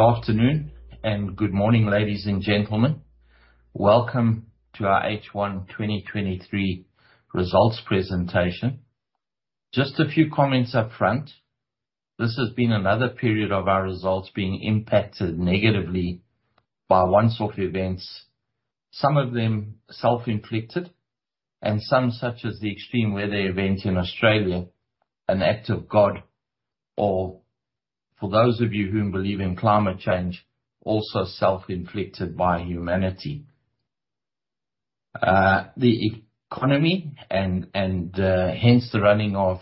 Good afternoon and good morning, ladies and gentlemen. Welcome to our H1 2023 results presentation. Just a few comments up front. This has been another period of our results being impacted negatively by once-off events, some of them self-inflicted, and some, such as the extreme weather event in Australia, an act of God, or for those of you who believe in climate change, also self-inflicted by humanity. The economy and hence the running of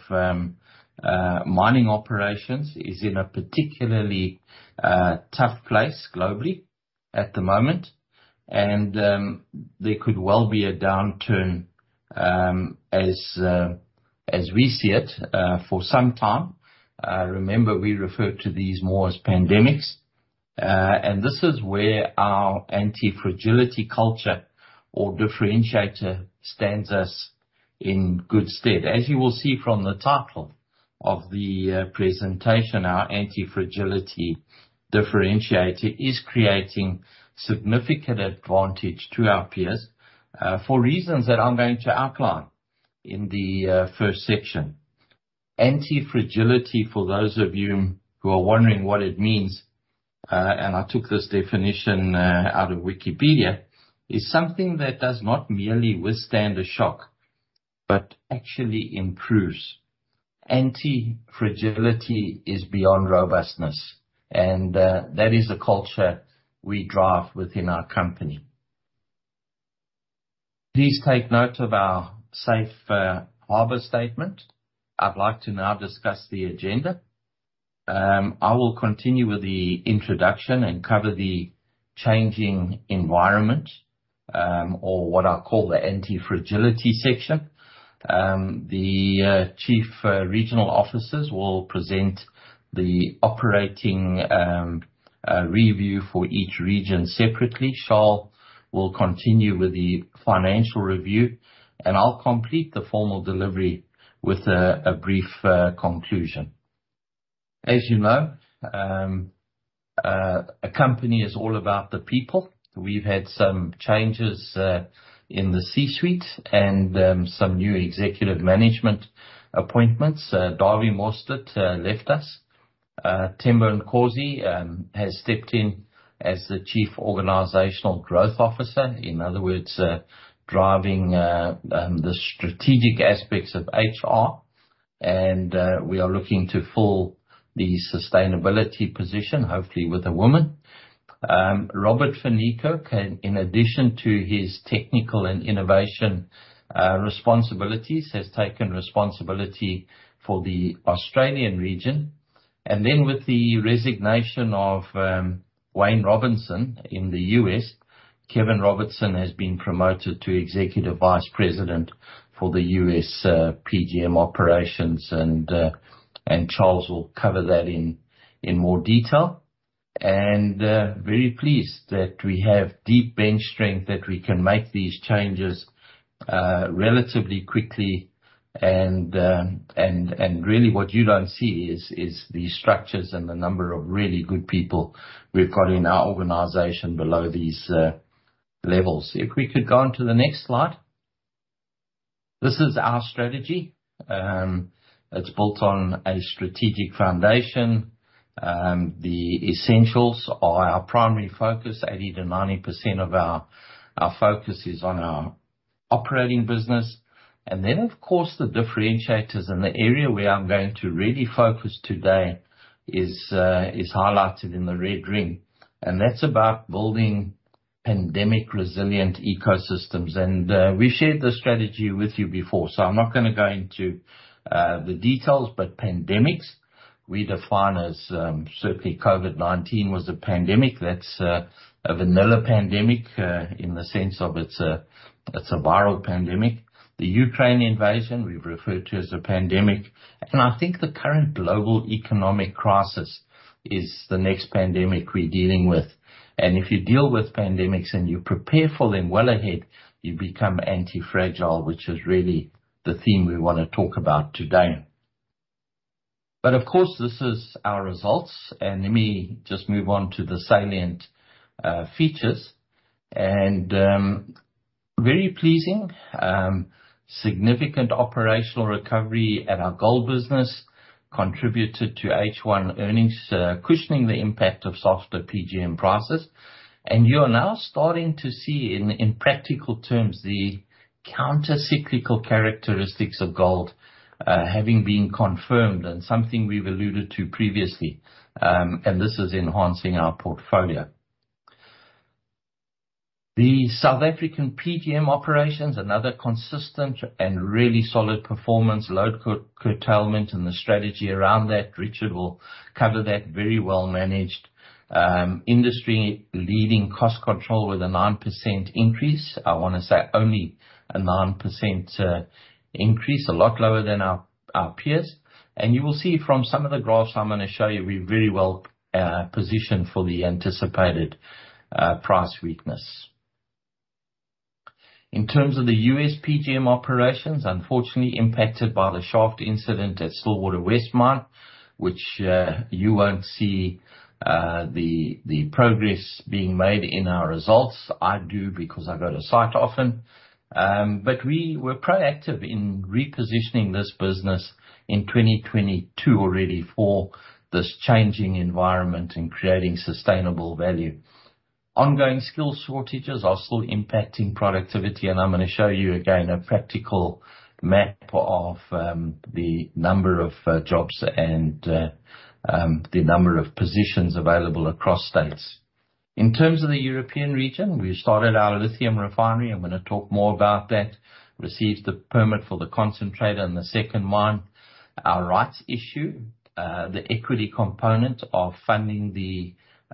mining operations is in a particularly tough place globally at the moment. There could well be a downturn, as we see it, for some time. Remember, we refer to these more as pandemics. This is where our anti-fragility culture or differentiator stands us in good stead. As you will see from the title of the presentation, our anti-fragility differentiator is creating significant advantage to our peers for reasons that I'm going to outline in the first section. Anti-fragility, for those of you who are wondering what it means, and I took this definition out of Wikipedia, is something that does not merely withstand a shock, but actually improves. Anti-fragility is beyond robustness, and that is the culture we drive within our company. Please take note of our safe harbor statement. I'd like to now discuss the agenda. I will continue with the introduction and cover the changing environment, or what I call the anti-fragility section. The chief regional officers will present the operating review for each region separately. Charles will continue with the financial review, and I'll complete the formal delivery with a brief conclusion. As you know, a company is all about the people. We've had some changes in the C-suite and some new executive management appointments. Dawie Mostert left us. Themba Nkosi has stepped in as the Chief Organizational Growth Officer. In other words, driving the strategic aspects of HR, and we are looking to fill the sustainability position, hopefully with a woman. Robert van Niekerk, in addition to his technical and innovation responsibilities, has taken responsibility for the Australian region. And then, with the resignation of Wayne Robinson in the US, Kevin Robertson has been promoted to Executive Vice President for the US PGM operations, and Charles will cover that in more detail. And, very pleased that we have deep bench strength, that we can make these changes, relatively quickly. And, really what you don't see is the structures and the number of really good people we've got in our organization below these, levels. If we could go on to the next slide. This is our strategy. It's built on a strategic foundation. The essentials are our primary focus. 80%-90% of our focus is on our operating business. And then, of course, the differentiators and the area where I'm going to really focus today is highlighted in the red ring, and that's about building pandemic resilient ecosystems. And, we've shared this strategy with you before, so I'm not going to go into the details. But pandemics, we define as... certainly COVID-19 was a pandemic. That's a vanilla pandemic in the sense of it's a, it's a viral pandemic. The Ukraine invasion, we've referred to as a pandemic, and I think the current global economic crisis is the next pandemic we're dealing with. And if you deal with pandemics and you prepare for them well ahead, you become anti-fragile, which is really the theme we want to talk about today. But of course, this is our results, and let me just move on to the salient features. And very pleasing, significant operational recovery at our gold business contributed to H1 earnings, cushioning the impact of softer PGM prices. You are now starting to see in practical terms the counter-cyclical characteristics of gold having been confirmed, and something we've alluded to previously, and this is enhancing our portfolio. The South African PGM operations, another consistent and really solid performance, load curtailment and the strategy around that, Richard will cover that. Very well-managed, industry-leading cost control with a 9% increase. I wan say only a 9% increase, a lot lower than our peers. And you will see from some of the graphs I'm going to show you, we're very well positioned for the anticipated price weakness. In terms of the U.S. PGM operations, unfortunately impacted by the shaft incident at Stillwater West Mine, which you won't see the progress being made in our results. I do, because I go to site often. But we were proactive in repositioning this business in 2022 already for this changing environment and creating sustainable value. Ongoing skill shortages are still impacting productivity, and I'm going to show you again a practical map of the number of jobs and the number of positions available across states. In terms of the European region, we started our lithium refinery. I'm going to talk more about that. Received the permit for the concentrator and the second mine. Our rights issue, the equity component of funding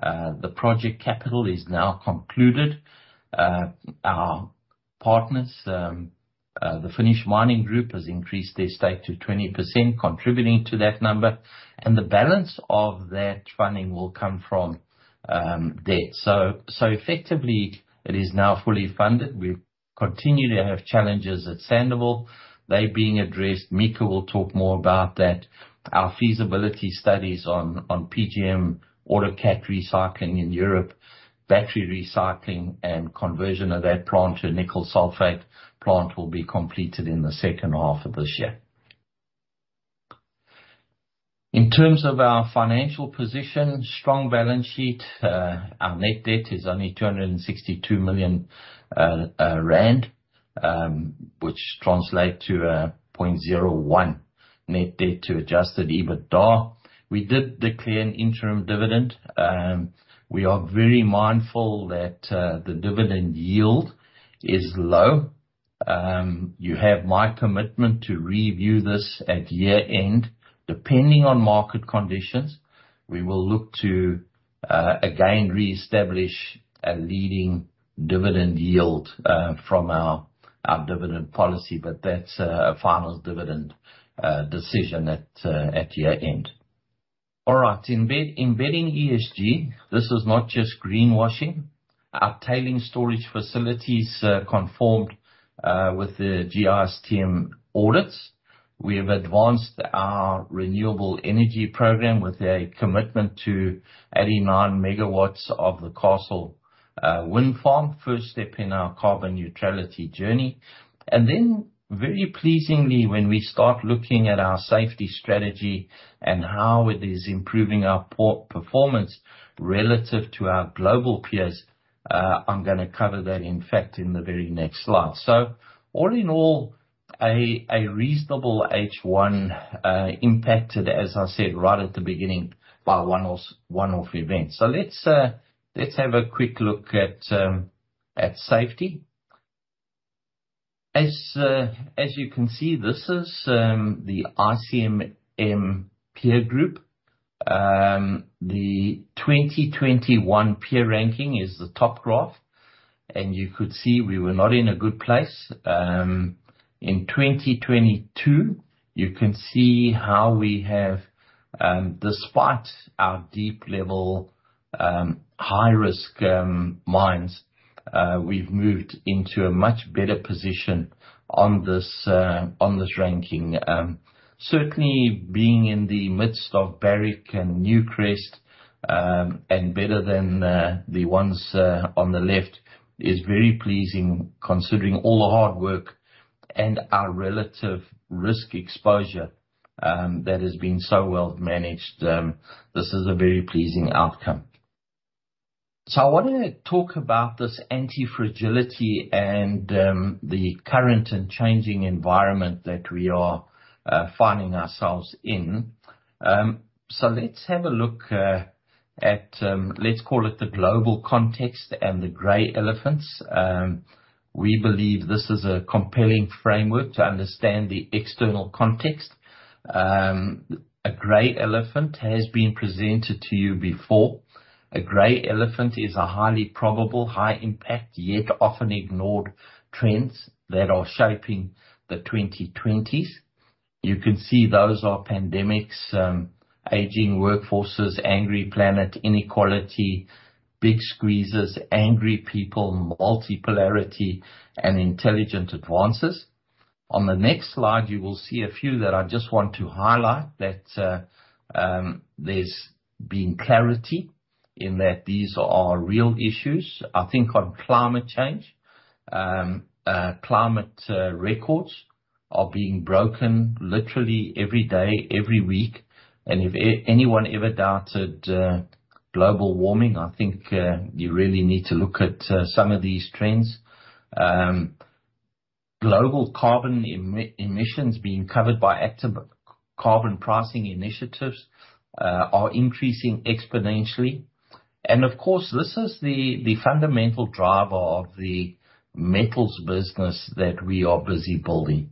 the project capital is now concluded. Our partners, the Finnish Minerals Group, has increased their stake to 20%, contributing to that number, and the balance of that funding will come from debt. So effectively, it is now fully funded. We continue to have challenges at Sandouville. They're being addressed. Mika will talk more about that. Our feasibility studies on PGM autocat recycling in Europe, battery recycling and conversion of that plant to a nickel sulfate plant will be completed in the second half of this year. In terms of our financial position, strong balance sheet. Our net debt is only 262 million rand, which translate to 0.01 net debt to adjusted EBITDA. We did declare an interim dividend. We are very mindful that the dividend yield is low. You have my commitment to review this at year end. Depending on market conditions, we will look to again reestablish a leading dividend yield from our dividend policy, but that's a final dividend decision at year end. All right, embedding ESG, this is not just greenwashing. Our tailings storage facilities conformed with the GISTM audits. We have advanced our renewable energy program with a commitment to adding nine megawatts of the Castle wind farm, first step in our carbon neutrality journey. And then, very pleasingly, when we start looking at our safety strategy and how it is improving our poor performance relative to our global peers, I'm going to cover that, in fact, in the very next slide. So all in all, a reasonable H1 impacted, as I said, right at the beginning, by one-off, one-off events. So let's have a quick look at safety. As you can see, this is the ICMM peer group. The 2021 peer ranking is the top graph, and you could see we were not in a good place. In 2022, you can see how we have, despite our deep level, high risk, mines, we've moved into a much better position on this, on this ranking. Certainly, being in the midst of Barrick and Newcrest, and better than, the ones, on the left, is very pleasing, considering all the hard work and our relative risk exposure, that has been so well managed. This is a very pleasing outcome. So I wanted to talk about this anti-fragility and, the current and changing environment that we are, finding ourselves in. So let's have a look, at, let's call it the global context and the gray elephants. We believe this is a compelling framework to understand the external context. A gray elephant has been presented to you before. A gray elephant is a highly probable, high impact, yet often ignored trends that are shaping the 2020s. You can see those are pandemics, aging workforces, angry planet, inequality, big squeezes, angry people, multipolarity, and intelligent advances. On the next slide, you will see a few that I just want to highlight that, there's been clarity in that these are real issues. I think on climate change, climate records are being broken literally every day, every week, and if anyone ever doubted, global warming, I think, you really need to look at, some of these trends. Global carbon emissions being covered by active carbon pricing initiatives, are increasing exponentially. And of course, this is the, the fundamental driver of the metals business that we are busy building.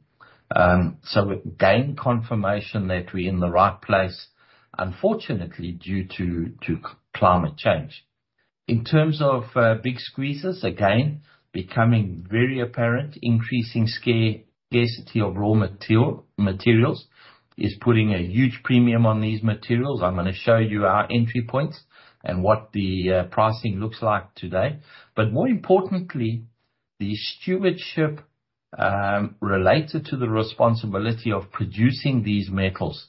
So we've gained confirmation that we're in the right place, unfortunately, due to climate change. In terms of big squeezes, again, becoming very apparent, increasing scarcity of raw materials is putting a huge premium on these materials. I'm going to show you our entry points and what the pricing looks like today. But more importantly, the stewardship related to the responsibility of producing these metals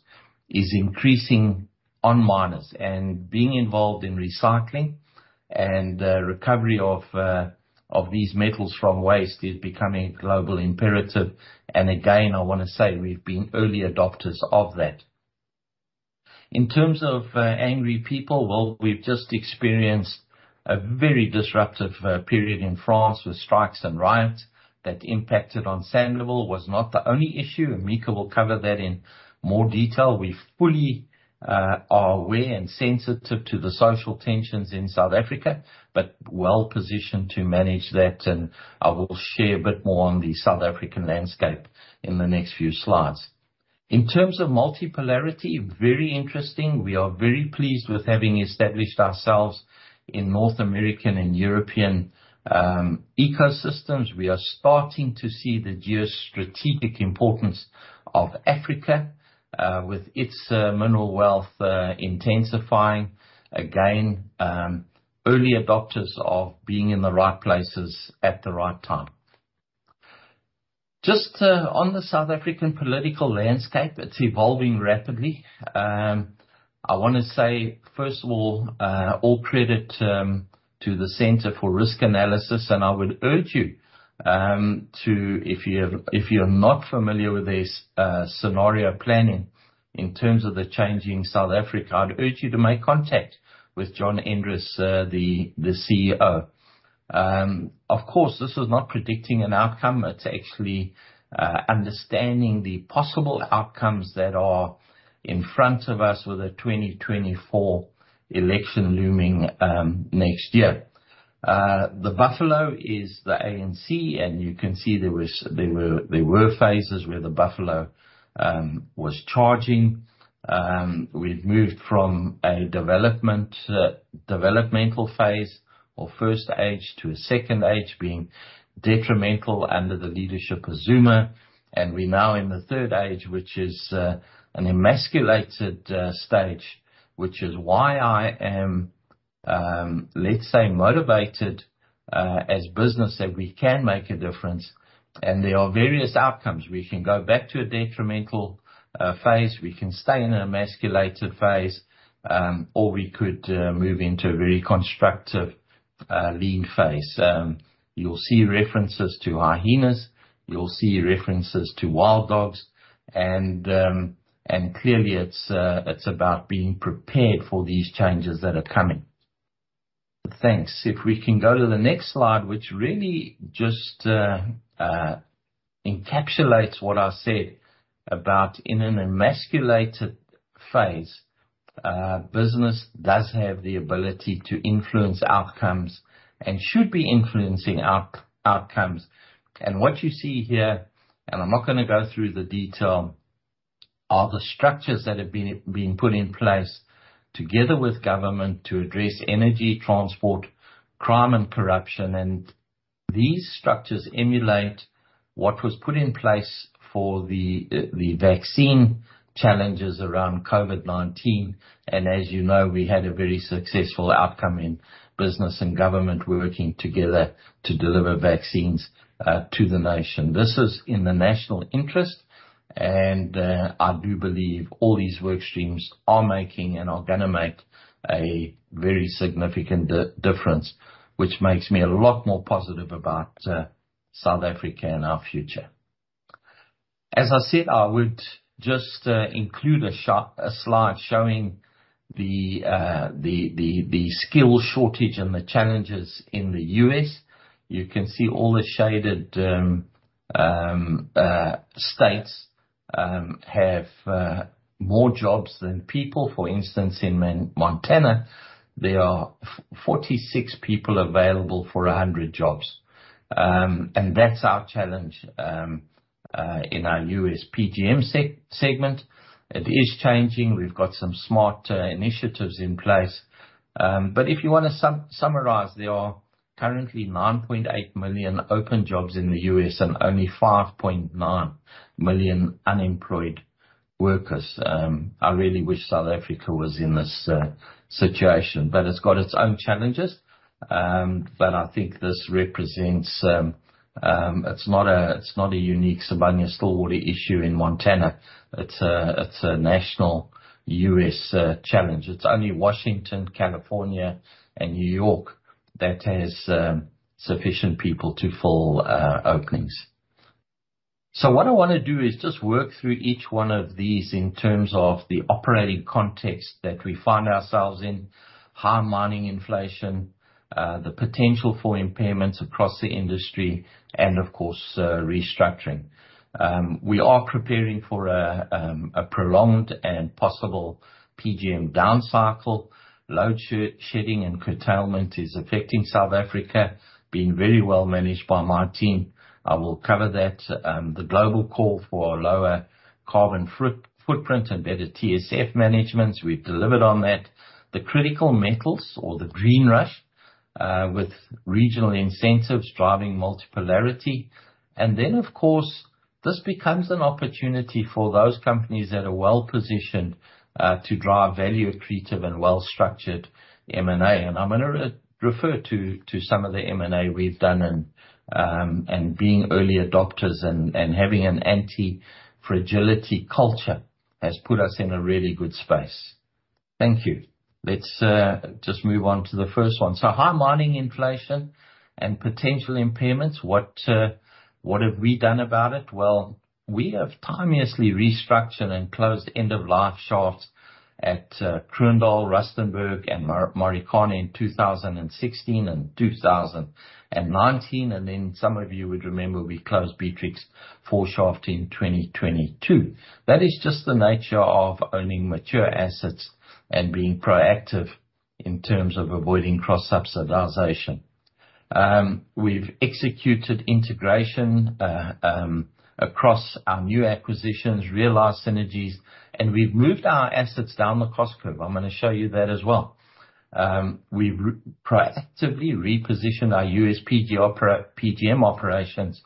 is increasing on miners, and being involved in recycling and recovery of these metals from waste is becoming a global imperative. And again, I want to say we've been early adopters of that. In terms of angry people, well, we've just experienced a very disruptive period in France with strikes and riots that impacted on Sandouville, was not the only issue, and Mika will cover that in more detail. We fully are aware and sensitive to the social tensions in South Africa, but well-positioned to manage that, and I will share a bit more on the South African landscape in the next few slides. In terms of multipolarity, very interesting. We are very pleased with having established ourselves in North American and European ecosystems. We are starting to see the geostrategic importance of Africa with its mineral wealth intensifying. Again, early adopters of being in the right places at the right time. Just on the South African political landscape, it's evolving rapidly. I want to say, first of all, all credit to the Center for Risk Analysis, and I would urge you to... If you're not familiar with this scenario planning in terms of the changing South Africa, I'd urge you to make contact with John Endres, the CEO. Of course, this is not predicting an outcome. It's actually understanding the possible outcomes that are in front of us with the 2024 election looming next year. The buffalo is the ANC, and you can see there were phases where the buffalo was charging. We've moved from a developmental phase or first age to a second age, being detrimental under the leadership of Zuma. And we're now in the third age, which is an emasculated stage, which is why I am, let's say, motivated as business, that we can make a difference. And there are various outcomes. We can go back to a detrimental phase, we can stay in an emasculated phase, or we could move into a very constructive lean phase. You'll see references to hyenas, you'll see references to wild dogs, and clearly, it's about being prepared for these changes that are coming. Thanks. If we can go to the next slide, which really just encapsulates what I said about in an emasculated phase, business does have the ability to influence outcomes and should be influencing outcomes. And what you see here, and I'm not going to go through the detail, are the structures that have been put in place together with government to address energy, transport, crime, and corruption. And these structures emulate what was put in place for the vaccine challenges around COVID-19. And as you know, we had a very successful outcome in business and government working together to deliver vaccines to the nation. This is in the national interest, and I do believe all these work streams are making and are going to make a very significant difference, which makes me a lot more positive about South Africa and our future. As I said, I would just include a slide showing the skill shortage and the challenges in the U.S. You can see all the shaded states have more jobs than people. For instance, in Montana, there are 46 people available for 100 jobs. And that's our challenge in our U.S. PGM segment. It is changing. We've got some smart initiatives in place. But if you want to summarize, there are currently 9.8 million open jobs in the U.S. and only 5.9 million unemployed workers. I really wish South Africa was in this situation, but it's got its own challenges. But I think this represents, it's not a unique Sibanye-Stillwater issue in Montana. It's a national U.S. challenge. It's only Washington, California, and New York that has sufficient people to fill openings. So what I want to do is just work through each one of these in terms of the operating context that we find ourselves in, high mining inflation, the potential for impairments across the industry, and of course, restructuring. We are preparing for a prolonged and possible PGM downcycle. Load shedding and curtailment is affecting South Africa, being very well managed by my team. I will cover that. The global call for a lower carbon footprint and better TSF management, we've delivered on that. The critical metals or the green rush with regional incentives driving multipolarity. And then, of course, this becomes an opportunity for those companies that are well-positioned to drive value-accretive and well-structured M&A. And I'm going to refer to some of the M&A we've done and being early adopters and having an anti-fragility culture has put us in a really good space. Thank you. Let's just move on to the first one. So high mining inflation and potential impairments, what have we done about it? Well, we have timeously restructured and closed end-of-life shafts at Kroondal, Rustenburg, and Marikana in 2016 and 2019. Then some of you would remember, we closed Beatrix 4 shaft in 2022. That is just the nature of owning mature assets and being proactive in terms of avoiding cross-subsidization. We've executed integration across our new acquisitions, realized synergies, and we've moved our assets down the cost curve. I'm going to show you that as well. We've proactively repositioned our US PGM operations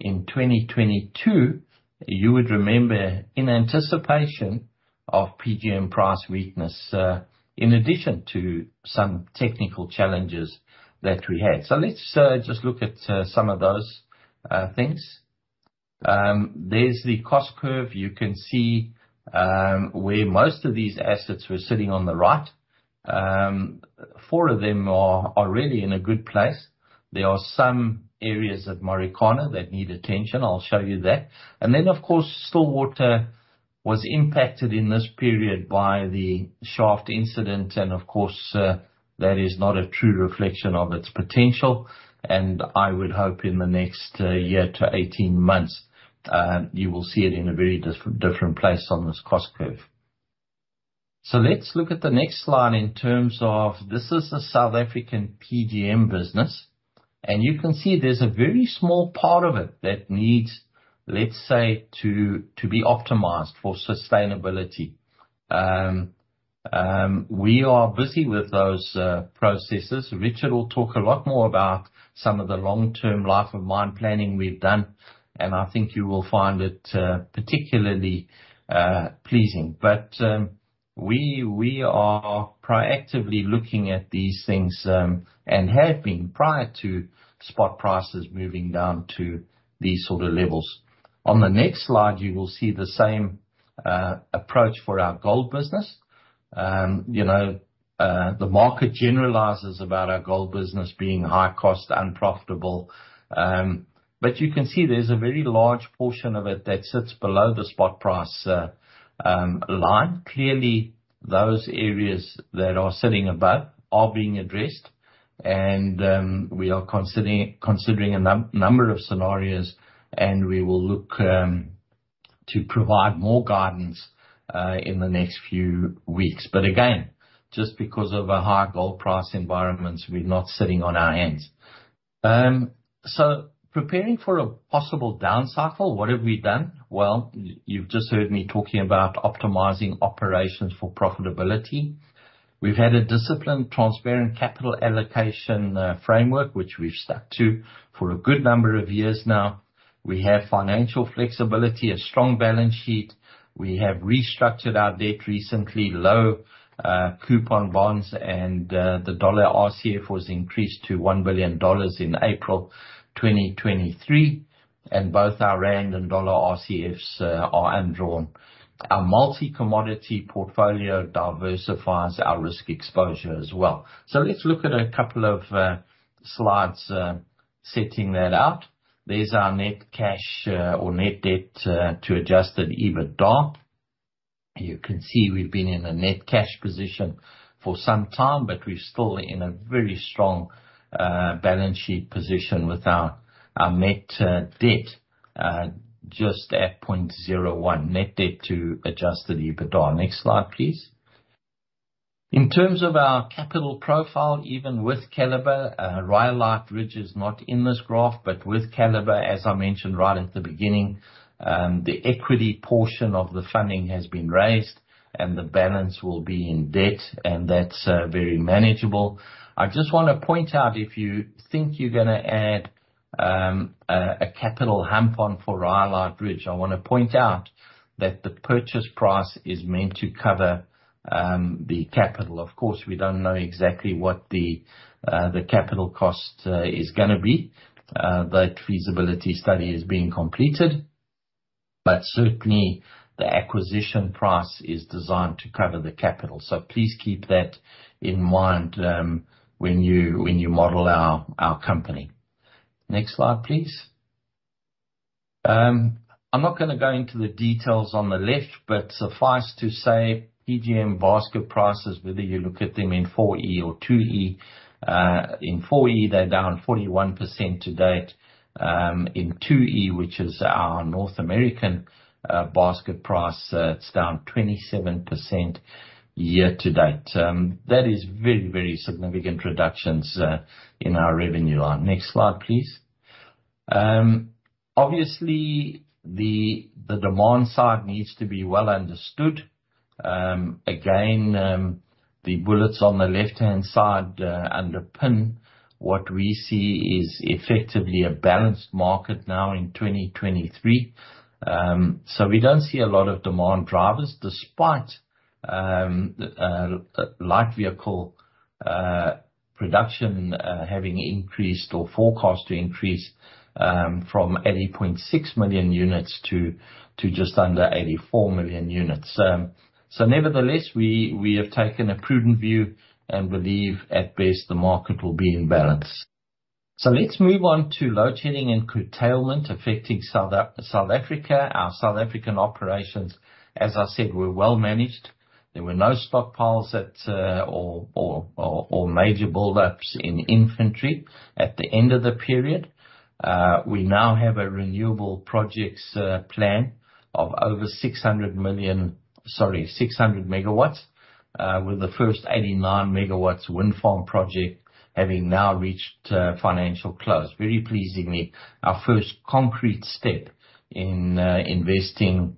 in 2022. You would remember, in anticipation of PGM price weakness, in addition to some technical challenges that we had. So let's just look at some of those things. There's the cost curve. You can see where most of these assets were sitting on the right. Four of them are really in a good place. There are some areas at Marikana that need attention. I'll show you that. And then, of course, Stillwater was impacted in this period by the shaft incident, and of course, that is not a true reflection of its potential, and I would hope in the next year to 18 months, you will see it in a very different place on this cost curve. So let's look at the next slide in terms of, this is a South African PGM business, and you can see there's a very small part of it that needs, let's say, to be optimized for sustainability. We are busy with those processes. Richard will talk a lot more about some of the long-term life of mine planning we've done, and I think you will find it particularly pleasing. But we are proactively looking at these things and have been prior to spot prices moving down to these sort of levels. On the next slide, you will see the same approach for our gold business. You know, the market generalizes about our gold business being high cost, unprofitable, but you can see there's a very large portion of it that sits below the spot price line. Clearly, those areas that are sitting above are being addressed, and we are considering a number of scenarios, and we will look to provide more guidance in the next few weeks. But again, just because of a high gold price environment, we're not sitting on our hands. So preparing for a possible downcycle, what have we done? Well, you've just heard me talking about optimizing operations for profitability. We've had a disciplined, transparent capital allocation framework, which we've stuck to for a good number of years now. We have financial flexibility, a strong balance sheet. We have restructured our debt recently, low coupon bonds, and the dollar RCF was increased to $1 billion in April 2023, and both our rand and dollar RCFs are undrawn. Our multi-commodity portfolio diversifies our risk exposure as well. So let's look at a couple of slides setting that out. There's our net cash or net debt to adjusted EBITDA. You can see we've been in a net cash position for some time, but we're still in a very strong balance sheet position with our net debt just at 0.01 net debt to Adjusted EBITDA. Next slide, please. In terms of our capital profile, even with Keliber, Rhyolite Ridge is not in this graph, but with Keliber, as I mentioned right at the beginning, the equity portion of the funding has been raised and the balance will be in debt, and that's very manageable. I just want to point out, if you think you're going to add a capital hump on for Rhyolite Ridge, I want to point out that the purchase price is meant to cover the capital. Of course, we don't know exactly what the capital cost is going to be. That feasibility study is being completed, but certainly, the acquisition price is designed to cover the capital. So please keep that in mind, when you model our company. Next slide, please. I'm not going to go into the details on the left, but suffice to say, PGM basket prices, whether you look at them in four E or two E, in four E, they're down 41% to date. In two E, which is our North American basket price, it's down 27% year to date. That is very, very significant reductions in our revenue line. Next slide, please. Obviously, the demand side needs to be well understood. Again, the bullets on the left-hand side underpin what we see is effectively a balanced market now in 2023. So we don't see a lot of demand drivers despite light vehicle production having increased or forecast to increase from 80.6 million units to just under 84 million units. Nevertheless, we have taken a prudent view and believe at best, the market will be in balance. Let's move on to load shedding and curtailment affecting South Africa. Our South African operations, as I said, were well managed. There were no stockpiles at or major buildups in inventory at the end of the period. We now have a renewable projects plan of over 600 megawatts with the first 89 megawatts wind farm project having now reached financial close. Very pleasingly, our first concrete step in investing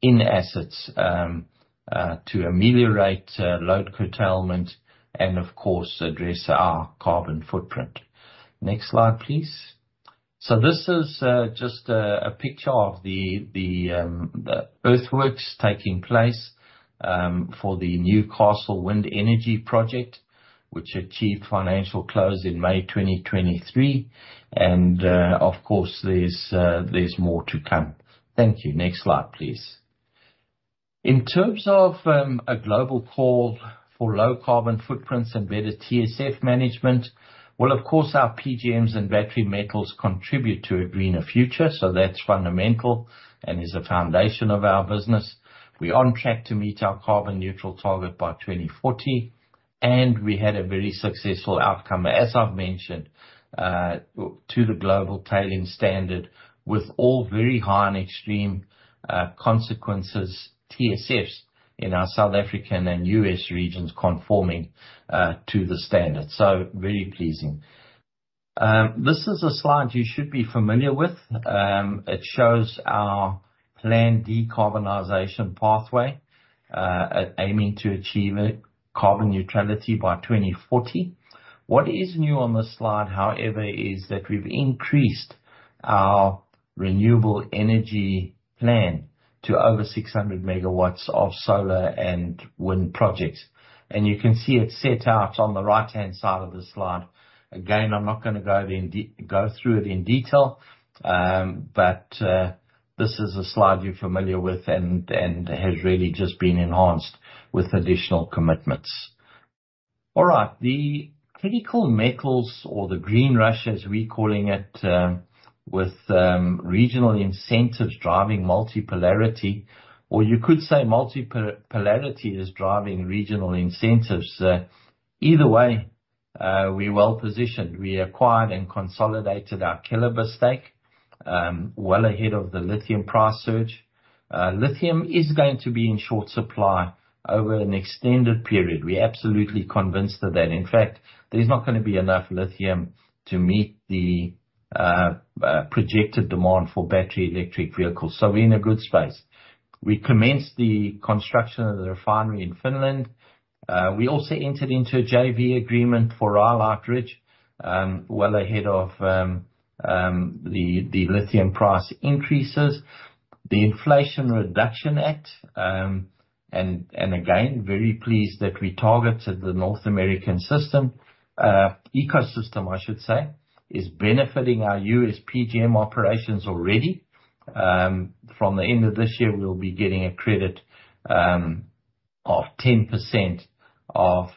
in assets to ameliorate load curtailment and of course, address our carbon footprint. Next slide, please. So this is just a picture of the earthworks taking place for the Newcastle Wind Energy Project, which achieved financial close in May 2023, and of course, there's more to come. Thank you. Next slide, please. In terms of a global call for low carbon footprints and better TSF management, well, of course, our PGMs and battery metals contribute to a greener future, so that's fundamental and is a foundation of our business. We're on track to meet our carbon neutral target by 2040, and we had a very successful outcome, as I've mentioned, to the global tailings standard, with all very high and extreme consequences, TSFs in our South African and U.S. regions conforming to the standard. So very pleasing. This is a slide you should be familiar with. It shows our planned decarbonization pathway, aiming to achieve carbon neutrality by 2040. What is new on this slide, however, is that we've increased our renewable energy plan to over 600 megawatts of solar and wind projects. You can see it set out on the right-hand side of the slide. Again, I'm not going to go through it in detail, but this is a slide you're familiar with and has really just been enhanced with additional commitments. All right, the critical metals or the green rush, as we're calling it, with regional incentives driving multipolarity, or you could say multipolarity is driving regional incentives. Either way, we're well positioned. We acquired and consolidated our Keliber stake, well ahead of the lithium price surge. Lithium is going to be in short supply over an extended period. We're absolutely convinced of that. In fact, there is not going to be enough lithium to meet the projected demand for battery electric vehicles, so we're in a good space. We commenced the construction of the refinery in Finland. We also entered into a JV agreement for Rhyolite Ridge, well ahead of the lithium price increases. The Inflation Reduction Act, and again, very pleased that we targeted the North American system, ecosystem, I should say, is benefiting our U.S. PGM operations already. From the end of this year, we'll be getting a credit, of 10% of,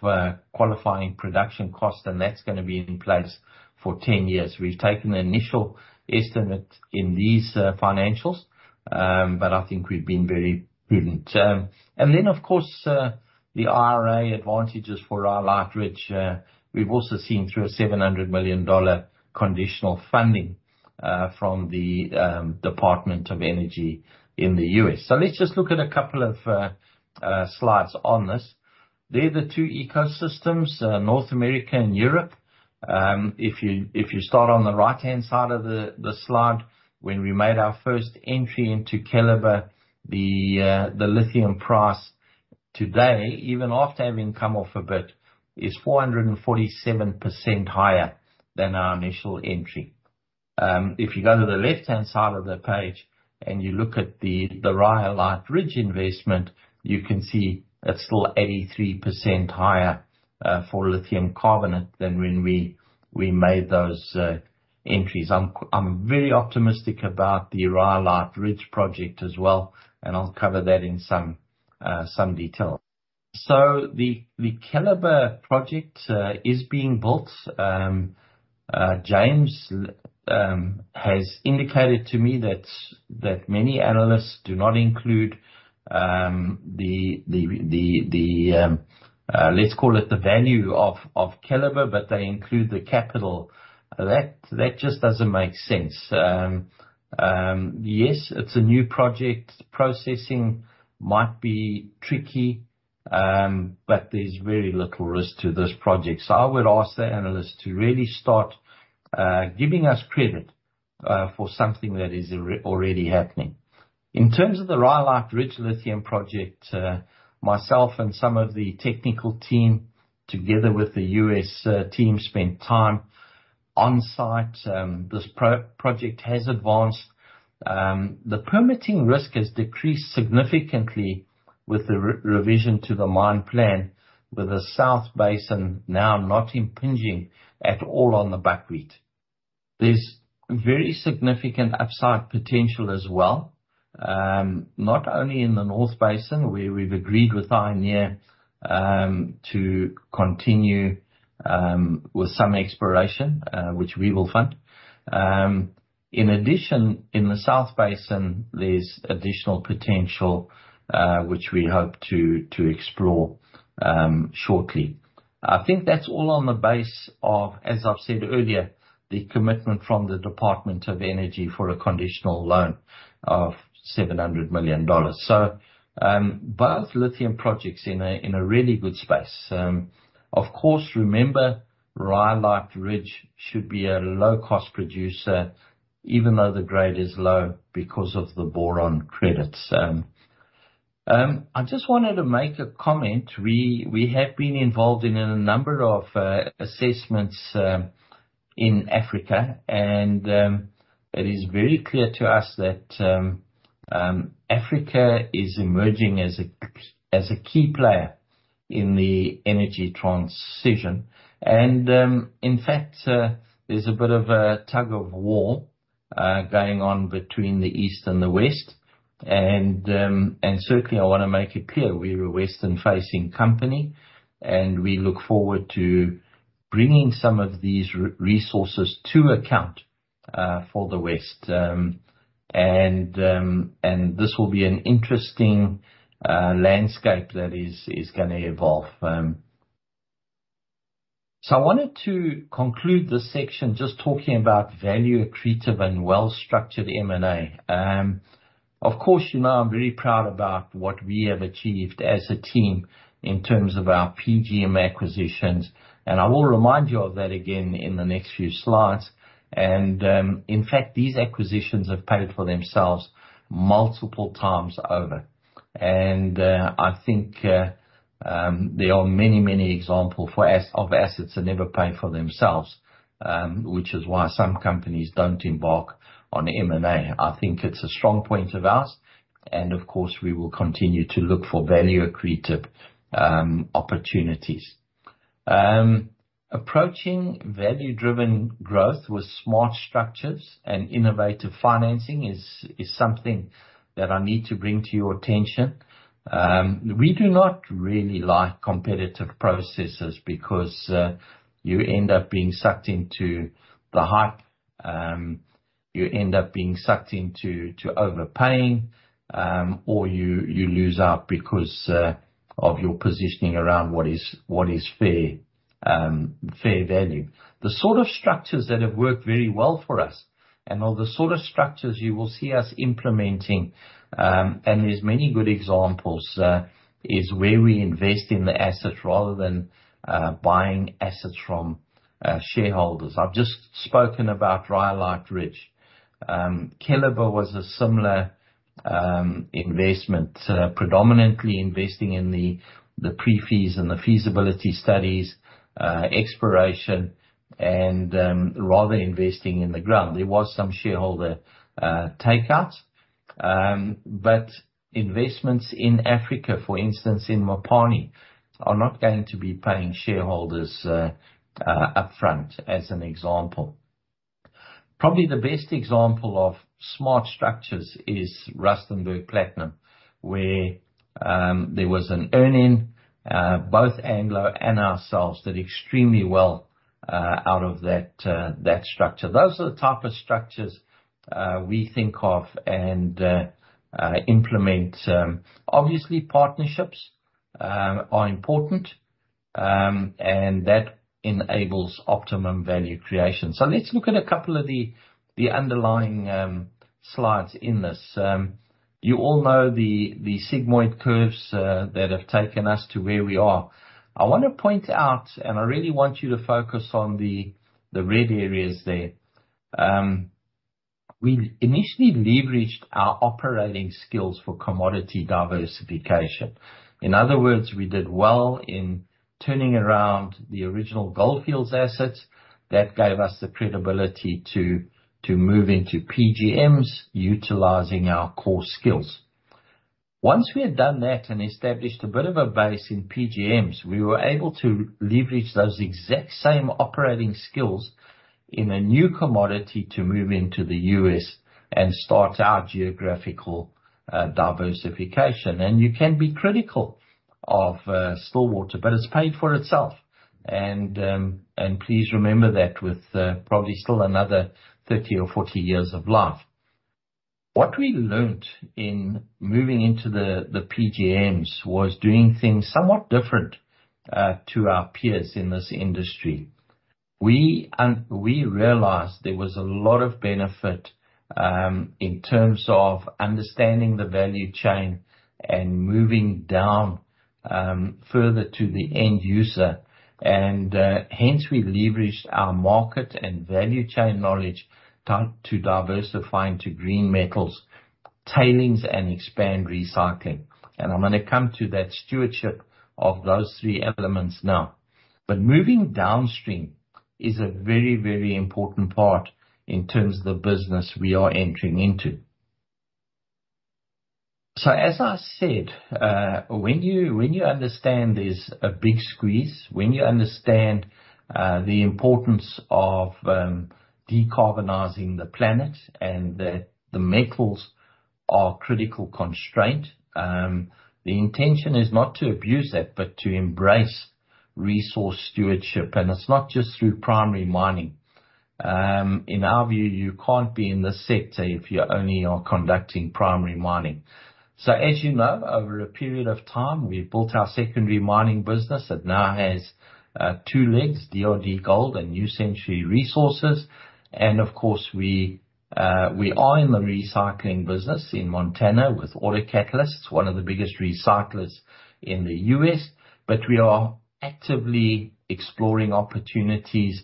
qualifying production costs, and that's going to be in place for 10 years. We've taken the initial estimate in these, financials, but I think we've been very prudent. And then, of course, the IRA advantages for Rhyolite Ridge, we've also seen through a $700 million conditional funding, from the, Department of Energy in the U.S. So let's just look at a couple of, slides on this. They're the two ecosystems, North America and Europe. If you start on the right-hand side of the slide, when we made our first entry into Keliber, the lithium price today, even after having come off a bit, is 447% higher than our initial entry. If you go to the left-hand side of the page and you look at the Rhyolite Ridge investment, you can see it's still 83% higher for lithium carbonate than when we made those entries. I'm very optimistic about the Rhyolite Ridge project as well, and I'll cover that in some detail. So the Keliber project is being built. James has indicated to me that many analysts do not include the value of Keliber, but they include the capital. That just doesn't make sense. Yes, it's a new project. Processing might be tricky, but there's very little risk to this project. So I would ask the analysts to really start giving us credit for something that is already happening. In terms of the Rhyolite Ridge Lithium project, myself and some of the technical team, together with the US team, spent time on site. This project has advanced. The permitting risk has decreased significantly with the revision to the mine plan, with the South Basin now not impinging at all on the buckwheat. There's very significant upside potential as well, not only in the North Basin, where we've agreed with Ioneer to continue with some exploration, which we will fund. In addition, in the South Basin, there's additional potential, which we hope to explore shortly. I think that's all on the basis of, as I've said earlier, the commitment from the Department of Energy for a conditional loan of $700 million. So, both lithium projects in a really good space. Of course, remember, Rhyolite Ridge should be a low-cost producer, even though the grade is low because of the boron credits. I just wanted to make a comment. We have been involved in a number of assessments in Africa, and it is very clear to us that Africa is emerging as a key player in the energy transition. And certainly I want to make it clear, we're a western-facing company, and we look forward to bringing some of these resources to account for the West. This will be an interesting landscape that is going to evolve. So I wanted to conclude this section just talking about value-accretive and well-structured M&A. Of course, you know, I'm very proud about what we have achieved as a team in terms of our PGM acquisitions, and I will remind you of that again in the next few slides. In fact, these acquisitions have paid for themselves multiple times over. I think there are many, many examples of assets that never pay for themselves, which is why some companies don't embark on M&A. I think it's a strong point of ours, and of course, we will continue to look for value-accretive opportunities. Approaching value-driven growth with smart structures and innovative financing is something that I need to bring to your attention. We do not really like competitive processes because you end up being sucked into the hype. You end up being sucked into overpaying, or you lose out because of your positioning around what is fair value. The sort of structures that have worked very well for us, and are the sort of structures you will see us implementing, and there's many good examples is where we invest in the asset rather than buying assets from shareholders. I've just spoken about Rhyolite Ridge. Keliber was a similar investment, predominantly investing in the pre-fees and the feasibility studies, exploration, and rather investing in the ground. There was some shareholder takeouts, but investments in Africa, for instance, in Mopani, are not going to be paying shareholders upfront, as an example. Probably the best example of smart structures is Rustenburg Platinum, where there was an earn-in. Both Anglo and ourselves did extremely well out of that structure. Those are the type of structures we think of and implement. Obviously, partnerships are important, and that enables optimum value creation. So let's look at a couple of the underlying slides in this. You all know the sigmoid curves that have taken us to where we are. I want to point out, and I really want you to focus on the red areas there. We initially leveraged our operating skills for commodity diversification. In other words, we did well in turning around the original Gold Fields assets. That gave us the credibility to move into PGMs, utilizing our core skills... Once we had done that and established a bit of a base in PGMs, we were able to leverage those exact same operating skills in a new commodity to move into the U.S. and start our geographical diversification. And you can be critical of Stillwater, but it's paid for itself. And please remember that with probably still another 30 or 40 years of life. What we learned in moving into the PGMs was doing things somewhat different to our peers in this industry. We realized there was a lot of benefit in terms of understanding the value chain and moving down further to the end user. Hence we leveraged our market and value chain knowledge to diversify into green metals, tailings and expand recycling. I'm going to come to that stewardship of those three elements now. But moving downstream is a very, very important part in terms of the business we are entering into. So as I said, when you understand there's a big squeeze, when you understand the importance of decarbonizing the planet and that the metals are critical constraint, the intention is not to abuse that, but to embrace resource stewardship, and it's not just through primary mining. In our view, you can't be in this sector if you only are conducting primary mining. So as you know, over a period of time, we've built our secondary mining business that now has two legs, DRDGOLD and New Century Resources. Of course, we are in the recycling business in Montana with auto catalysts, one of the biggest recyclers in the U.S. But we are actively exploring opportunities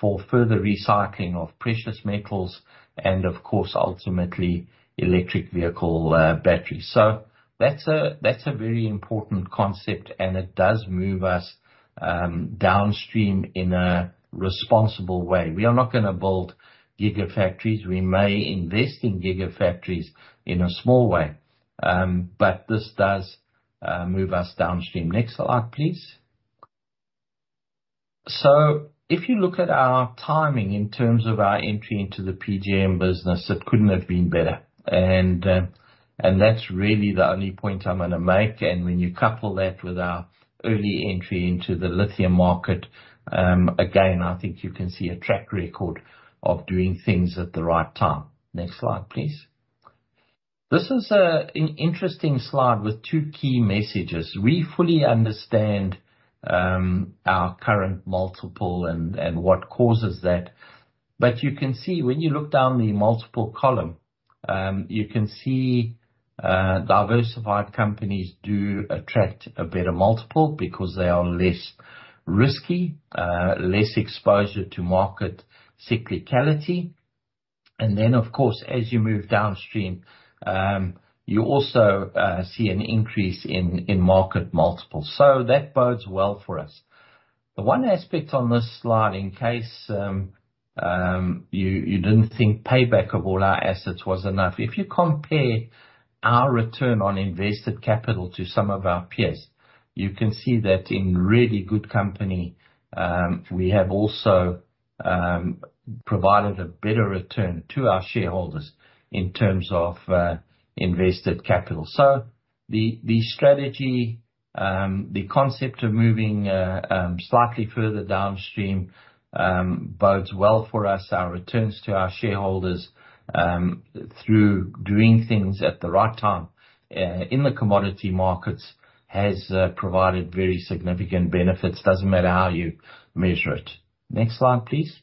for further recycling of precious metals and of course, ultimately electric vehicle batteries. So that's a very important concept, and it does move us downstream in a responsible way. We are not going to build gigafactories. We may invest in gigafactories in a small way, but this does move us downstream. Next slide, please. So if you look at our timing in terms of our entry into the PGM business, it couldn't have been better. And that's really the only point I'm going to make. And when you couple that with our early entry into the lithium market, again, I think you can see a track record of doing things at the right time. Next slide, please. This is an interesting slide with two key messages. We fully understand our current multiple and what causes that, but you can see when you look down the multiple column, you can see diversified companies do attract a better multiple because they are less risky, less exposure to market cyclicality. And then, of course, as you move downstream, you also see an increase in market multiples. So that bodes well for us. The one aspect on this slide, in case you didn't think payback of all our assets was enough, if you compare our return on invested capital to some of our peers, you can see that in really good company, we have also provided a better return to our shareholders in terms of invested capital. So the strategy, the concept of moving slightly further downstream, bodes well for us. Our returns to our shareholders, through doing things at the right time in the commodity markets, has provided very significant benefits. Doesn't matter how you measure it. Next slide, please.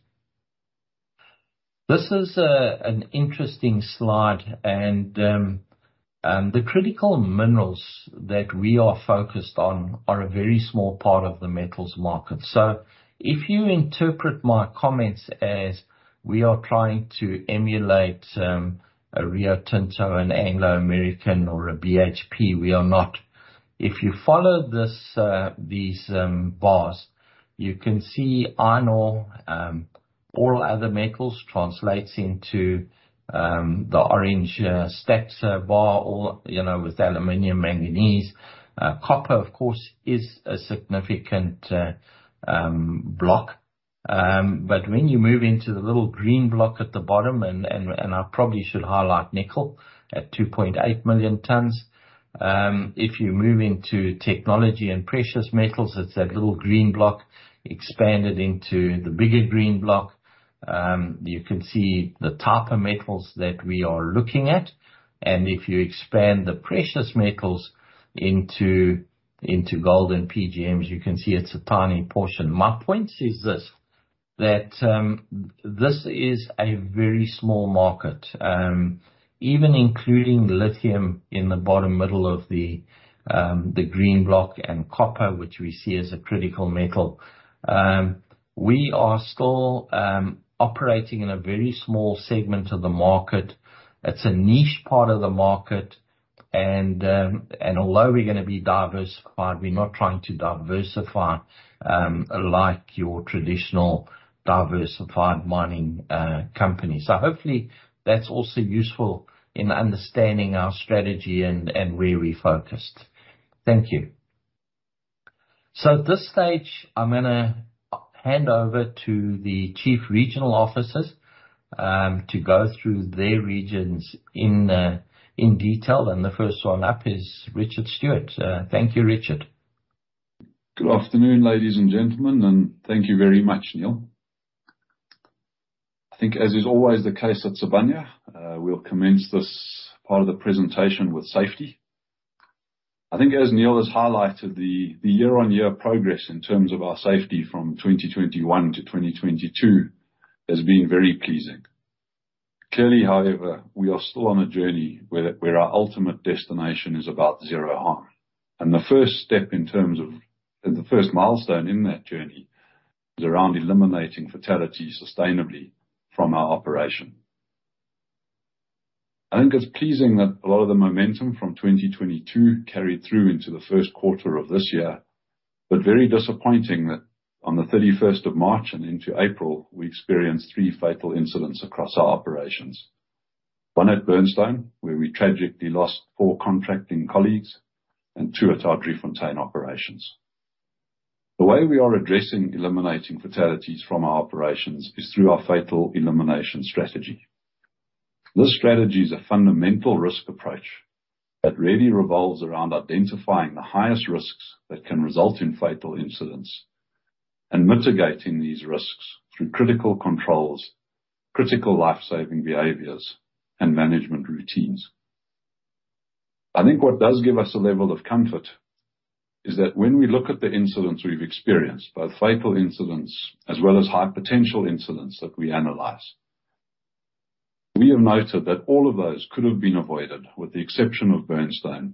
This is an interesting slide, and the critical minerals that we are focused on are a very small part of the metals market. So if you interpret my comments as we are trying to emulate, a Rio Tinto, an Anglo American or a BHP, we are not. If you follow this, these bars, you can see iron ore, all other metals translates into, the orange stacks bar or, you know, with aluminum, manganese. Copper, of course, is a significant block. But when you move into the little green block at the bottom, and, and, and I probably should highlight nickel at 2.8 million tons. If you move into technology and precious metals, it's that little green block expanded into the bigger green block. You can see the type of metals that we are looking at, and if you expand the precious metals into, into gold and PGMs, you can see it's a tiny portion. My point is this, that, this is a very small market. Even including lithium in the bottom middle of the, the green block, and copper, which we see as a critical metal, we are still, operating in a very small segment of the market. It's a niche part of the market, and, and although we're going to be diversified, we're not trying to diversify, like your traditional diversified mining, company. So hopefully that's also useful in understanding our strategy and, and where we're focused. Thank you. So at this stage, I'm going to hand over to the chief regional officers, to go through their regions in, in detail, and the first one up is Richard Stewart. Thank you, Richard. Good afternoon, ladies and gentlemen, and thank you very much, Neil. I think, as is always the case at Sibanye, we'll commence this part of the presentation with safety. I think, as Neil has highlighted, the year-on-year progress in terms of our safety from 2021 to 2022 has been very pleasing. Clearly, however, we are still on a journey where our ultimate destination is about zero harm, and the first step in terms of, and the first milestone in that journey, is around eliminating fatalities sustainably from our operation. I think it's pleasing that a lot of the momentum from 2022 carried through into the first quarter of this year, but very disappointing that on the 31st of March and into April, we experienced three fatal incidents across our operations. One at Burnstone, where we tragically lost 4 contracting colleagues, and 2 at our Driefontein operations. The way we are addressing eliminating fatalities from our operations is through our fatal elimination strategy. This strategy is a fundamental risk approach that really revolves around identifying the highest risks that can result in fatal incidents, and mitigating these risks through critical controls, critical life-saving behaviors, and management routines. I think what does give us a level of comfort is that when we look at the incidents we've experienced, both fatal incidents as well as high potential incidents that we analyze, we have noted that all of those could have been avoided, with the exception of Burnstone,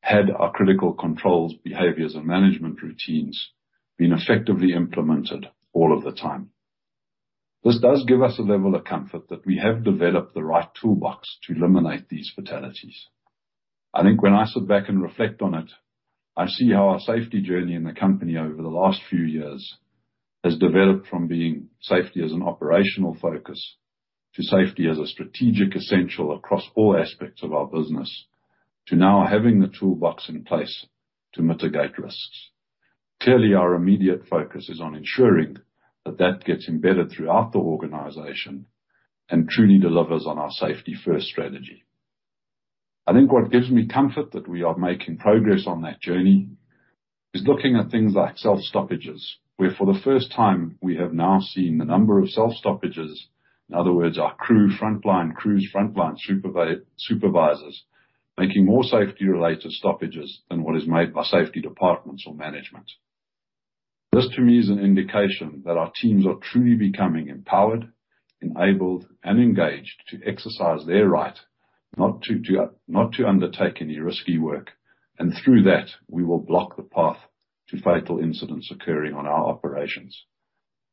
had our critical controls, behaviors, and management routines been effectively implemented all of the time. This does give us a level of comfort that we have developed the right toolbox to eliminate these fatalities. I think when I sit back and reflect on it, I see how our safety journey in the company over the last few years has developed from being safety as an operational focus to safety as a strategic essential across all aspects of our business, to now having the toolbox in place to mitigate risks. Clearly, our immediate focus is on ensuring that that gets embedded throughout the organization and truly delivers on our safety-first strategy. I think what gives me comfort that we are making progress on that journey is looking at things like self-stoppages, where for the first time, we have now seen the number of self-stoppages, in other words, our crew, frontline crews, frontline supervisors, making more safety-related stoppages than what is made by safety departments or management. This, to me, is an indication that our teams are truly becoming empowered, enabled, and engaged to exercise their right not to undertake any risky work, and through that, we will block the path to fatal incidents occurring on our operations.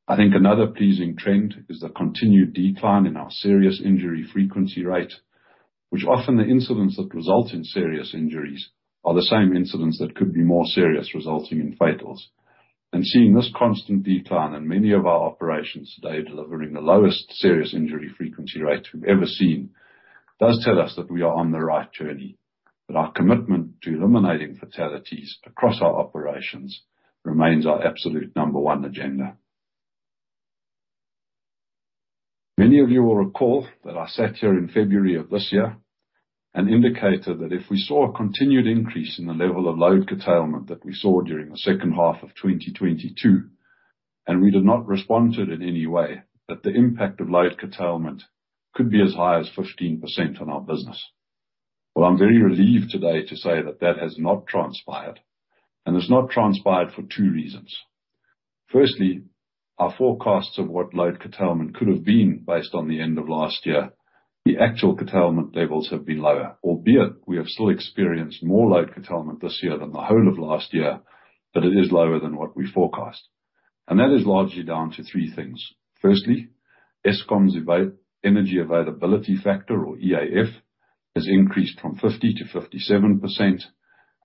I think another pleasing trend is the continued decline in our serious injury frequency rate, which often the incidents that result in serious injuries are the same incidents that could be more serious, resulting in fatals. Seeing this constant decline in many of our operations today, delivering the lowest serious injury frequency rate we've ever seen, does tell us that we are on the right journey, that our commitment to eliminating fatalities across our operations remains our absolute number one agenda. Many of you will recall that I sat here in February of this year and indicated that if we saw a continued increase in the level of load curtailment that we saw during the second half of 2022, and we did not respond to it in any way, that the impact of load curtailment could be as high as 15% on our business. Well, I'm very relieved today to say that that has not transpired, and it's not transpired for 2 reasons. Firstly, our forecasts of what load curtailment could have been based on the end of last year, the actual curtailment levels have been lower, albeit we have still experienced more load curtailment this year than the whole of last year, but it is lower than what we forecast. That is largely down to 3 things. Firstly, Eskom's energy availability factor, or EAF, has increased from 50%-57%,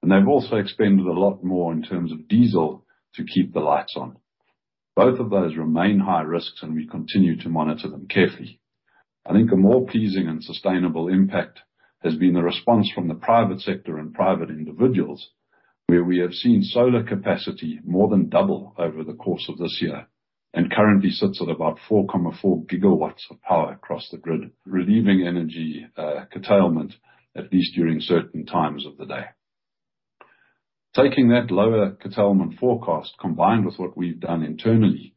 and they've also expended a lot more in terms of diesel to keep the lights on. Both of those remain high risks, and we continue to monitor them carefully. I think a more pleasing and sustainable impact has been the response from the private sector and private individuals, where we have seen solar capacity more than double over the course of this year, and currently sits at about 4.4 gigawatts of power across the grid, relieving energy curtailment, at least during certain times of the day. Taking that lower curtailment forecast, combined with what we've done internally,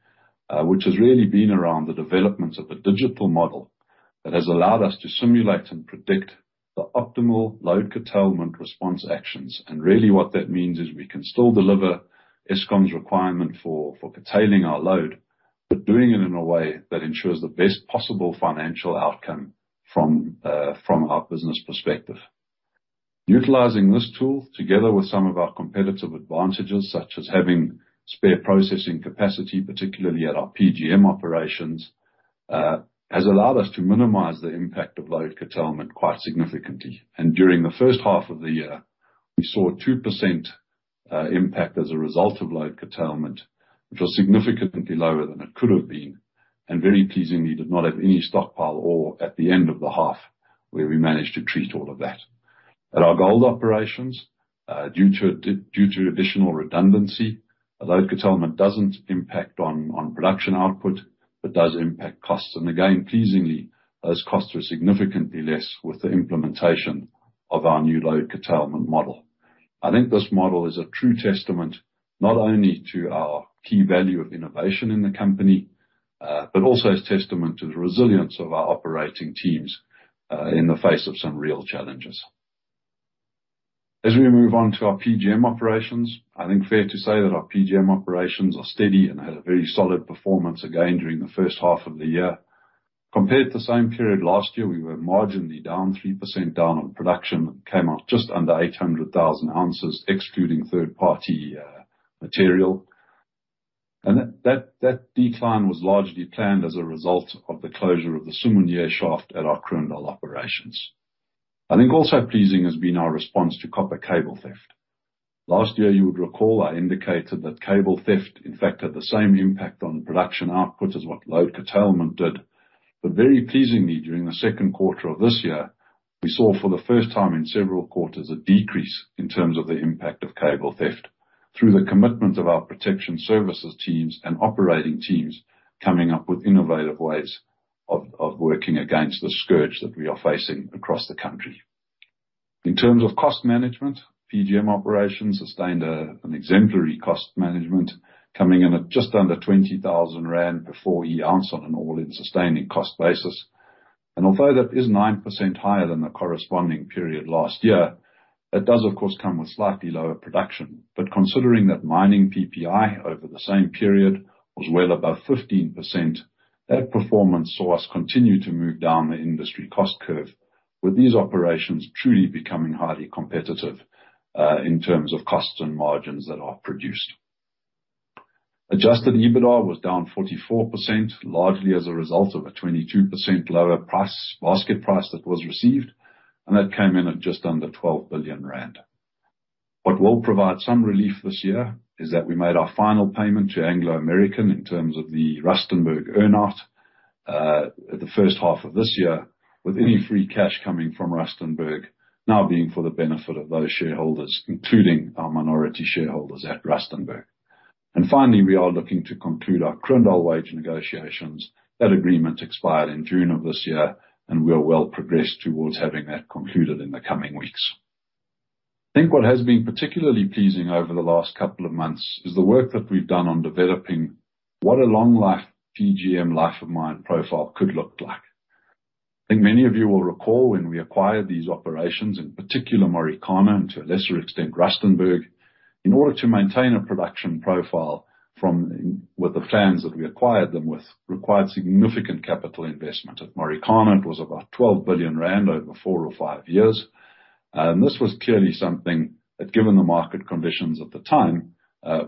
which has really been around the developments of a digital model that has allowed us to simulate and predict the optimal load curtailment response actions. Really what that means is we can still deliver Eskom's requirement for curtailing our load, but doing it in a way that ensures the best possible financial outcome from our business perspective. Utilizing this tool, together with some of our competitive advantages, such as having spare processing capacity, particularly at our PGM operations, has allowed us to minimize the impact of load curtailment quite significantly. During the first half of the year, we saw a 2% impact as a result of load curtailment, which was significantly lower than it could have been, and very pleasingly, did not have any stockpile ore at the end of the half, where we managed to treat all of that. At our gold operations, due to additional redundancy, a load curtailment doesn't impact on production output, but does impact costs. And again, pleasingly, those costs are significantly less with the implementation of our new load curtailment model. I think this model is a true testament, not only to our key value of innovation in the company, but also as testament to the resilience of our operating teams, in the face of some real challenges. As we move on to our PGM operations, I think fair to say that our PGM operations are steady and had a very solid performance again during the first half of the year. Compared to the same period last year, we were marginally down, 3% down on production, and came out just under 800,000 ounces, excluding third-party, material. And that decline was largely planned as a result of the closure of the Siphumelele shaft at our Kroondal operations. I think also pleasing has been our response to copper cable theft. Last year, you would recall, I indicated that cable theft, in fact, had the same impact on production output as what load curtailment did. But very pleasingly, during the second quarter of this year, we saw, for the first time in several quarters, a decrease in terms of the impact of cable theft through the commitment of our protection services teams and operating teams coming up with innovative ways of working against the scourge that we are facing across the country. In terms of cost management, PGM operations sustained an exemplary cost management, coming in at just under 20,000 rand per 4E ounce on an all-in sustaining cost basis. And although that is 9% higher than the corresponding period last year, that does, of course, come with slightly lower production. But considering that mining PPI over the same period was well above 15%, that performance saw us continue to move down the industry cost curve, with these operations truly becoming highly competitive, in terms of costs and margins that are produced. Adjusted EBITDA was down 44%, largely as a result of a 22% lower price, basket price, that was received, and that came in at just under 12 billion rand. What will provide some relief this year is that we made our final payment to Anglo American in terms of the Rustenburg earn-out, at the first half of this year, with any free cash coming from Rustenburg now being for the benefit of those shareholders, including our minority shareholders at Rustenburg. And finally, we are looking to conclude our Kroondal wage negotiations. That agreement expired in June of this year, and we are well progressed towards having that concluded in the coming weeks. I think what has been particularly pleasing over the last couple of months is the work that we've done on developing what a long life PGM life of mine profile could look like. I think many of you will recall when we acquired these operations, in particular, Marikana, and to a lesser extent, Rustenburg, in order to maintain a production profile with the plans that we acquired them with, required significant capital investment. At Marikana, it was about 12 billion rand over 4 or 5 years. And this was clearly something that, given the market conditions at the time,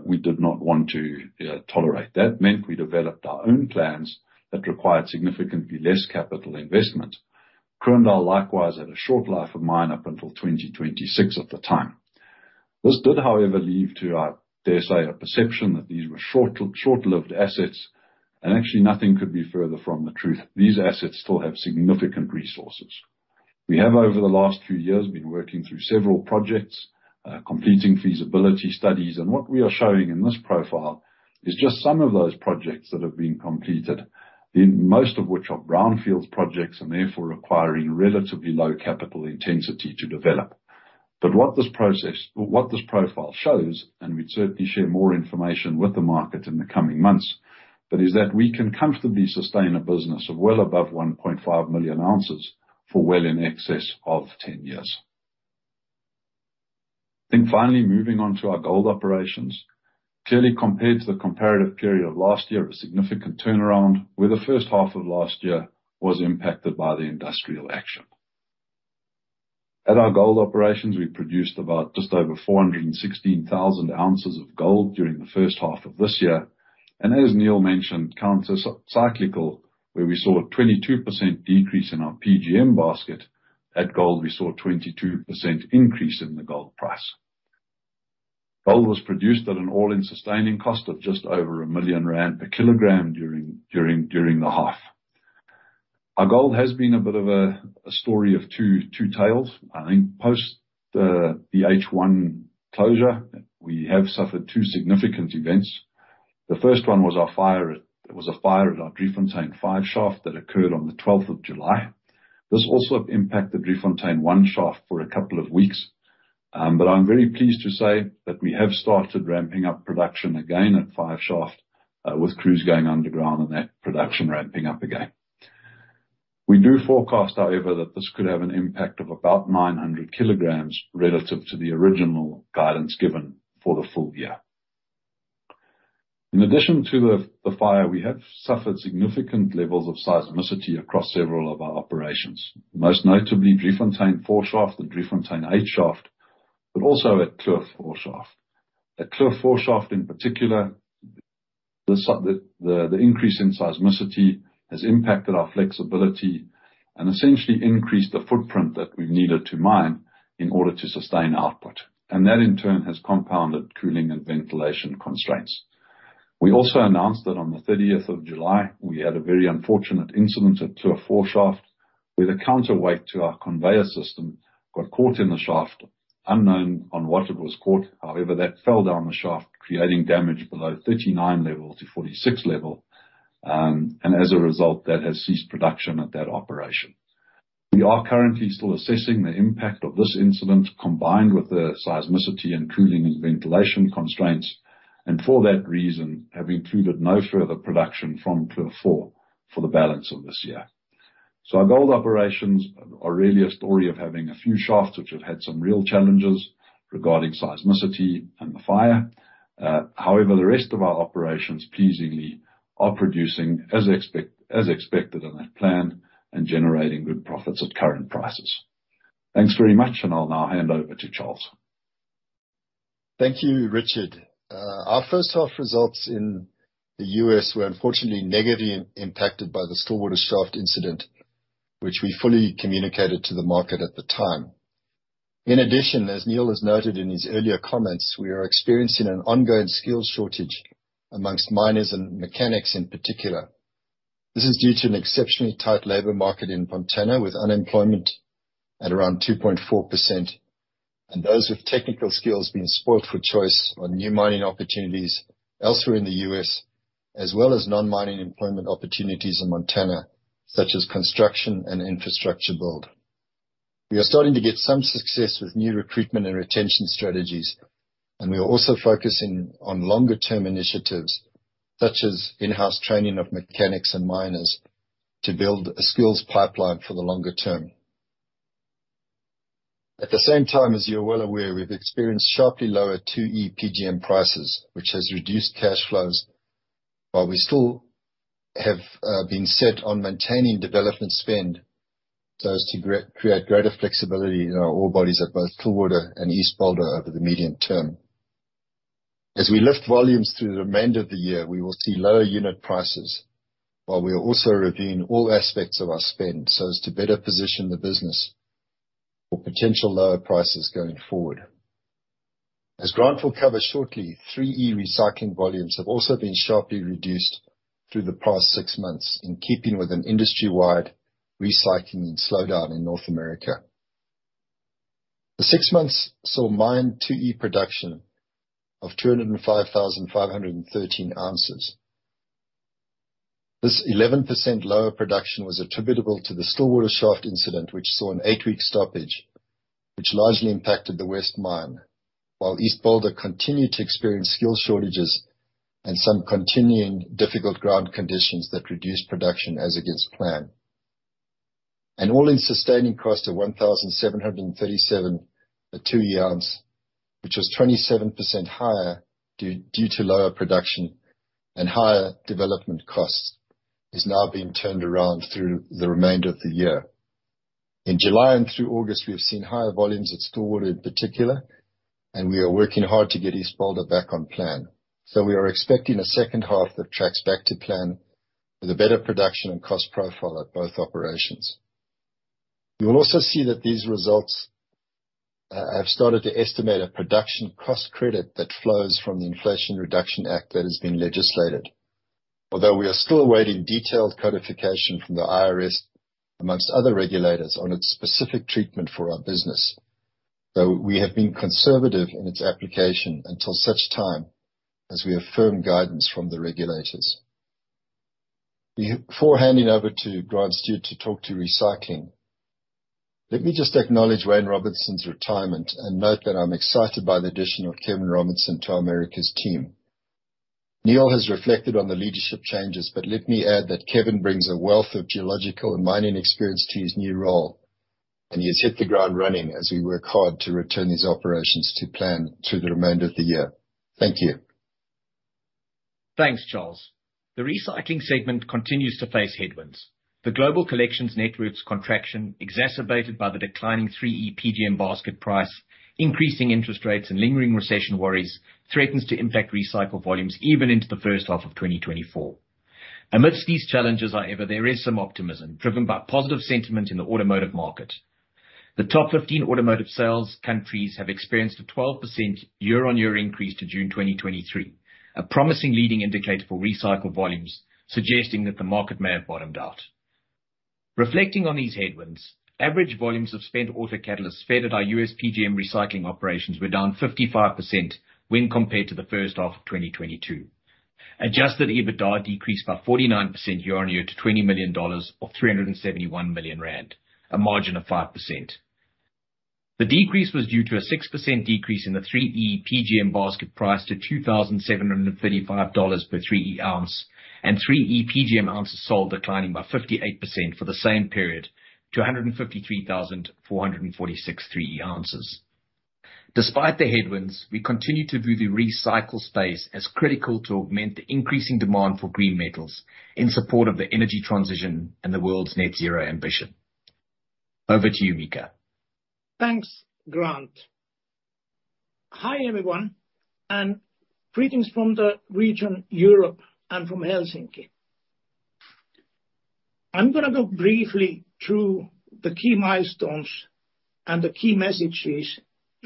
we did not want to, tolerate. That meant we developed our own plans that required significantly less capital investment. Kroondal, likewise, had a short life of mine up until 2026 at the time. This did, however, lead to, I dare say, a perception that these were short, short-lived assets, and actually nothing could be further from the truth. These assets still have significant resources. We have, over the last few years, been working through several projects, completing feasibility studies, and what we are showing in this profile is just some of those projects that have been completed, in most of which are brownfields projects, and therefore requiring relatively low capital intensity to develop. But what this profile shows, and we'd certainly share more information with the market in the coming months, but is that we can comfortably sustain a business of well above 1.5 million ounces for well in excess of 10 years. Then finally, moving on to our gold operations. Clearly, compared to the comparative period of last year, a significant turnaround, where the first half of last year was impacted by the industrial action. At our gold operations, we produced about just over 416,000 ounces of gold during the first half of this year. And as Neil mentioned, counter-cyclical, where we saw a 22% decrease in our PGM basket, at gold, we saw a 22% increase in the gold price. Gold was produced at an all-in sustaining cost of just over 1 million rand per kilogram during the half. Our gold has been a bit of a story of two tales. I think post the BH1 closure, we have suffered two significant events. The first one was our fire; it was a fire at our Driefontein 5 shaft that occurred on the twelfth of July. This also impacted Driefontein One shaft for a couple of weeks, but I'm very pleased to say that we have started ramping up production again at Five shaft, with crews going underground and that production ramping up again. We do forecast, however, that this could have an impact of about 900 kilograms relative to the original guidance given for the full year. In addition to the fire, we have suffered significant levels of seismicity across several of our operations, most notably Driefontein Four shaft and Driefontein Eight shaft, but also at Kloof Four shaft. At Kloof Four shaft, in particular, the increase in seismicity has impacted our flexibility and essentially increased the footprint that we've needed to mine in order to sustain output, and that, in turn, has compounded cooling and ventilation constraints. We also announced that on the thirtieth of July, we had a very unfortunate incident at Clovelly Shaft, where the counterweight to our conveyor system got caught in the shaft. Unknown on what it was caught, however, that fell down the shaft, creating damage below 39 level to 46 level, and as a result, that has ceased production at that operation. We are currently still assessing the impact of this incident, combined with the seismicity and cooling and ventilation constraints, and for that reason, have included no further production from Clovelly for the balance of this year. So our gold operations are really a story of having a few shafts, which have had some real challenges regarding seismicity and the fire. However, the rest of our operations pleasingly are producing as expected in that plan and generating good profits at current prices. Thanks very much, and I'll now hand over to Charles. Thank you, Richard. Our first half results in the U.S. were unfortunately negatively impacted by the Stillwater shaft incident, which we fully communicated to the market at the time. In addition, as Neal has noted in his earlier comments, we are experiencing an ongoing skills shortage among miners and mechanics in particular. This is due to an exceptionally tight labor market in Montana, with unemployment at around 2.4%, and those with technical skills being spoiled for choice on new mining opportunities elsewhere in the U.S., as well as non-mining employment opportunities in Montana, such as construction and infrastructure build. We are starting to get some success with new recruitment and retention strategies, and we are also focusing on longer-term initiatives, such as in-house training of mechanics and miners, to build a skills pipeline for the longer term. At the same time, as you're well aware, we've experienced sharply lower 2E PGM prices, which has reduced cash flows, while we still have been set on maintaining development spend, so as to create greater flexibility in our ore bodies at both Stillwater and East Boulder over the medium term. As we lift volumes through the remainder of the year, we will see lower unit prices, while we are also reviewing all aspects of our spend, so as to better position the business for potential lower prices going forward. As Grant will cover shortly, 3E recycling volumes have also been sharply reduced through the past six months, in keeping with an industry-wide recycling slowdown in North America. The six months saw mined 2E production of 205,513 ounces. This 11% lower production was attributable to the Stillwater shaft incident, which saw an 8-week stoppage, which largely impacted the West Mine, while East Boulder continued to experience skill shortages and some continuing difficult ground conditions that reduced production as against plan. An all-in sustaining cost of $1,737 per 2E oz, which was 27% higher due to lower production and higher development costs, is now being turned around through the remainder of the year. In July and through August, we have seen higher volumes at Stillwater in particular, and we are working hard to get East Boulder back on plan. So we are expecting a second half that tracks back to plan with a better production and cost profile at both operations. You will also see that these results have started to estimate a production cost credit that flows from the Inflation Reduction Act that has been legislated. Although we are still awaiting detailed codification from the IRS, among other regulators, on its specific treatment for our business, so we have been conservative in its application until such time as we have firm guidance from the regulators. Before handing over to Grant Stuart to talk to recycling, let me just acknowledge Wayne Robinson's retirement, and note that I'm excited by the addition of Kevin Robertson to our Americas team. Neal has reflected on the leadership changes, but let me add that Kevin brings a wealth of geological and mining experience to his new role, and he has hit the ground running as we work hard to return these operations to plan through the remainder of the year. Thank you. Thanks, Charles. The recycling segment continues to face headwinds. The global collections network's contraction, exacerbated by the declining 3E PGM basket price, increasing interest rates, and lingering recession worries, threatens to impact recycled volumes even into the first half of 2024. Amidst these challenges, however, there is some optimism driven by positive sentiment in the automotive market. The top 15 automotive sales countries have experienced a 12% year-on-year increase to June 2023, a promising leading indicator for recycled volumes, suggesting that the market may have bottomed out. Reflecting on these headwinds, average volumes of spent auto catalysts fed at our US PGM recycling operations were down 55% when compared to the first half of 2022. Adjusted EBITDA decreased by 49% year-on-year to $20 million, or 371 million rand, a margin of 5%. The decrease was due to a 6% decrease in the 3E PGM basket price to $2,735 per 3E ounce, and 3E PGM ounces sold declining by 58% for the same period to 153,446 3E ounces. Despite the headwinds, we continue to view the recycle space as critical to augment the increasing demand for green metals in support of the energy transition and the world's net zero ambition. Over to you, Mika. Thanks, Grant. Hi, everyone, and greetings from the region Europe and from Helsinki. I'm going to go briefly through the key milestones and the key messages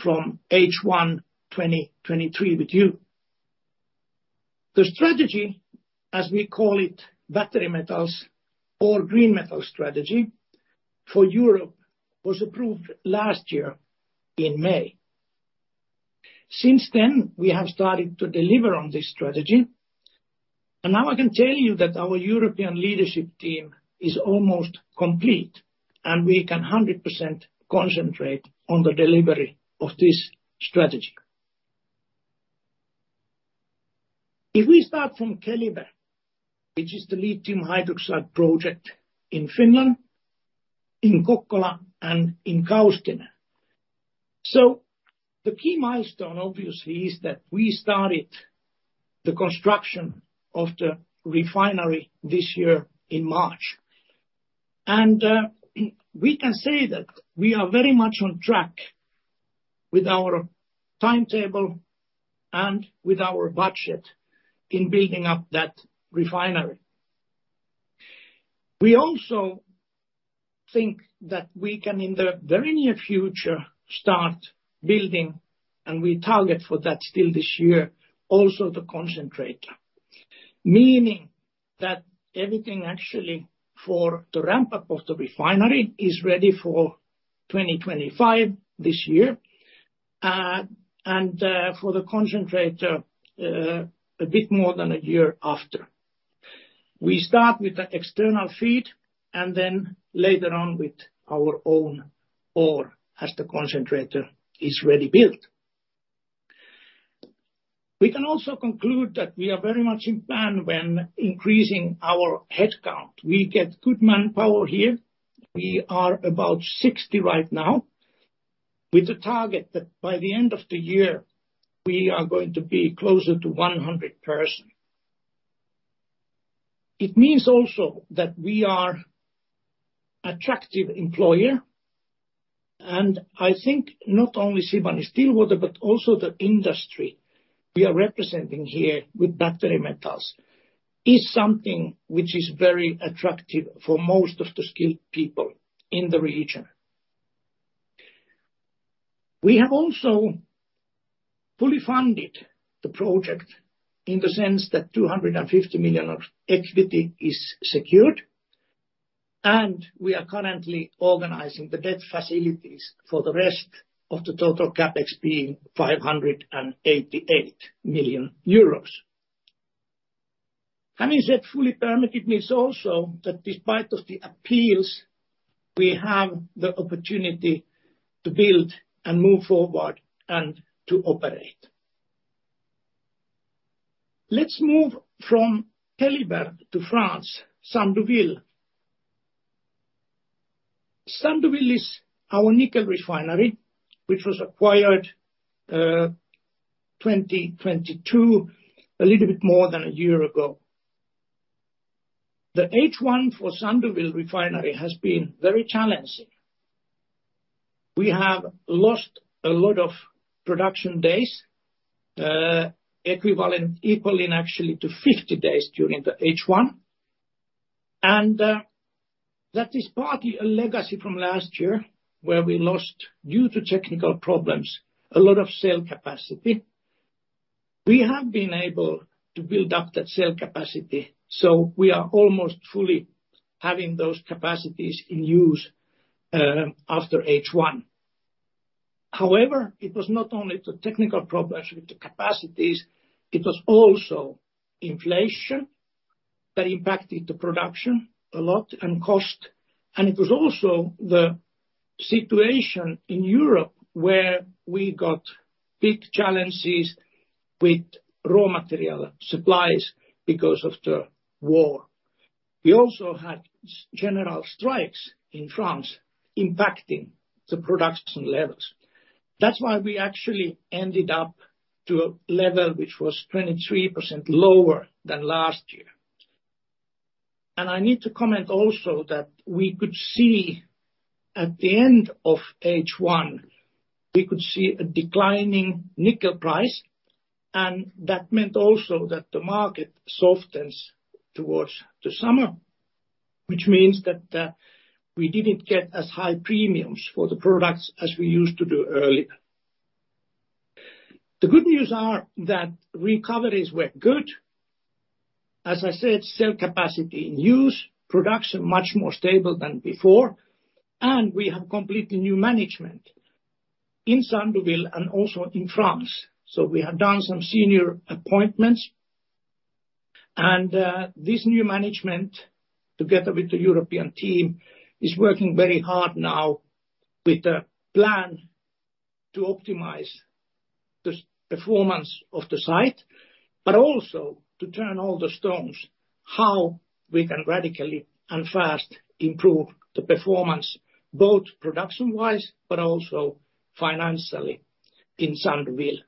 from H1, 2023 with you. The strategy, as we call it, battery metals or green metal strategy for Europe, was approved last year in May. Since then, we have started to deliver on this strategy, and now I can tell you that our European leadership team is almost complete, and we can 100% concentrate on the delivery of this strategy. If we start from Keliber, which is the lithium hydroxide project in Finland, in Kokkola and in Kaustinen. So the key milestone, obviously, is that we started the construction of the refinery this year in March. We can say that we are very much on track with our timetable and with our budget in building up that refinery. We also think that we can, in the very near future, start building, and we target for that still this year, also the concentrator, meaning that everything actually for the ramp-up of the refinery is ready for 2025, this year, and, for the concentrator, a bit more than a year after. We start with the external feed and then later on with our own ore as the concentrator is ready built. We can also conclude that we are very much in plan when increasing our headcount. We get good manpower here. We are about 60 right now, with the target that by the end of the year we are going to be closer to 100 person. It means also that we are attractive employer, and I think not only Sibanye-Stillwater, but also the industry we are representing here with battery metals, is something which is very attractive for most of the skilled people in the region. We have also fully funded the project in the sense that 250 million of equity is secured, and we are currently organizing the debt facilities for the rest of the total CapEx being 588 million euros. Is it fully permitted, means also that despite of the appeals, we have the opportunity to build and move forward and to operate. Let's move from Keliber to France, Sandouville. Sandouville is our nickel refinery, which was acquired, 2022, a little bit more than a year ago. The H1 for Sandouville refinery has been very challenging. We have lost a lot of production days, equivalent equally in actually to 50 days during the H1. That is partly a legacy from last year, where we lost, due to technical problems, a lot of saleable capacity. We have been able to build up that saleable capacity, so we are almost fully having those capacities in use, after H1. However, it was not only the technical problems with the capacities, it was also inflation that impacted the production a lot and cost, and it was also the situation in Europe where we got big challenges with raw material supplies because of the war. We also had general strikes in France impacting the production levels. That's why we actually ended up to a level which was 23% lower than last year. I need to comment also that we could see at the end of H1, we could see a declining nickel price, and that meant also that the market softens towards the summer, which means that we didn't get as high premiums for the products as we used to do earlier. The good news are that recoveries were good. As I said, cell capacity in use, production much more stable than before, and we have completely new management in Sandouville and also in France. So we have done some senior appointments, and this new management, together with the European team, is working very hard now with a plan to optimize the performance of the site, but also to turn all the stones, how we can radically and fast improve the performance, both production-wise, but also financially in Sandouville.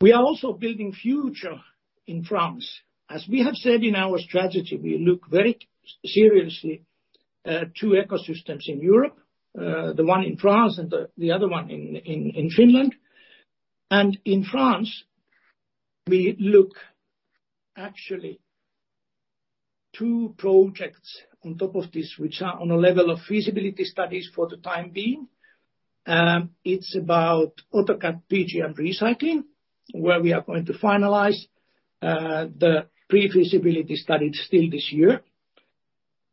We are also building future in France. As we have said in our strategy, we look very seriously two ecosystems in Europe, the one in France and the other one in Finland. In France, we look actually two projects on top of this, which are on a level of feasibility studies for the time being. It's about Autocat PG and recycling, where we are going to finalize the pre-feasibility study still this year.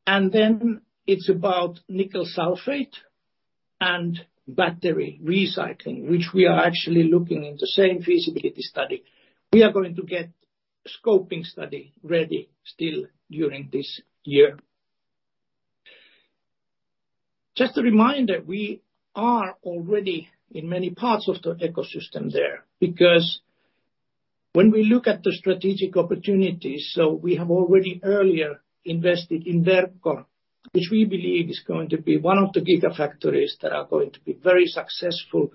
Then it's about nickel sulfate and battery recycling, which we are actually looking in the same feasibility study. We are going to get scoping study ready still during this year. Just a reminder, we are already in many parts of the ecosystem there, because when we look at the strategic opportunities, so we have already earlier invested in Verkor, which we believe is going to be one of the gigafactories that are going to be very successful,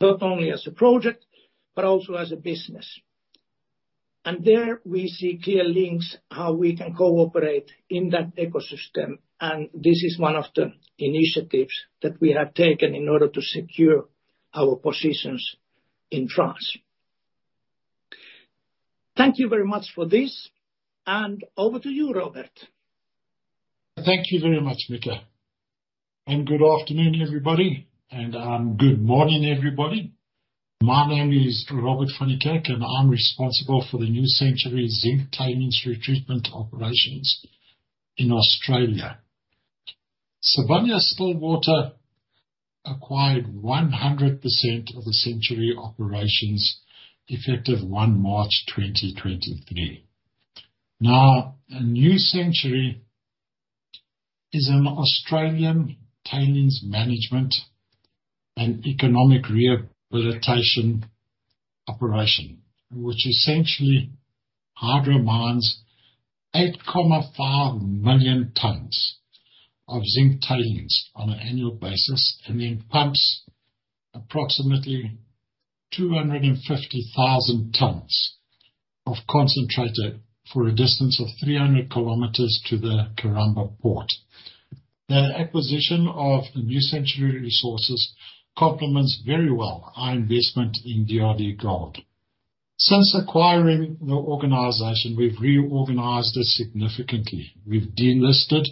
not only as a project, but also as a business. And there we see clear links, how we can cooperate in that ecosystem, and this is one of the initiatives that we have taken in order to secure our positions in France. Thank you very much for this, and over to you, Robert. Thank you very much, Mika. And good afternoon, everybody, and good morning, everybody. My name is Robert van Niekerk, and I'm responsible for the New Century Zinc Tailings Treatment operations in Australia. Sibanye-Stillwater acquired 100% of the Century operations, effective 1 March 2023. Now, New Century is an Australian tailings management and economic rehabilitation operation, which essentially handles 8.5 million tonnes of zinc tailings on an annual basis, and then pumps approximately 250,000 tonnes of concentrate for a distance of 300 km to the Karumba port. The acquisition of the New Century Resources complements very well our investment in DRDGOLD. Since acquiring the organization, we've reorganized it significantly. We've delisted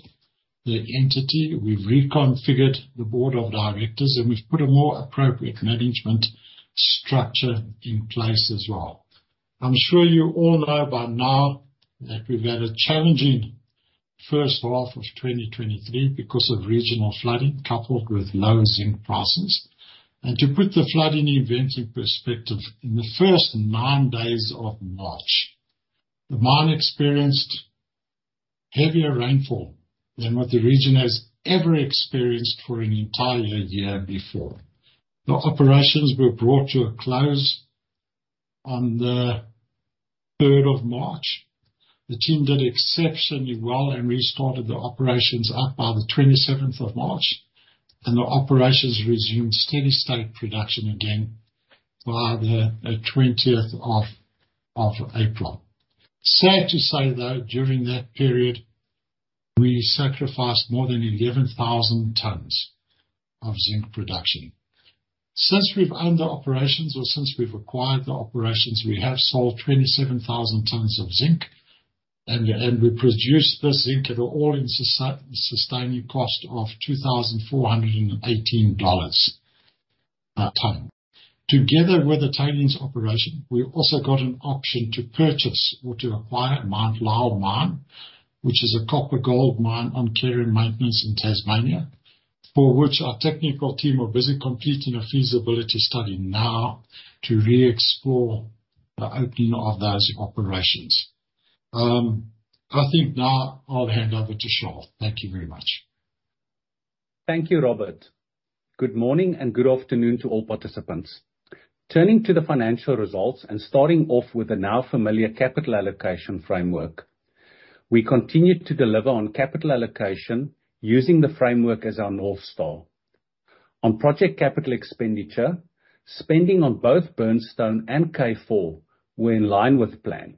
the entity, we've reconfigured the board of directors, and we've put a more appropriate management structure in place as well. I'm sure you all know by now that we've had a challenging first half of 2023 because of regional flooding, coupled with low zinc prices. To put the flooding event in perspective, in the first nine days of March, the mine experienced heavier rainfall than what the region has ever experienced for an entire year before. The operations were brought to a close on the third of March. The team did exceptionally well and restarted the operations up by the twenty-seventh of March, and the operations resumed steady state production again by the twentieth of April. Sad to say, though, during that period, we sacrificed more than 11,000 tonnes of zinc production. Since we've owned the operations or since we've acquired the operations, we have sold 27,000 tonnes of zinc, and we produced this zinc at an all-in sustaining cost of $2,418 tonne. Together with the tailings operation, we also got an option to purchase or to acquire Mount Lyell mine, which is a copper gold mine on care and maintenance in Tasmania, for which our technical team are busy completing a feasibility study now to re-explore the opening of those operations. I think now I'll hand over to Charles. Thank you very much. Thank you, Robert. Good morning and good afternoon to all participants. Turning to the financial results and starting off with the now familiar capital allocation framework, we continued to deliver on capital allocation using the framework as our North Star. On project capital expenditure, spending on both Burnstone and K4 were in line with plan.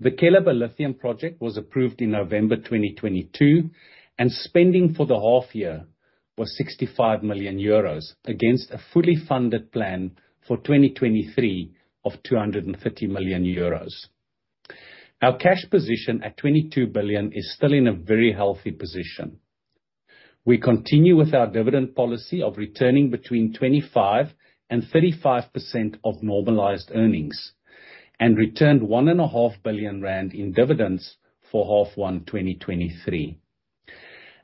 The Keliber Lithium project was approved in November 2022, and spending for the half year was 65 million euros, against a fully funded plan for 2023 of 230 million euros. Our cash position at 22 billion is still in a very healthy position. We continue with our dividend policy of returning between 25% and 35% of normalized earnings, and returned 1.5 billion rand in dividends for H1 2023.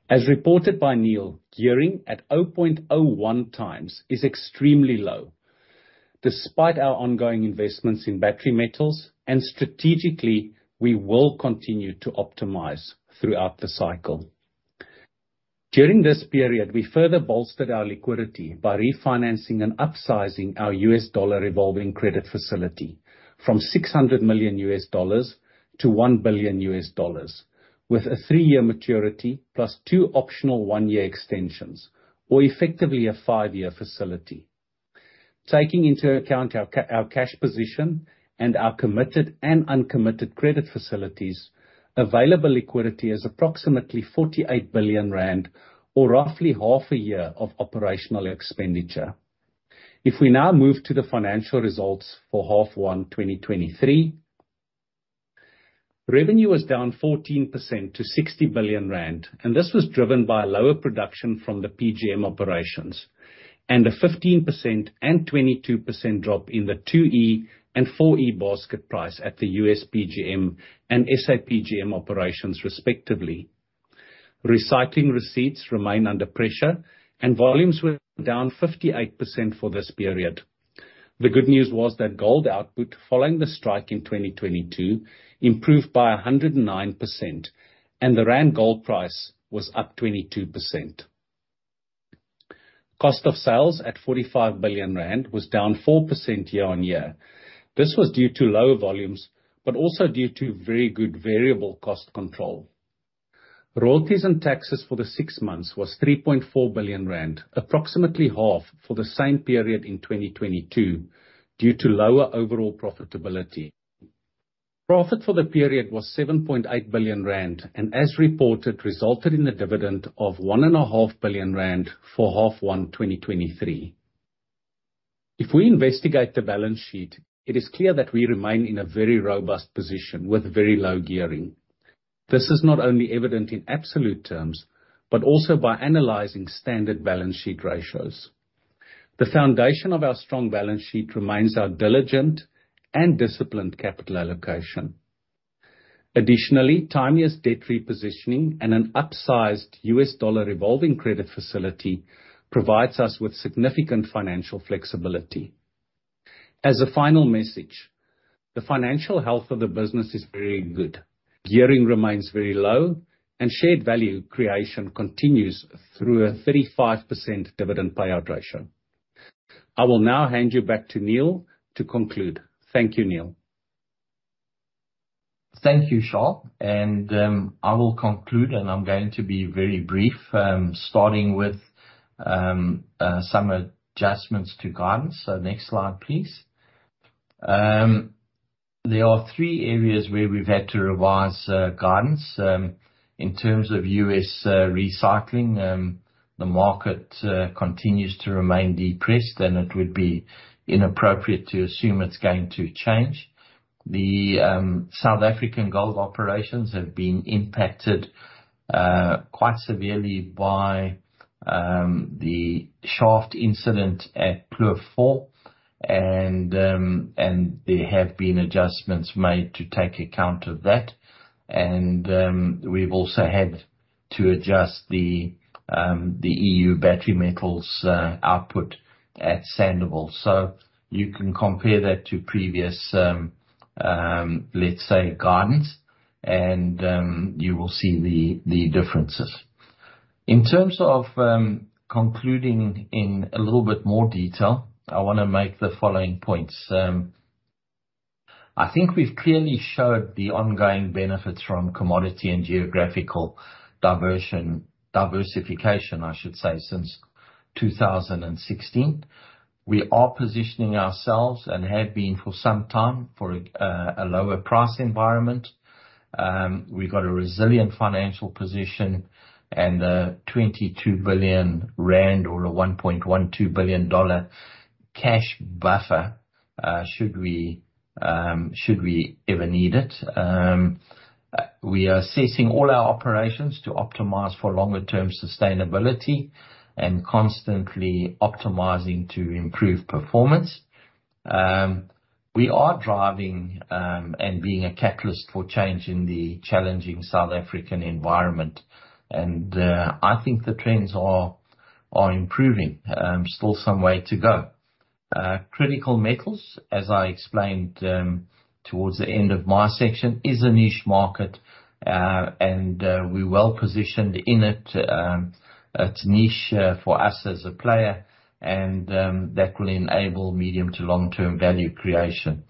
As reported by Neil, gearing at 0.01 times is extremely low, despite our ongoing investments in battery metals, and strategically, we will continue to optimize throughout the cycle. During this period, we further bolstered our liquidity by refinancing and upsizing our US dollar revolving credit facility from $600 million to $1 billion, with a three-year maturity plus two optional one-year extensions, or effectively a five-year facility. Taking into account our cash position and our committed and uncommitted credit facilities, available liquidity is approximately 48 billion rand, or roughly half a year of operational expenditure. If we now move to the financial results for H1 2023, revenue was down 14% to 60 billion rand, and this was driven by lower production from the PGM operations, and a 15% and 22% drop in the 2E and 4E basket price at the US PGM and SA PGM operations, respectively. Recycling receipts remain under pressure, and volumes were down 58% for this period. The good news was that gold output, following the strike in 2022, improved by 109%, and the rand gold price was up 22%. Cost of sales at 45 billion rand was down 4% year-on-year. This was due to lower volumes, but also due to very good variable cost control. Royalties and taxes for the six months was 3.4 billion rand, approximately half for the same period in 2022, due to lower overall profitability. Profit for the period was 7.8 billion rand, and as reported, resulted in a dividend of 1.5 billion rand for H1 2023. If we investigate the balance sheet, it is clear that we remain in a very robust position with very low gearing. This is not only evident in absolute terms, but also by analyzing standard balance sheet ratios. The foundation of our strong balance sheet remains our diligent and disciplined capital allocation. Additionally, timeliest debt repositioning and an upsized US dollar revolving credit facility provides us with significant financial flexibility. As a final message, the financial health of the business is very good. Gearing remains very low, and shared value creation continues through a 35% dividend payout ratio. I will now hand you back to Neal to conclude. Thank you, Neal. Thank you, Charles, and I will conclude, and I'm going to be very brief, starting with some adjustments to guidance. So next slide, please. There are three areas where we've had to revise guidance. In terms of US recycling, the market continues to remain depressed, and it would be inappropriate to assume it's going to change. The South African gold operations have been impacted quite severely by the shaft incident at Kloof Four, and there have been adjustments made to take account of that. We've also had to adjust the EU battery metals output at Sandouville. So you can compare that to previous, let's say, guidance, and you will see the differences. In terms of concluding in a little bit more detail, I want to make the following points: I think we've clearly showed the ongoing benefits from commodity and geographical diversion, diversification, I should say, since 2016. We are positioning ourselves, and have been for some time, for a lower price environment. We've got a resilient financial position and 22 billion rand or $1.12 billion cash buffer, should we ever need it. We are assessing all our operations to optimize for longer term sustainability and constantly optimizing to improve performance. We are driving and being a catalyst for change in the challenging South African environment, and I think the trends are improving. Still some way to go. Critical metals, as I explained, towards the end of my section, is a niche market, and we're well positioned in it. It's niche for us as a player, and that will enable medium to long-term value creation.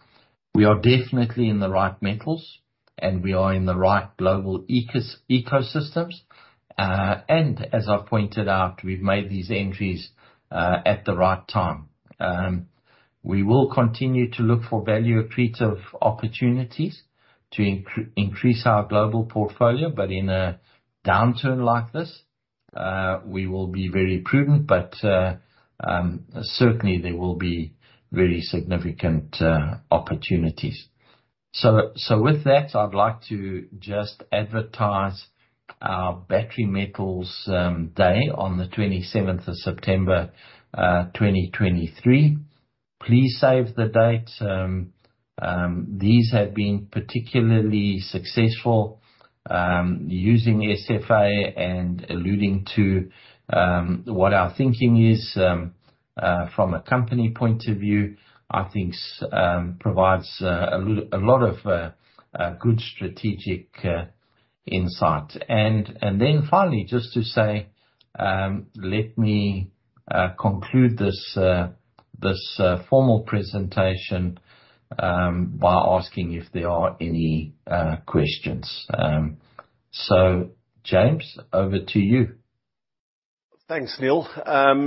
We are definitely in the right metals, and we are in the right global ecosystems. As I've pointed out, we've made these entries at the right time. We will continue to look for value accretive opportunities to increase our global portfolio, but in a downturn like this, we will be very prudent, but certainly there will be very significant opportunities. With that, I'd like to just advertise our battery metals day on the 27th of September, 2023. Please save the date. These have been particularly successful, using SFA and alluding to what our thinking is from a company point of view. I think provides a lot of good strategic direction... insight. And then finally, just to say, let me conclude this formal presentation by asking if there are any questions. So James, over to you. Thanks, Neil.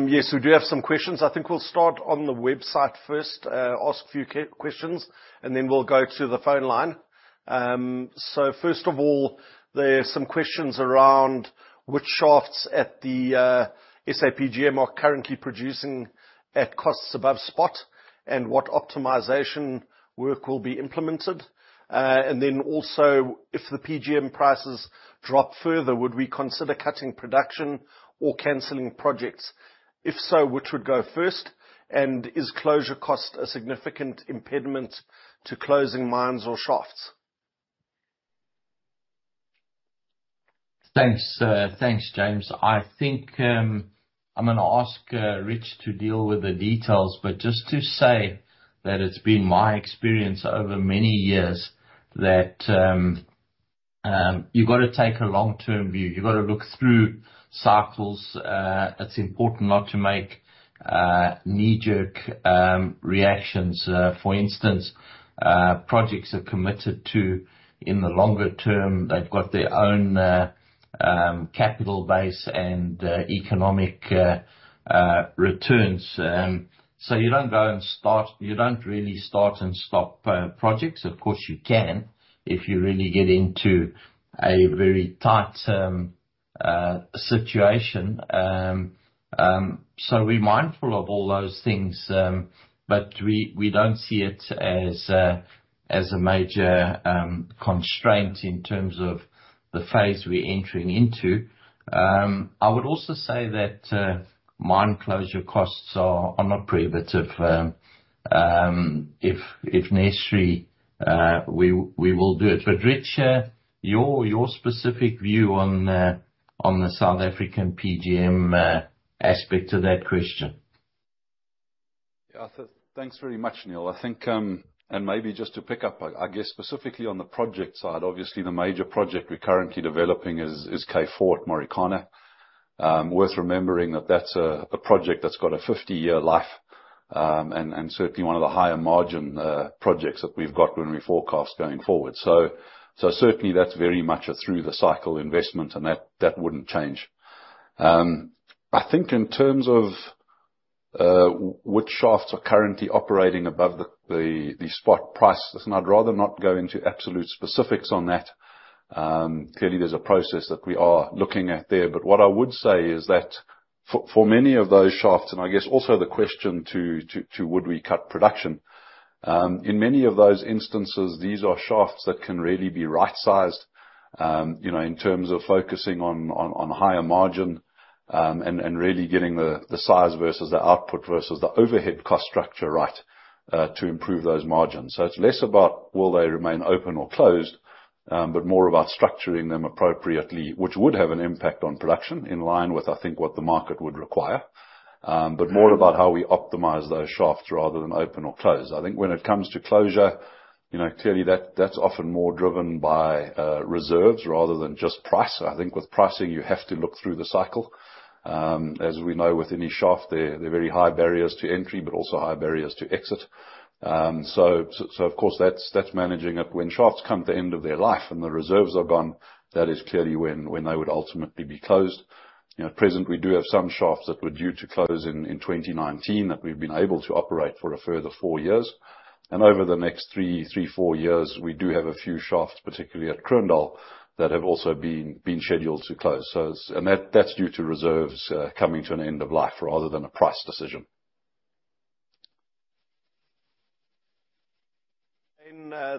Yes, we do have some questions. I think we'll start on the website first, ask a few questions, and then we'll go to the phone line. So first of all, there are some questions around which shafts at the SA PGM are currently producing at costs above spot, and what optimization work will be implemented. And then also, if the PGM prices drop further, would we consider cutting production or canceling projects? If so, which would go first? And is closure cost a significant impediment to closing mines or shafts? Thanks, James. I think, I'm going to ask, Rich to deal with the details. But just to say that it's been my experience over many years, that, you've got to take a long-term view. You've got to look through cycles. It's important not to make, knee-jerk, reactions. For instance, projects are committed to in the longer term, they've got their own, capital base and, economic, returns. So you don't go and start- you don't really start and stop, projects. Of course, you can, if you really get into a very tight, situation. So we're mindful of all those things. But we, we don't see it as a, as a major, constraint in terms of the phase we're entering into. I would also say that mine closure costs are not prohibitive. If necessary, we will do it. But Rich, your specific view on the South African PGM aspect to that question. Yeah. So thanks very much, Neal. I think. And maybe just to pick up, I guess, specifically on the project side, obviously, the major project we're currently developing is K4 at Marikana. Worth remembering that that's a project that's got a 50-year life, and certainly one of the higher margin projects that we've got when we forecast going forward. So certainly that's very much a through the cycle investment, and that wouldn't change. I think in terms of which shafts are currently operating above the spot prices, and I'd rather not go into absolute specifics on that. Clearly, there's a process that we are looking at there. But what I would say is that for many of those shafts, and I guess also the question to would we cut production. In many of those instances, these are shafts that can really be right-sized, you know, in terms of focusing on higher margin, and really getting the size versus the output versus the overhead cost structure right, to improve those margins. So it's less about will they remain open or closed, but more about structuring them appropriately, which would have an impact on production in line with, I think, what the market would require. But more about how we optimize those shafts rather than open or close. I think when it comes to closure, you know, clearly, that's often more driven by reserves rather than just price. I think with pricing, you have to look through the cycle. As we know, with any shaft, there are very high barriers to entry, but also high barriers to exit. So, of course, that's managing it. When shafts come to the end of their life and the reserves are gone, that is clearly when they would ultimately be closed. You know, at present, we do have some shafts that were due to close in 2019, that we've been able to operate for a further 4 years. And over the next 3-4 years, we do have a few shafts, particularly at Kroondal, that have also been scheduled to close. So, and that's due to reserves coming to an end of life rather than a price decision.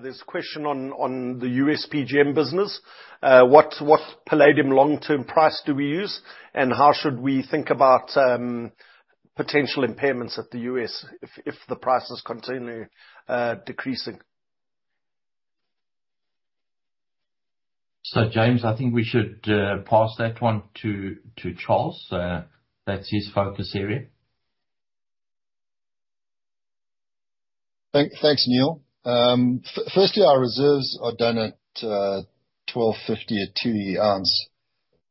There's a question on the U.S. PGM business. What, what palladium long-term price do we use, and how should we think about potential impairments at the U.S. if the price is continually decreasing? So, James, I think we should pass that one to Charles. That's his focus area. Thanks, Neal. Firstly, our reserves are done at $1,250 at 2 ounce.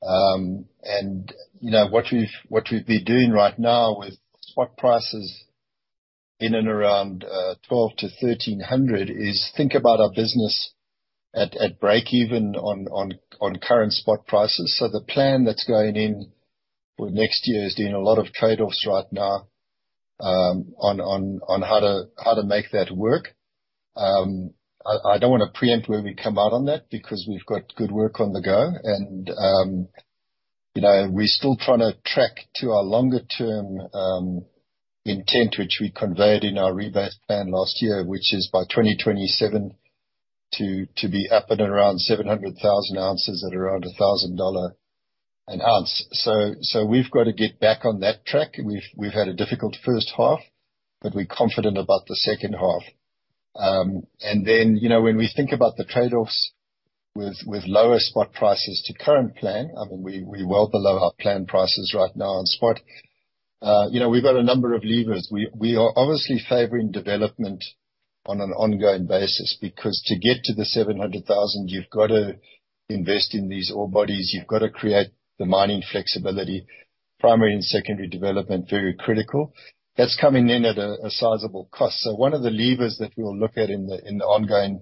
And, you know, what we've been doing right now with spot prices in and around $1,200-$1,300, is think about our business at breakeven on current spot prices. So the plan that's going in for next year is doing a lot of trade-offs right now on how to make that work. I don't want to preempt where we come out on that because we've got good work on the go. And, you know, we're still trying to track to our longer term intent, which we conveyed in our rebirth plan last year, which is by 2027, to be up and around 700,000 ounces at around $1,000 an ounce. So we've got to get back on that track. We've had a difficult first half, but we're confident about the second half. And then, you know, when we think about the trade-offs with lower spot prices to current plan, I mean, we're well below our plan prices right now on spot. You know, we've got a number of levers. We are obviously favoring development on an ongoing basis, because to get to the 700,000, you've gotta invest in these ore bodies, you've gotta create the mining flexibility, primary and secondary development, very critical. That's coming in at a sizable cost. So one of the levers that we'll look at in the ongoing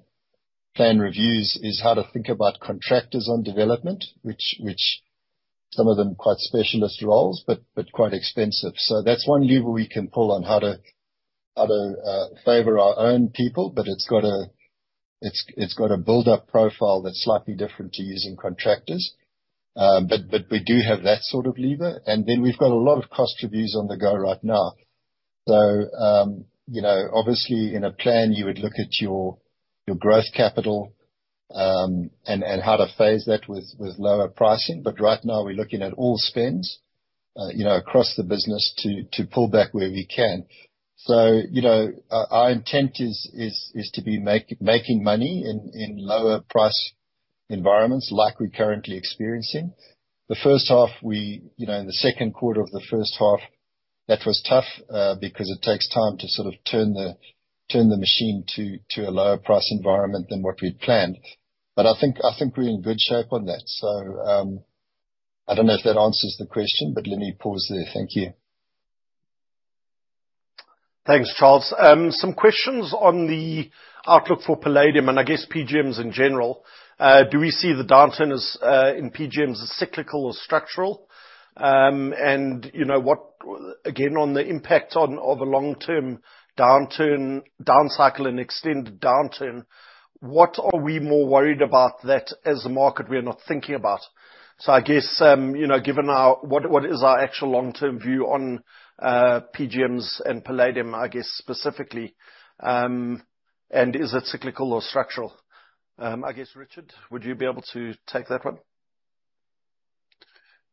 plan reviews is how to think about contractors on development, which some of them quite specialist roles, but quite expensive. So that's one lever we can pull on how to favor our own people, but it's got a build-up profile that's slightly different to using contractors. But we do have that sort of lever. And then we've got a lot of cost reviews on the go right now. So, you know, obviously, in a plan, you would look at your growth capital, and how to phase that with lower pricing. But right now, we're looking at all spends, you know, across the business, to pull back where we can. So, you know, our intent is to be making money in lower price environments, like we're currently experiencing. The first half, we... You know, in the second quarter of the first half, that was tough, because it takes time to sort of turn the machine to a lower price environment than what we'd planned. But I think we're in good shape on that. So, I don't know if that answers the question, but let me pause there. Thank you. Thanks, Charles. Some questions on the outlook for palladium, and I guess PGMs in general. Do we see the downturn as in PGMs as cyclical or structural? And you know, what, again, on the impact on, of a long-term downturn, down cycle and extended downturn, what are we more worried about that as a market we are not thinking about? So I guess, you know, given our... What, what is our actual long-term view on, PGMs and palladium, I guess, specifically? And is it cyclical or structural? I guess, Richard, would you be able to take that one?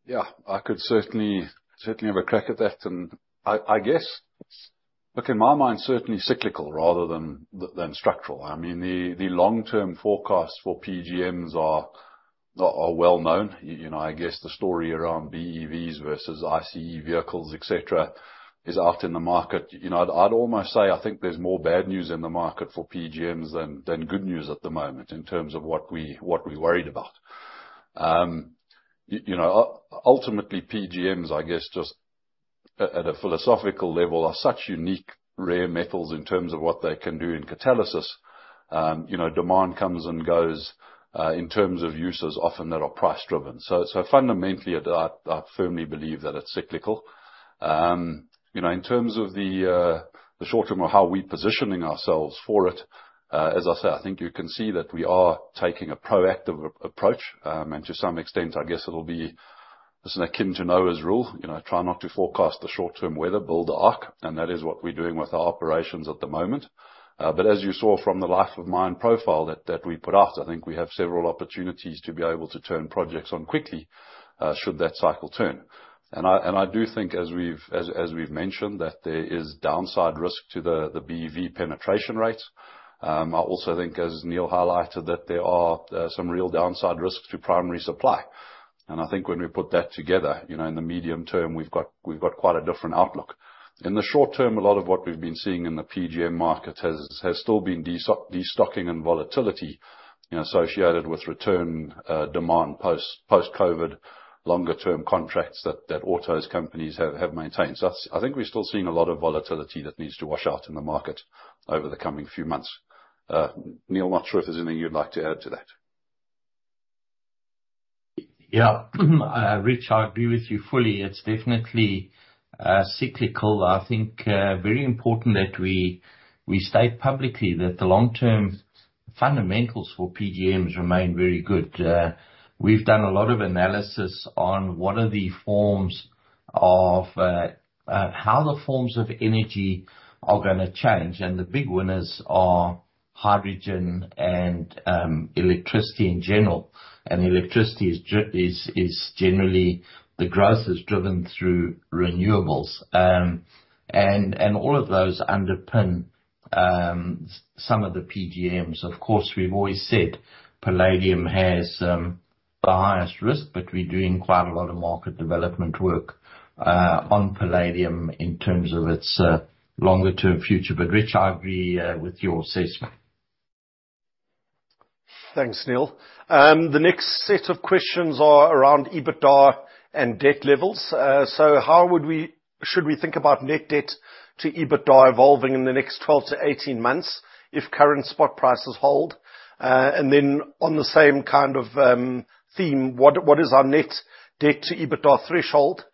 Yeah, I could certainly, certainly have a crack at that. And I guess, look, in my mind, certainly cyclical rather than than structural. I mean, the long-term forecasts for PGMs are well-known. You know, I guess the story around BEVs versus ICE vehicles, et cetera, is out in the market. You know, I'd almost say I think there's more bad news in the market for PGMs than good news at the moment, in terms of what we're worried about. You know, ultimately, PGMs, I guess, just at a philosophical level, are such unique, rare metals in terms of what they can do in catalysis. You know, demand comes and goes in terms of uses often that are price-driven. So fundamentally, I firmly believe that it's cyclical. You know, in terms of the short term or how we're positioning ourselves for it, as I say, I think you can see that we are taking a proactive approach. And to some extent, I guess it'll be, this is akin to Noah's rule, you know, try not to forecast the short-term weather, build the ark, and that is what we're doing with our operations at the moment. But as you saw from the life of mine profile that we put out, I think we have several opportunities to be able to turn projects on quickly, should that cycle turn. And I do think, as we've mentioned, that there is downside risk to the BEV penetration rates. I also think, as Neal highlighted, that there are some real downside risks to primary supply. I think when we put that together, you know, in the medium term, we've got, we've got quite a different outlook. In the short term, a lot of what we've been seeing in the PGM market has, has still been destocking and volatility, you know, associated with return demand post-COVID, longer-term contracts that autos companies have maintained. So I think we're still seeing a lot of volatility that needs to wash out in the market over the coming few months. Neal, not sure if there's anything you'd like to add to that. Yeah. Rich, I agree with you fully. It's definitely cyclical. I think very important that we state publicly that the long-term fundamentals for PGMs remain very good. We've done a lot of analysis on what are the forms of how the forms of energy are going to change, and the big winners are hydrogen and electricity in general. And electricity is is generally the growth is driven through renewables. And all of those underpin some of the PGMs. Of course, we've always said palladium has the highest risk, but we're doing quite a lot of market development work on palladium in terms of its longer-term future. But Rich, I agree with your assessment. Thanks, Neal. The next set of questions are around EBITDA and debt levels. So how should we think about net debt to EBITDA evolving in the next 12-18 months if current spot prices hold? And then on the same kind of theme, what is our net debt to EBITDA threshold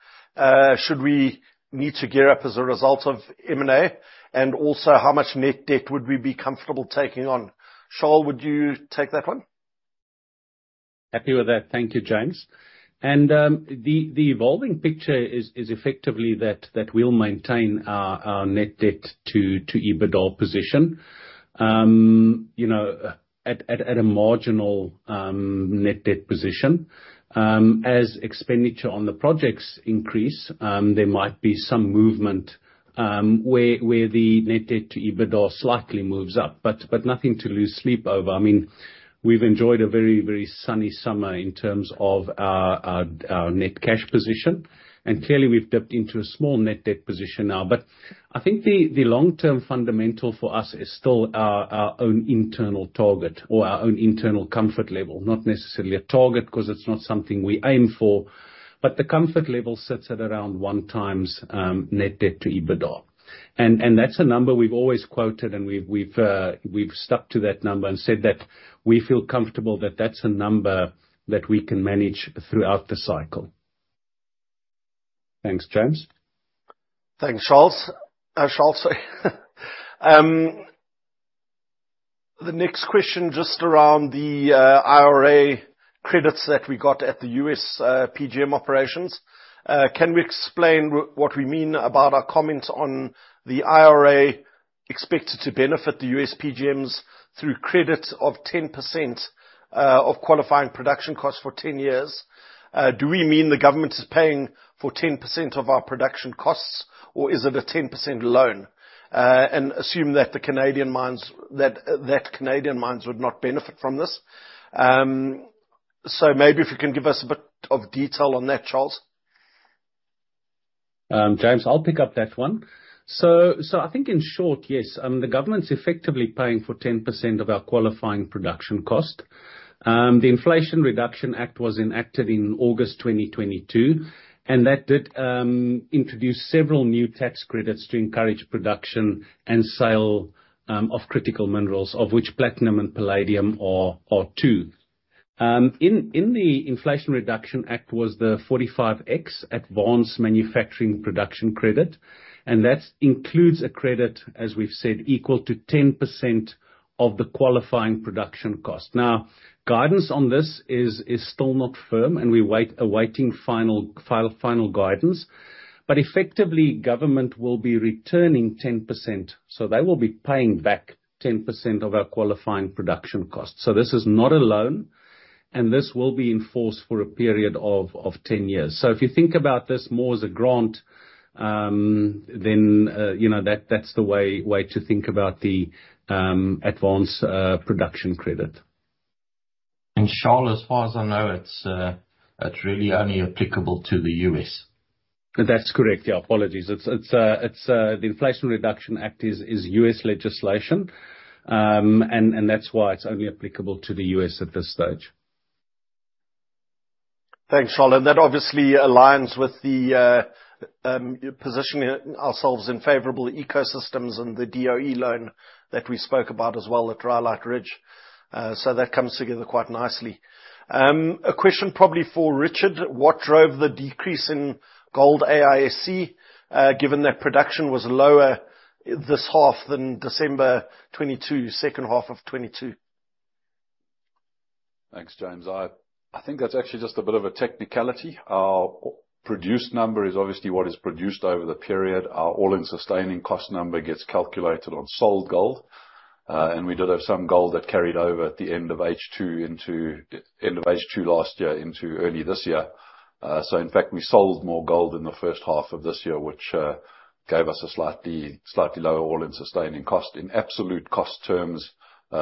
should we need to gear up as a result of M&A? And also, how much net debt would we be comfortable taking on? Charles, would you take that one? Happy with that. Thank you, James. And the evolving picture is effectively that we'll maintain our net debt to EBITDA position. You know, at a marginal net debt position. As expenditure on the projects increase, there might be some movement where the net debt to EBITDA slightly moves up, but nothing to lose sleep over. I mean, we've enjoyed a very sunny summer in terms of our net cash position, and clearly we've dipped into a small net debt position now. But I think the long-term fundamental for us is still our own internal target, or our own internal comfort level, not necessarily a target, 'cause it's not something we aim for. But the comfort level sits at around 1x net debt to EBITDA. And that's a number we've always quoted, and we've stuck to that number and said that we feel comfortable that that's a number that we can manage throughout the cycle. Thanks, James. Thanks, Charles. Charles, the next question, just around the IRA credits that we got at the US PGM operations. Can we explain what we mean about our comments on the IRA expected to benefit the US PGMs through credits of 10% of qualifying production costs for 10 years? Do we mean the government is paying for 10% of our production costs, or is it a 10% loan? And assume that the Canadian mines would not benefit from this. So maybe if you can give us a bit of detail on that, Charles. James, I'll pick up that one. So I think in short, yes, the government's effectively paying for 10% of our qualifying production cost. The Inflation Reduction Act was enacted in August 2022, and that did introduce several new tax credits to encourage production and sale of critical minerals, of which platinum and palladium are two. In the Inflation Reduction Act was the 45X Advanced Manufacturing Production credit, and that includes a credit, as we've said, equal to 10% of the qualifying production cost. Now, guidance on this is still not firm, and we are awaiting final guidance. But effectively, government will be returning 10%, so they will be paying back 10% of our qualifying production costs. So this is not a loan, and this will be in force for a period of 10 years. So if you think about this more as a grant, then, you know, that's the way to think about the advanced production credit. Charles, as far as I know, it's really only applicable to the U.S. That's correct. Yeah, apologies. It's the Inflation Reduction Act is U.S. legislation. And that's why it's only applicable to the U.S. at this stage. Thanks, Charles. That obviously aligns with the positioning ourselves in favorable ecosystems and the DOE loan that we spoke about as well at Rhyolite Ridge. So that comes together quite nicely. A question probably for Richard: What drove the decrease in gold AISC, given that production was lower this half than December 2022, second half of 2022? Thanks, James. I think that's actually just a bit of a technicality. Our produced number is obviously what is produced over the period. Our All-in Sustaining Cost number gets calculated on sold gold. And we did have some gold that carried over at the end of H2 last year into early this year. So in fact, we sold more gold in the first half of this year, which gave us a slightly lower All-in Sustaining Cost. In absolute cost terms,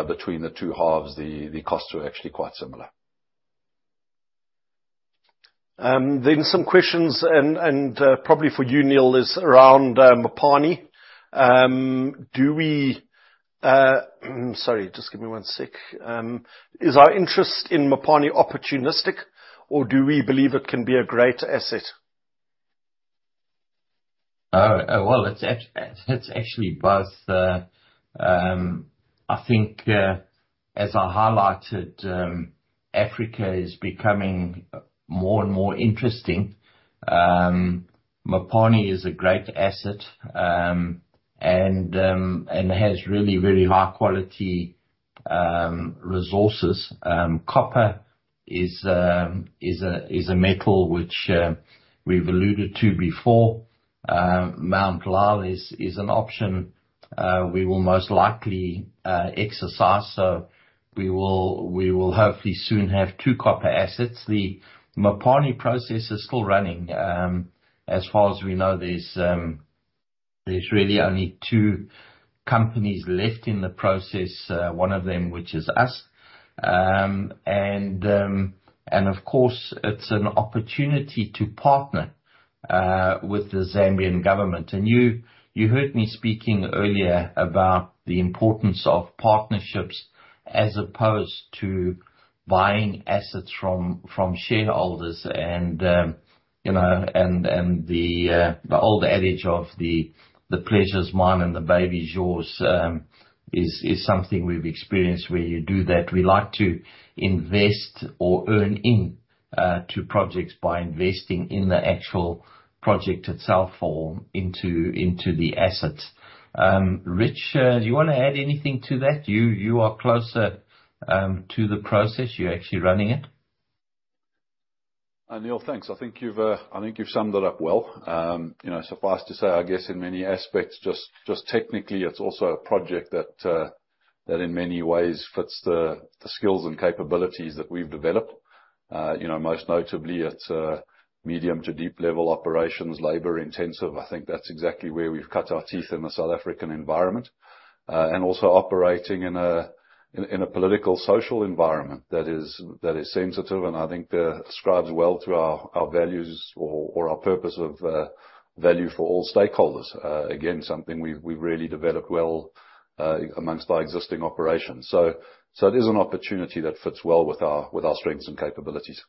between the two halves, the costs were actually quite similar. Then some questions, and probably for you, Neal, is around Mopani. Do we. Sorry, just give me one sec. Is our interest in Mopani opportunistic, or do we believe it can be a great asset? Well, it's actually both. I think, as I highlighted, Africa is becoming more and more interesting. Mopani is a great asset, and has really, really high-quality resources. Copper is a metal which we've alluded to before. Mount Lyell is an option, we will most likely exercise, so we will hopefully soon have two copper assets. The Mopani process is still running. As far as we know, there's really only two companies left in the process, one of them, which is us. And of course, it's an opportunity to partner with the Zambian government. And you heard me speaking earlier about the importance of partnerships as opposed to buying assets from shareholders. You know, the old adage of the pleasure is mine, and the baby is yours, is something we've experienced where you do that. We like to invest or earn into projects by investing in the actual project itself or into the assets. Rich, do you want to add anything to that? You are closer to the process. You're actually running it. Neal, thanks. I think you've, I think you've summed it up well. You know, suffice to say, I guess in many aspects, just, just technically, it's also a project that, that in many ways fits the, the skills and capabilities that we've developed. You know, most notably, it's, medium to deep-level operations, labor-intensive. I think that's exactly where we've cut our teeth in the South African environment. And also operating in a, in, in a political, social environment that is, that is sensitive, and I think, describes well to our, our values or, or our purpose of, value for all stakeholders. Again, something we've, we've really developed well, amongst our existing operations. So, so it is an opportunity that fits well with our, with our strengths and capabilities.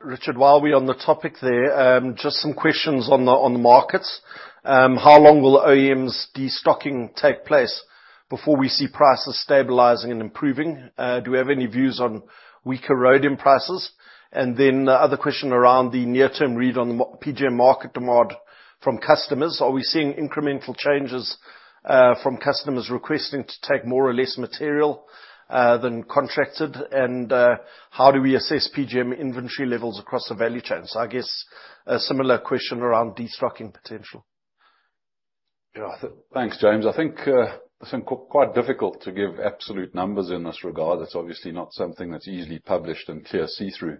Richard, while we're on the topic there, just some questions on the, on the markets. How long will OEMs destocking take place before we see prices stabilizing and improving? Do we have any views on weaker rhodium prices? And then, other question around the near-term read on the m-PGM market demand from customers. Are we seeing incremental changes, from customers requesting to take more or less material, than contracted? And, how do we assess PGM inventory levels across the value chain? So I guess a similar question around destocking potential. Yeah, thanks, James. I think quite difficult to give absolute numbers in this regard. That's obviously not something that's easily published and clear see-through.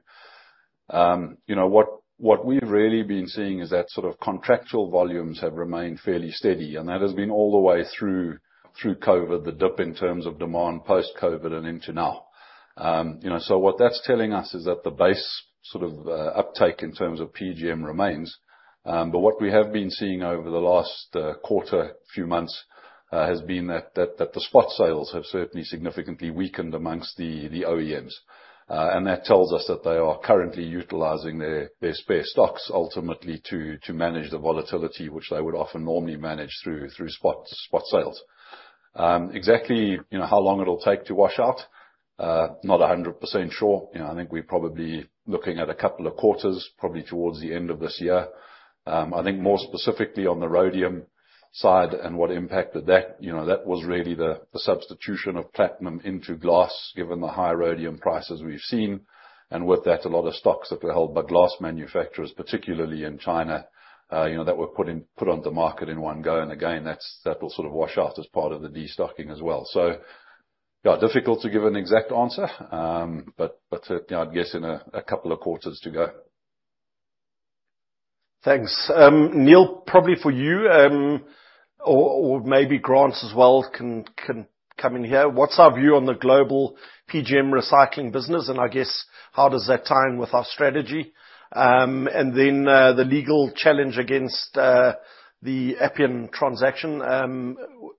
You know, what we've really been seeing is that sort of contractual volumes have remained fairly steady, and that has been all the way through COVID, the dip in terms of demand, post-COVID, and into now. You know, so what that's telling us is that the base sort of uptake in terms of PGM remains, but what we have been seeing over the last quarter, few months, has been that the spot sales have certainly significantly weakened amongst the OEMs. And that tells us that they are currently utilizing their spare stocks ultimately to manage the volatility, which they would often normally manage through spot sales. Exactly, you know, how long it'll take to wash out, not 100% sure. You know, I think we're probably looking at a couple of quarters, probably towards the end of this year. I think more specifically on the rhodium side and what impacted that, you know, that was really the substitution of platinum into glass, given the high rhodium prices we've seen. And with that, a lot of stocks that were held by glass manufacturers, particularly in China, you know, that were put on the market in one go. And again, that will sort of wash out as part of the destocking as well. So yeah, difficult to give an exact answer, but you know, I'd guess in a couple of quarters to go. Thanks. Neal, probably for you, or maybe Grant as well can come in here: What's our view on the global PGM recycling business, and I guess, how does that tie in with our strategy? And then, the legal challenge against the Appian transaction,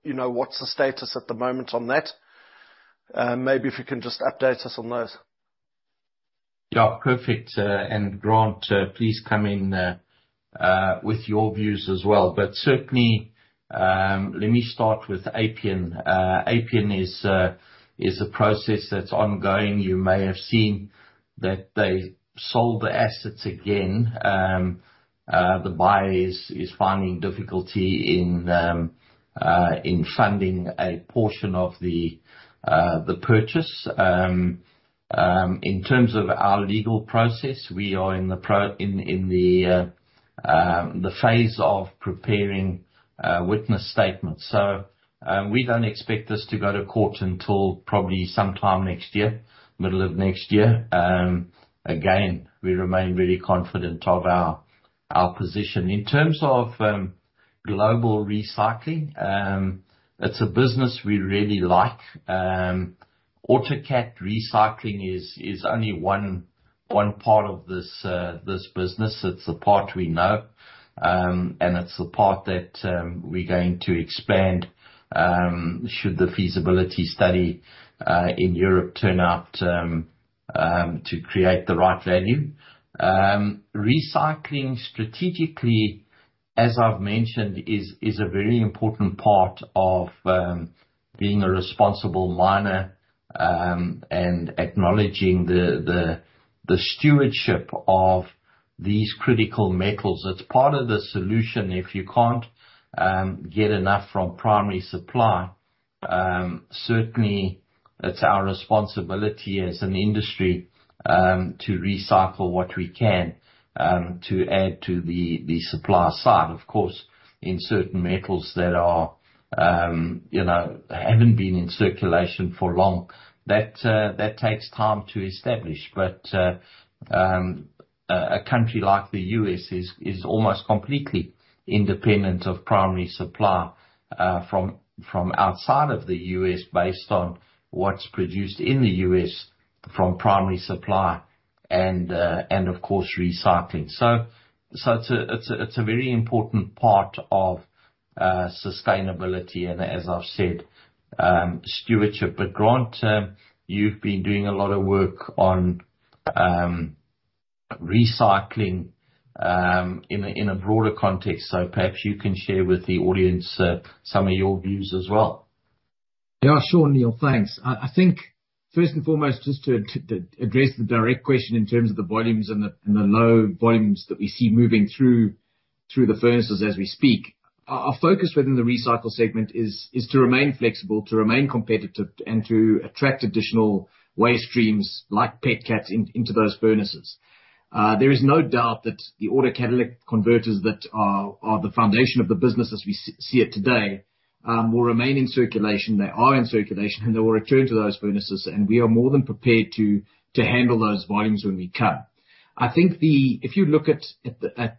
you know, what's the status at the moment on that? Maybe if you can just update us on those. Yeah, perfect. And Grant, please come in with your views as well. But certainly, let me start with Appian. Appian is a process that's ongoing. You may have seen that they sold the assets again. The buyer is finding difficulty in funding a portion of the purchase. In terms of our legal process, we are in the phase of preparing witness statements. So, we don't expect this to go to court until probably sometime next year, middle of next year. Again, we remain very confident of our position. In terms of global recycling, it's a business we really like. Autocat recycling is only one part of this business. It's the part we know, and it's the part that we're going to expand, should the feasibility study in Europe turn out to create the right value. Recycling strategically, as I've mentioned, is a very important part of being a responsible miner, and acknowledging the stewardship of these critical metals. It's part of the solution. If you can't get enough from primary supply, certainly it's our responsibility as an industry to recycle what we can to add to the supply side. Of course, in certain metals that are, you know, haven't been in circulation for long, that takes time to establish, but, a country like the U.S. is almost completely independent of primary supply, from outside of the U.S., based on what's produced in the U.S. from primary supply and, of course, recycling. So it's a very important part of sustainability, and as I've said, stewardship. But Grant, you've been doing a lot of work on recycling, in a broader context, so perhaps you can share with the audience, some of your views as well. Yeah, sure, Neal. Thanks. I think first and foremost, just to address the direct question in terms of the volumes and the low volumes that we see moving through the furnaces as we speak, our focus within the recycle segment is to remain flexible, to remain competitive, and to attract additional waste streams, like autocats, into those furnaces. There is no doubt that the auto catalytic converters that are the foundation of the business as we see it today will remain in circulation. They are in circulation, and they will return to those furnaces, and we are more than prepared to handle those volumes when we can. I think if you look at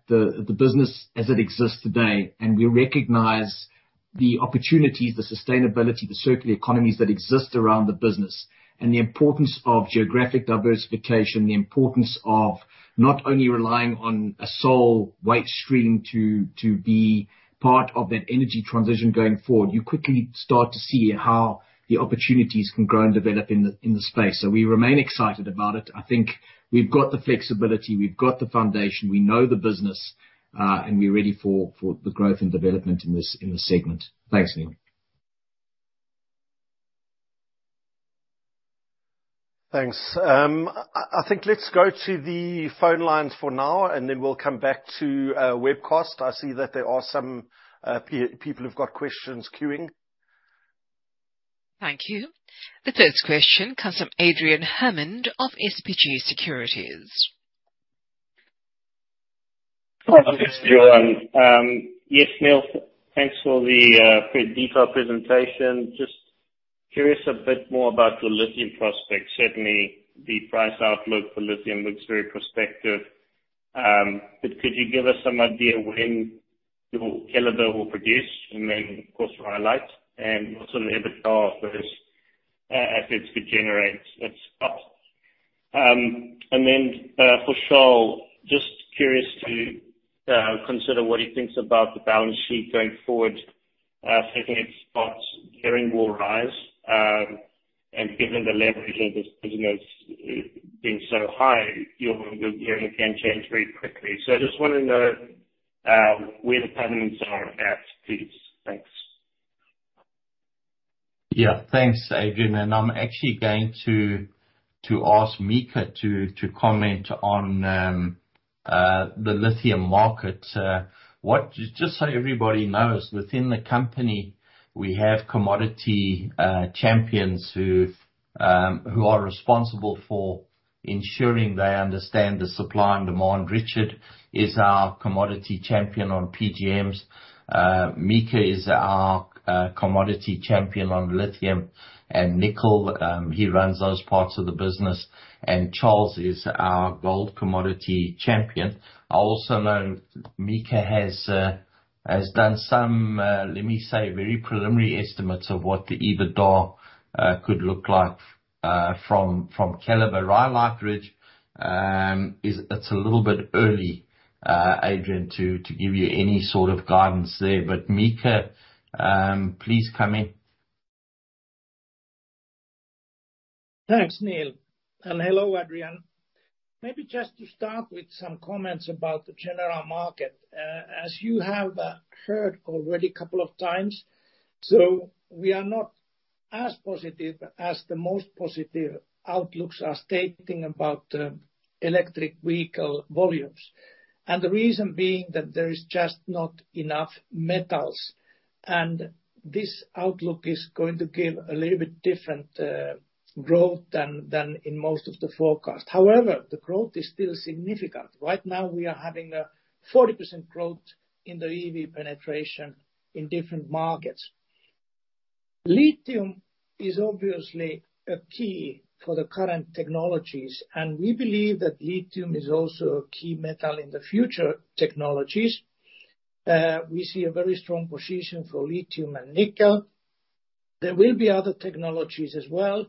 the business as it exists today, and we recognize the opportunities, the sustainability, the circular economies that exist around the business, and the importance of geographic diversification, the importance of not only relying on a sole waste stream to be part of that energy transition going forward, you quickly start to see how the opportunities can grow and develop in the space. So we remain excited about it. I think we've got the flexibility, we've got the foundation, we know the business, and we're ready for the growth and development in this segment. Thanks, Neal. Thanks. I think let's go to the phone lines for now, and then we'll come back to webcast. I see that there are some people who've got questions queuing. Thank you. The first question comes from Adrian Hammond of SBG Securities. Hi, good morning. Yes, Neal, thanks for the very detailed presentation. Just curious a bit more about the lithium prospects. Certainly, the price outlook for lithium looks very prospective. But could you give us some idea when your Keliber will produce, and then, of course, Rhyolite, and also the EBITDA those assets could generate? And then, for Charles, just curious to consider what he thinks about the balance sheet going forward, thinking its spot gearing will rise, and given the leverage of this business, being so high, your gearing can change very quickly. So I just want to know where the parameters are at please. Thanks. Yeah, thanks, Adrian, and I'm actually going to ask Mika to comment on the lithium market. Just so everybody knows, within the company, we have commodity champions who are responsible for ensuring they understand the supply and demand. Richard is our commodity champion on PGMs. Mika is our commodity champion on lithium and nickel. He runs those parts of the business, and Charles is our gold commodity champion. I also know Mika has done some, let me say, very preliminary estimates of what the EBITDA could look like from Keliber. Rhyolite Ridge is it's a little bit early, Adrian, to give you any sort of guidance there. But Mika, please come in. Thanks, Neal, and hello, Adrian. Maybe just to start with some comments about the general market. As you have heard already a couple of times, so we are not as positive as the most positive outlooks are stating about electric vehicle volumes. And the reason being that there is just not enough metals, and this outlook is going to give a little bit different growth than in most of the forecasts. However, the growth is still significant. Right now, we are having a 40% growth in the EV penetration in different markets. Lithium is obviously a key for the current technologies, and we believe that lithium is also a key metal in the future technologies. We see a very strong position for lithium and nickel. There will be other technologies as well,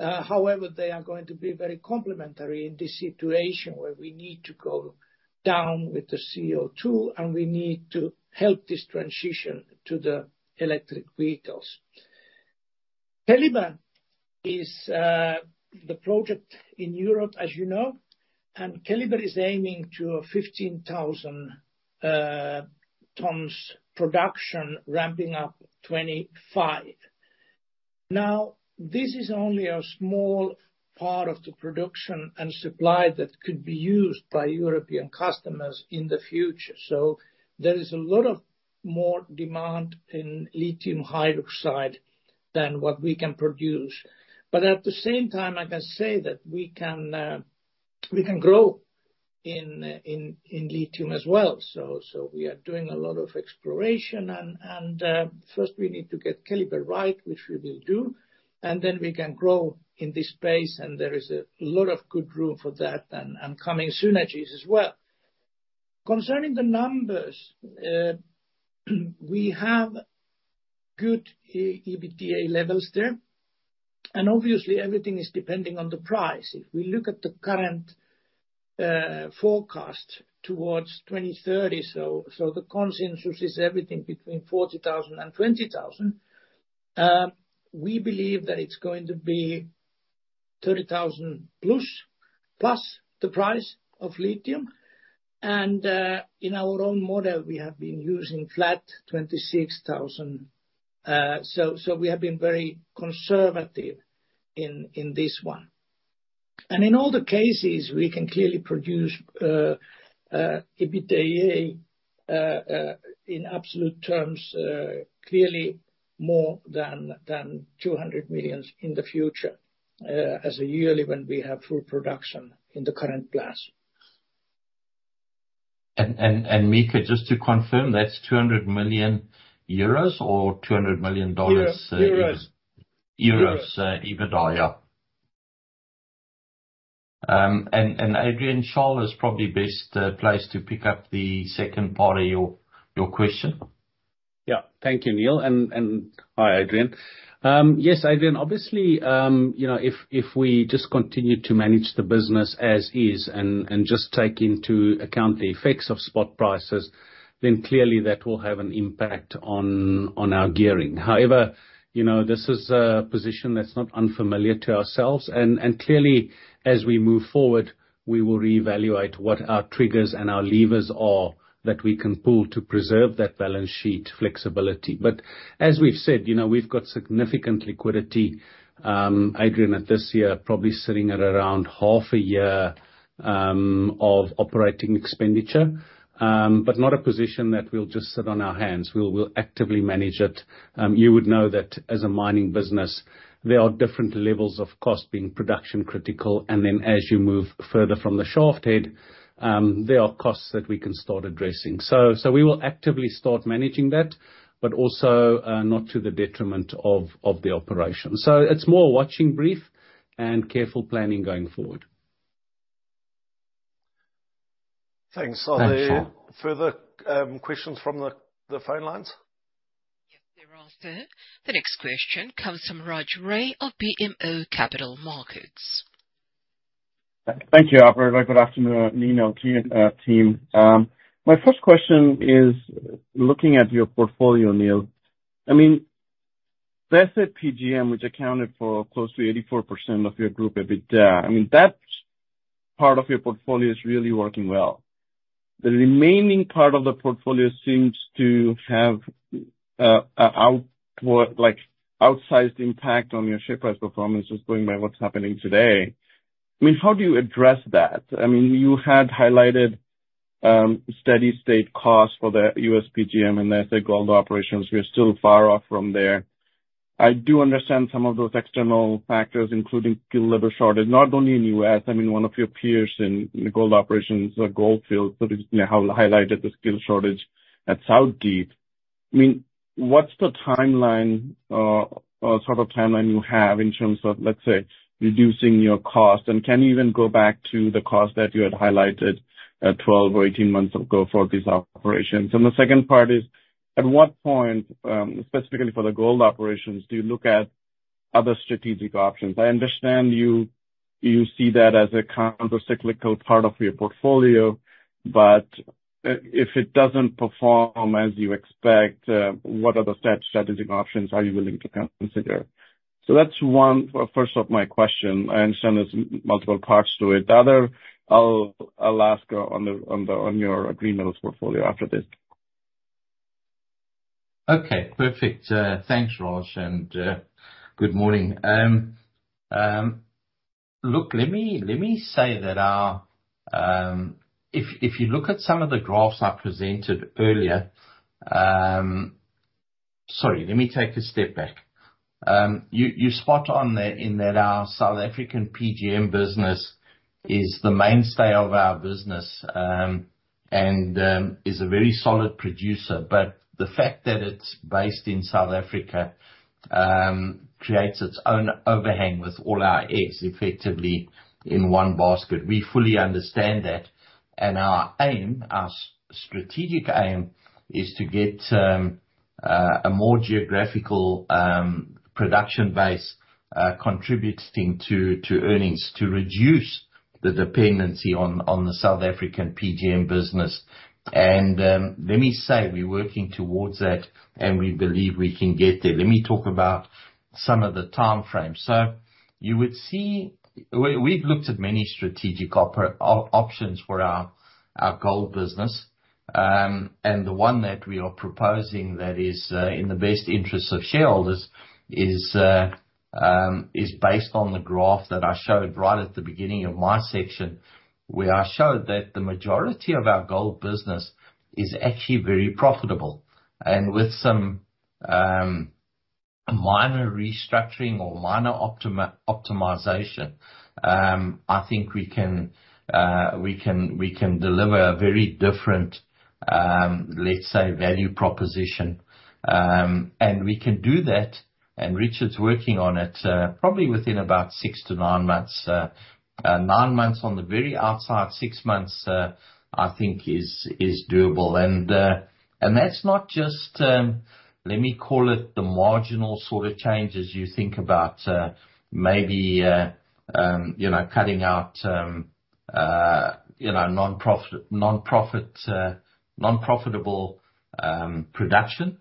however, they are going to be very complementary in this situation, where we need to go down with the CO2, and we need to help this transition to the electric vehicles. Keliber is, the project in Europe, as you know, and Keliber is aiming to 15,000 tons production, ramping up 25. Now, this is only a small part of the production and supply that could be used by European customers in the future. So there is a lot of more demand in lithium hydroxide than what we can produce. But at the same time, I can say that we can, we can grow in, in, in lithium as well. We are doing a lot of exploration and first we need to get Keliber right, which we will do, and then we can grow in this space, and there is a lot of good room for that and coming synergies as well. Concerning the numbers, we have good EBITDA levels there, and obviously everything is depending on the price. If we look at the current forecast towards 2030, the consensus is everything between $40,000 and $20,000. We believe that it's going to be $30,000 plus the price of lithium, and in our own model, we have been using flat $26,000. We have been very conservative in this one. In all the cases, we can clearly produce EBITDA in absolute terms, clearly more than $200 million in the future, as a yearly when we have full production in the current plans. And Mika, just to confirm, that's 200 million euros or $200 million? Euros. Euros. Euros, EBITDA, yeah. And Adrian, Charles is probably best placed to pick up the second part of your question. Yeah. Thank you, Neal. And hi, Adrian. Yes, Adrian, obviously, you know, if we just continue to manage the business as is, and just take into account the effects of spot prices, then clearly that will have an impact on our gearing. However, you know, this is a position that's not unfamiliar to ourselves, and clearly, as we move forward, we will reevaluate what our triggers and our levers are, that we can pull to preserve that balance sheet flexibility. But as we've said, you know, we've got significant liquidity, Adrian, at this year, probably sitting at around half a year of operating expenditure. But not a position that we'll just sit on our hands. We'll actively manage it. You would know that as a mining business, there are different levels of cost being production critical, and then as you move further from the shaft head, there are costs that we can start addressing. So we will actively start managing that, but also, not to the detriment of the operation. So it's more watching brief and careful planning going forward. Thanks. Thanks, Charles. Are there further questions from the phone lines? Yeah, there are, sir. The next question comes from Raj Ray of BMO Capital Markets. Thank you, Opera. Very good afternoon, Neal, team. My first question is looking at your portfolio, Neal. I mean, SA PGM, which accounted for close to 84% of your group EBITDA, I mean, that part of your portfolio is really working well. The remaining part of the portfolio seems to have, well, like, an outsized impact on your share price performance, just going by what's happening today. I mean, how do you address that? I mean, you had highlighted steady-state costs for the U.S. PGM, and let's say gold operations, we are still far off from there. I do understand some of those external factors, including skilled labor shortage, not only in U.S., I mean, one of your peers in the gold operations or Gold Fields, recently highlighted the skilled labor shortage at South Deep. I mean, what's the timeline or sort of timeline you have in terms of, let's say, reducing your costs? And can you even go back to the costs that you had highlighted at 12 or 18 months ago for these operations? And the second part is, at what point, specifically for the gold operations, do you look at other strategic options? I understand you see that as a counter-cyclical part of your portfolio, but if it doesn't perform as you expect, what other strategic options are you willing to consider? So that's one, first off, my question. I understand there's multiple parts to it. The other, I'll ask on your green metals portfolio after this. Okay, perfect. Thanks, Raj, and good morning. Look, let me say that our... Sorry, let me take a step back. You're spot on there in that our South African PGM business is the mainstay of our business and is a very solid producer. But the fact that it's based in South Africa creates its own overhang with all our eggs effectively in one basket. We fully understand that, and our aim, our strategic aim, is to get a more geographical production base contributing to earnings to reduce the dependency on the South African PGM business. And let me say, we're working towards that, and we believe we can get there. Let me talk about some of the timeframes. So you would see we've looked at many strategic options for our gold business. And the one that we are proposing that is based on the graph that I showed right at the beginning of my section, where I showed that the majority of our gold business is actually very profitable. And with some minor restructuring or minor optimization, I think we can deliver a very different, let's say, value proposition. And we can do that, and Richard's working on it, probably within about 6-9 months. Nine months on the very outside. 6 months I think is doable. And that's not just, let me call it the marginal sort of changes you think about, maybe, you know, cutting out, you know, non-profitable production.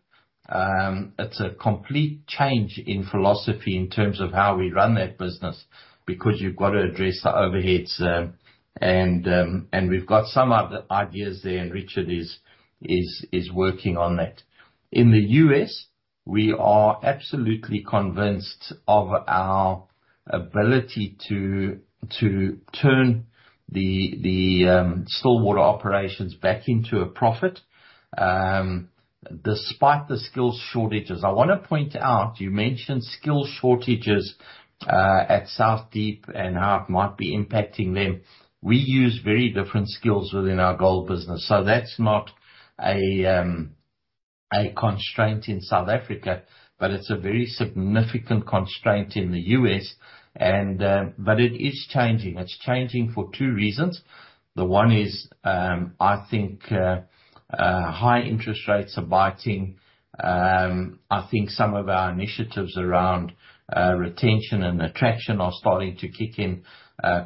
It's a complete change in philosophy in terms of how we run that business, because you've got to address the overheads, and we've got some other ideas there, and Richard is working on that. In the U.S., we are absolutely convinced of our ability to turn the Stillwater operations back into a profit, despite the skills shortages. I want to point out, you mentioned skills shortages at South Deep and how it might be impacting them. We use very different skills within our gold business, so that's not a... A constraint in South Africa, but it's a very significant constraint in the U.S., and but it is changing. It's changing for two reasons. The one is, I think, high interest rates are biting. I think some of our initiatives around retention and attraction are starting to kick in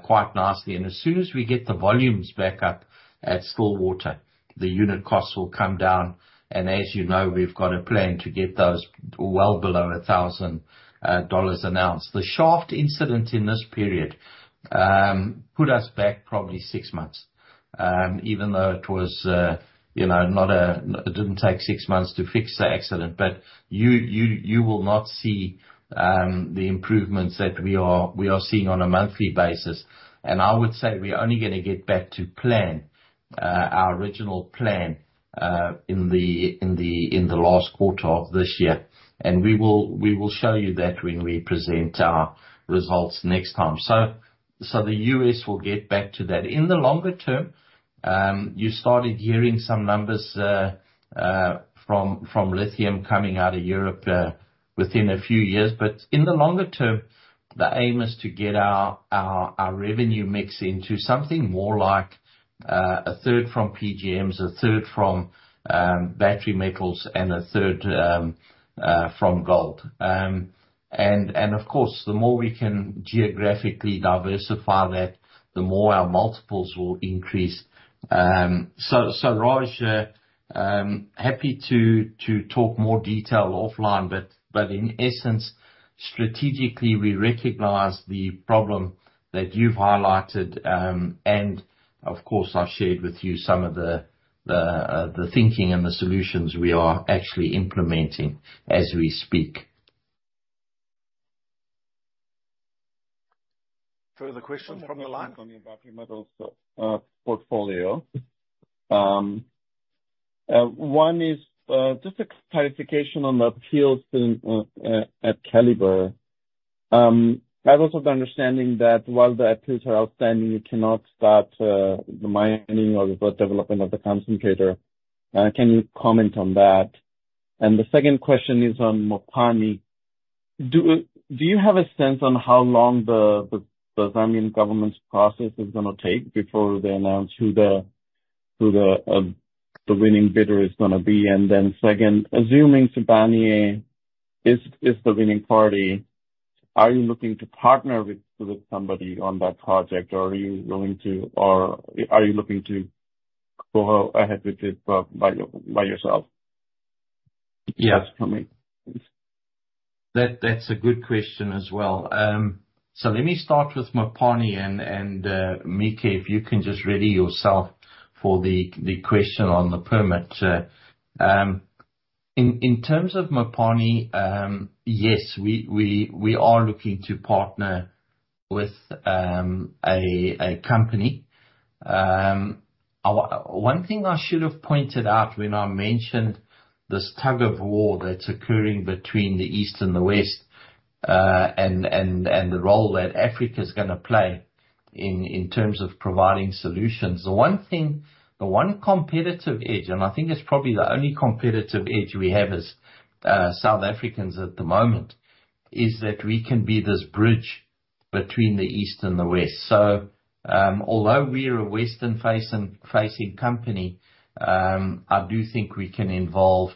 quite nicely. And as soon as we get the volumes back up at Stillwater, the unit costs will come down, and as you know, we've got a plan to get those well below $1,000 an ounce. The shaft incident in this period put us back probably six months, even though it was, you know, not. It didn't take six months to fix the accident, but you will not see the improvements that we are seeing on a monthly basis. I would say we are only going to get back to plan, our original plan, in the last quarter of this year. And we will show you that when we present our results next time. So the US will get back to that. In the longer term, you started hearing some numbers from lithium coming out of Europe within a few years. But in the longer term, the aim is to get our revenue mix into something more like a third from PGMs, a third from battery metals, and a third from gold. And of course, the more we can geographically diversify that, the more our multiples will increase. So, Raj, happy to talk more detail offline, but in essence, strategically, we recognize the problem that you've highlighted. And of course, I've shared with you some of the thinking and the solutions we are actually implementing as we speak. Further questions from the line? On the battery metals, portfolio. One is just a clarification on the appeals at Keliber. I've also the understanding that while the appeals are outstanding, you cannot start the mining or the development of the concentrator. Can you comment on that? And the second question is on Mopani. Do you have a sense on how long the Zambian government's process is going to take before they announce who the winning bidder is going to be? And then second, assuming Sibanye is the winning party, are you looking to partner with somebody on that project, or are you going to or are you looking to go ahead with it by yourself? Yes. For me, please. That, that's a good question as well. So let me start with Mopani, and Mieke, if you can just ready yourself for the question on the permit. In terms of Mopani, yes, we are looking to partner with a company. One thing I should have pointed out when I mentioned this tug-of-war that's occurring between the East and the West, and the role that Africa is going to play in terms of providing solutions. The one thing, the one competitive edge, and I think it's probably the only competitive edge we have as South Africans at the moment, is that we can be this bridge between the East and the West. So, although we're a Western-facing company, I do think we can involve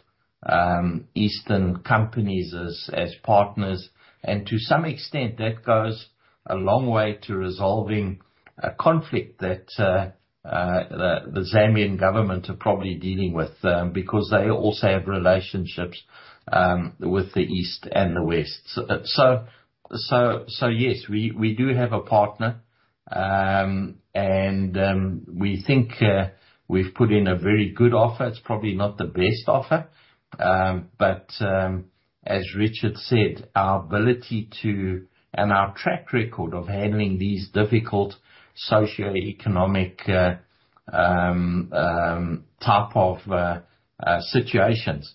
Eastern companies as partners, and to some extent, that goes a long way to resolving a conflict that the Zambian government are probably dealing with, because they also have relationships with the East and the West. So yes, we do have a partner, and we think we've put in a very good offer. It's probably not the best offer, but as Richard said, our ability to, and our track record of handling these difficult socioeconomic type of situations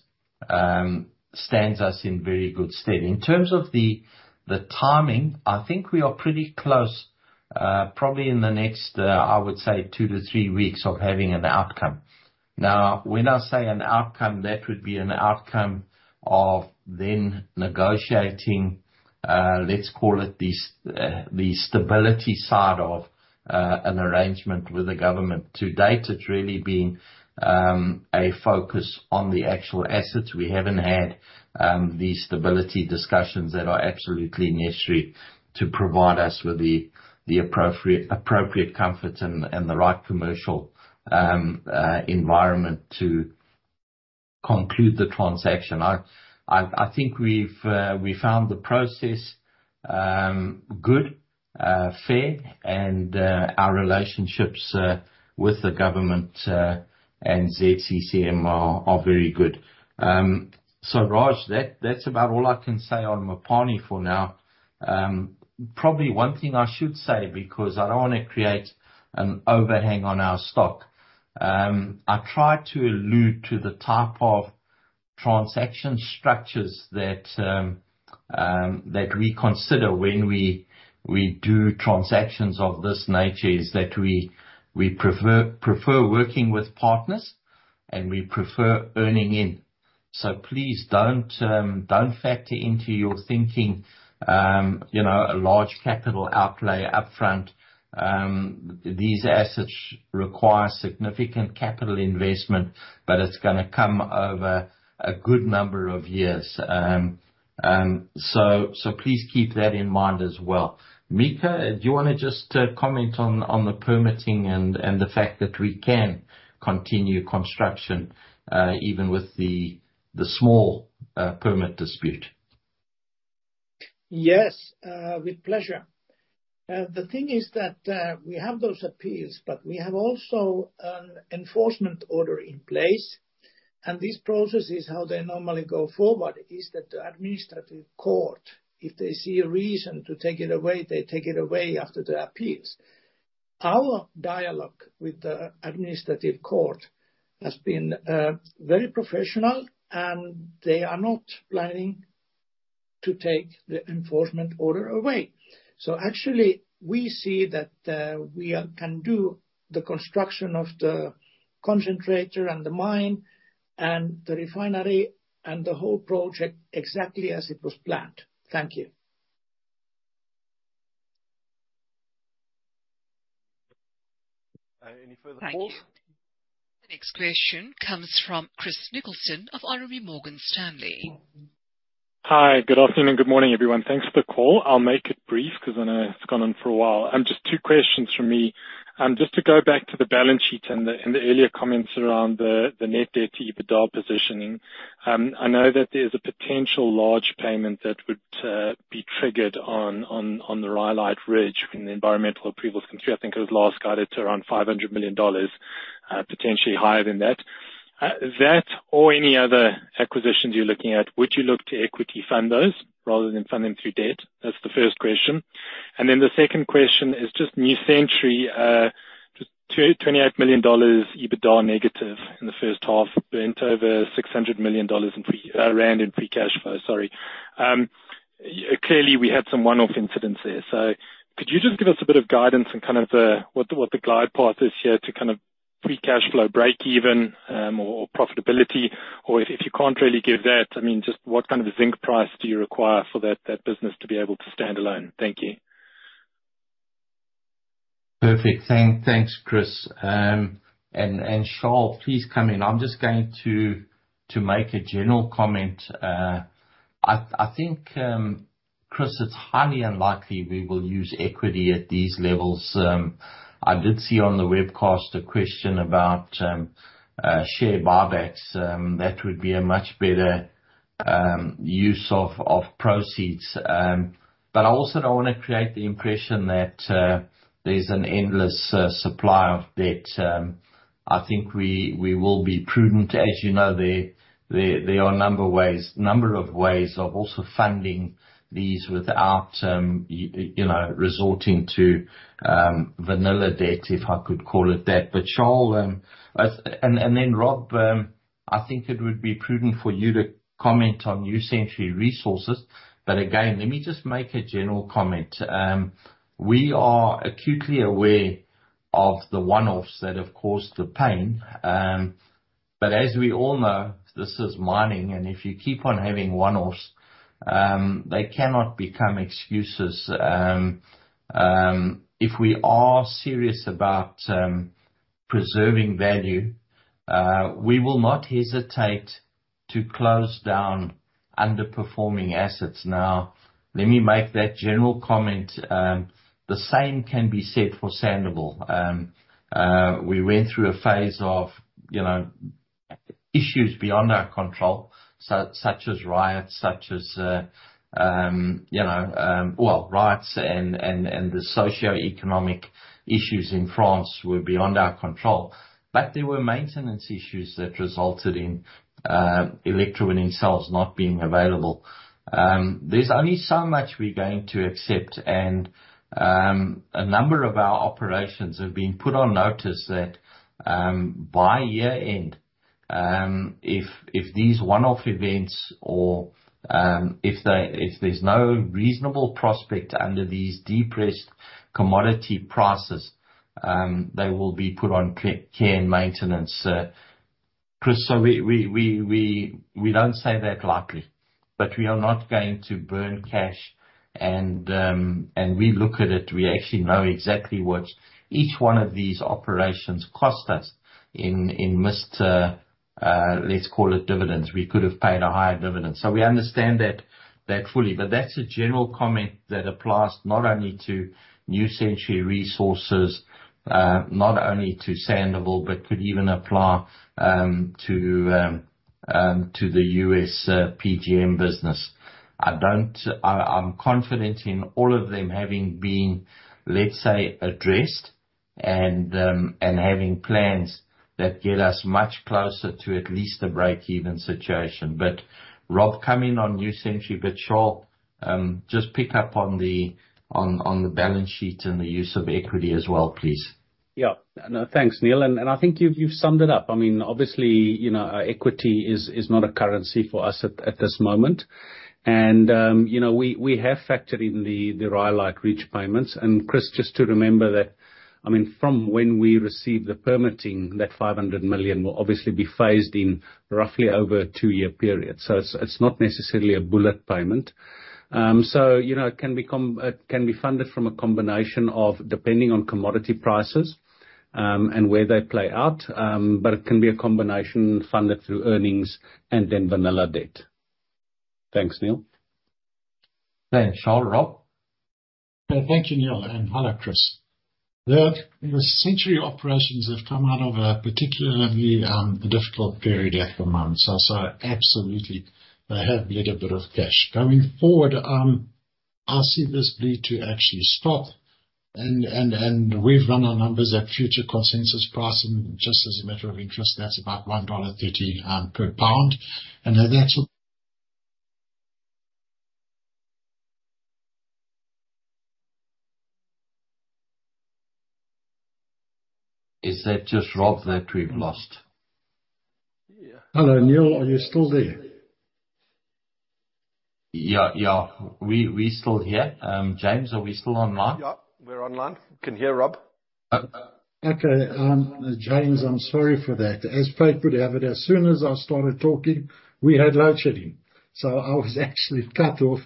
stands us in very good stead. In terms of the timing, I think we are pretty close, probably in the next two to three weeks of having an outcome. Now, when I say an outcome, that would be an outcome of then negotiating, let's call it the stability side of an arrangement with the government. To date, it's really been a focus on the actual assets. We haven't had the stability discussions that are absolutely necessary to provide us with the appropriate comfort and the right commercial environment to conclude the transaction. I think we've found the process good, fair, and our relationships with the government and ZCCM are very good. So Raj, that's about all I can say on Mopani for now. Probably one thing I should say, because I don't want to create an overhang on our stock, I tried to allude to the type of transaction structures that... That we consider when we do transactions of this nature, is that we prefer working with partners, and we prefer earning in. So please don't factor into your thinking, you know, a large capital outlay upfront. These assets require significant capital investment, but it's going to come over a good number of years. So please keep that in mind as well. Mika, do you want to just comment on the permitting and the fact that we can continue construction, even with the small permit dispute? Yes, with pleasure. The thing is that we have those appeals, but we have also an enforcement order in place. And these processes, how they normally go forward, is that the administrative court, if they see a reason to take it away, they take it away after the appeals. Our dialogue with the administrative court has been very professional, and they are not planning to take the enforcement order away. So actually, we see that we can do the construction of the concentrator and the mine and the refinery and the whole project exactly as it was planned. Thank you. Any further calls? Thank you. The next question comes from Chris Nicholson of RMB Morgan Stanley. Hi. Good afternoon, and good morning, everyone. Thanks for the call. I'll make it brief because I know it's gone on for a while. Just two questions from me. Just to go back to the balance sheet and the earlier comments around the net debt to EBITDA positioning. I know that there's a potential large payment that would be triggered on the Rhyolite Ridge when the environmental approvals come through. I think it was last guided to around $500 million, potentially higher than that. That or any other acquisitions you're looking at, would you look to equity fund those rather than fund them through debt? That's the first question. The second question is just New Century, just $28 million EBITDA negative in the first half, burnt over 600 million rand in free cash flow, sorry. Clearly, we had some one-off incidents there. So could you just give us a bit of guidance on kind of what the glide path is here to kind of free cash flow breakeven, or profitability? Or if you can't really give that, I mean, just what kind of a zinc price do you require for that business to be able to stand alone? Thank you. Perfect. Thanks, Chris. And Charles, please come in. I'm just going to make a general comment. I think, Chris, it's highly unlikely we will use equity at these levels. I did see on the webcast a question about share buybacks. That would be a much better use of proceeds. But I also don't want to create the impression that there's an endless supply of debt. I think we will be prudent. As you know, there are a number of ways of also funding these without you know resorting to vanilla debt, if I could call it that. But Charles, and then Rob, I think it would be prudent for you to comment on New Century Resources. But again, let me just make a general comment. We are acutely aware of the one-offs that have caused the pain. But as we all know, this is mining, and if you keep on having one-offs, they cannot become excuses. If we are serious about preserving value, we will not hesitate to close down underperforming assets. Now, let me make that general comment. The same can be said for Sandouville. We went through a phase of, you know, issues beyond our control, such as riots, such as, well, riots and, and, and the socioeconomic issues in France were beyond our control. But there were maintenance issues that resulted in electrowinning cells not being available. There's only so much we're going to accept, and a number of our operations have been put on notice that by year end, if these one-off events or if there's no reasonable prospect under these depressed commodity prices, they will be put on care and maintenance. Chris, so we don't say that lightly, but we are not going to burn cash. We look at it, we actually know exactly what each one of these operations cost us in missed, let's call it dividends. We could have paid a higher dividend. So we understand that fully. But that's a general comment that applies not only to New Century Resources, not only to Sandouville, but could even apply to the US PGM business. I don't... I'm confident in all of them having been, let's say, addressed and having plans that get us much closer to at least a breakeven situation. But Rob, come in on New Century, but Charles, just pick up on the balance sheet and the use of equity as well, please. Yeah. No, thanks, Neal, and I think you've summed it up. I mean, obviously, you know, equity is not a currency for us at this moment. And you know, we have factored in the Rhyolite Ridge payments. And Chris, just to remember that, I mean, from when we received the permitting, that $500 million will obviously be phased in roughly over a two-year period, so it's not necessarily a bullet payment. So, you know, it can be funded from a combination of depending on commodity prices, and where they play out, but it can be a combination funded through earnings and then vanilla debt. Thanks, Neal. Thanks, Charles. Rob? Thank you, Neal, and hello, Chris. The New Century operations have come out of a particularly difficult period at the moment, so absolutely they have bled a bit of cash. Going forward, I see this bleed to actually stop, and we've run our numbers at future consensus pricing, just as a matter of interest, that's about $1.30 per pound, and that's. Is that just Rob that we've lost? Hello, Neal, are you still there? Yeah, yeah, we still here. James, are we still online? Yeah, we're online. Can hear Rob. Okay, James, I'm sorry for that. As fate would have it, as soon as I started talking, we had load shedding, so I was actually cut off,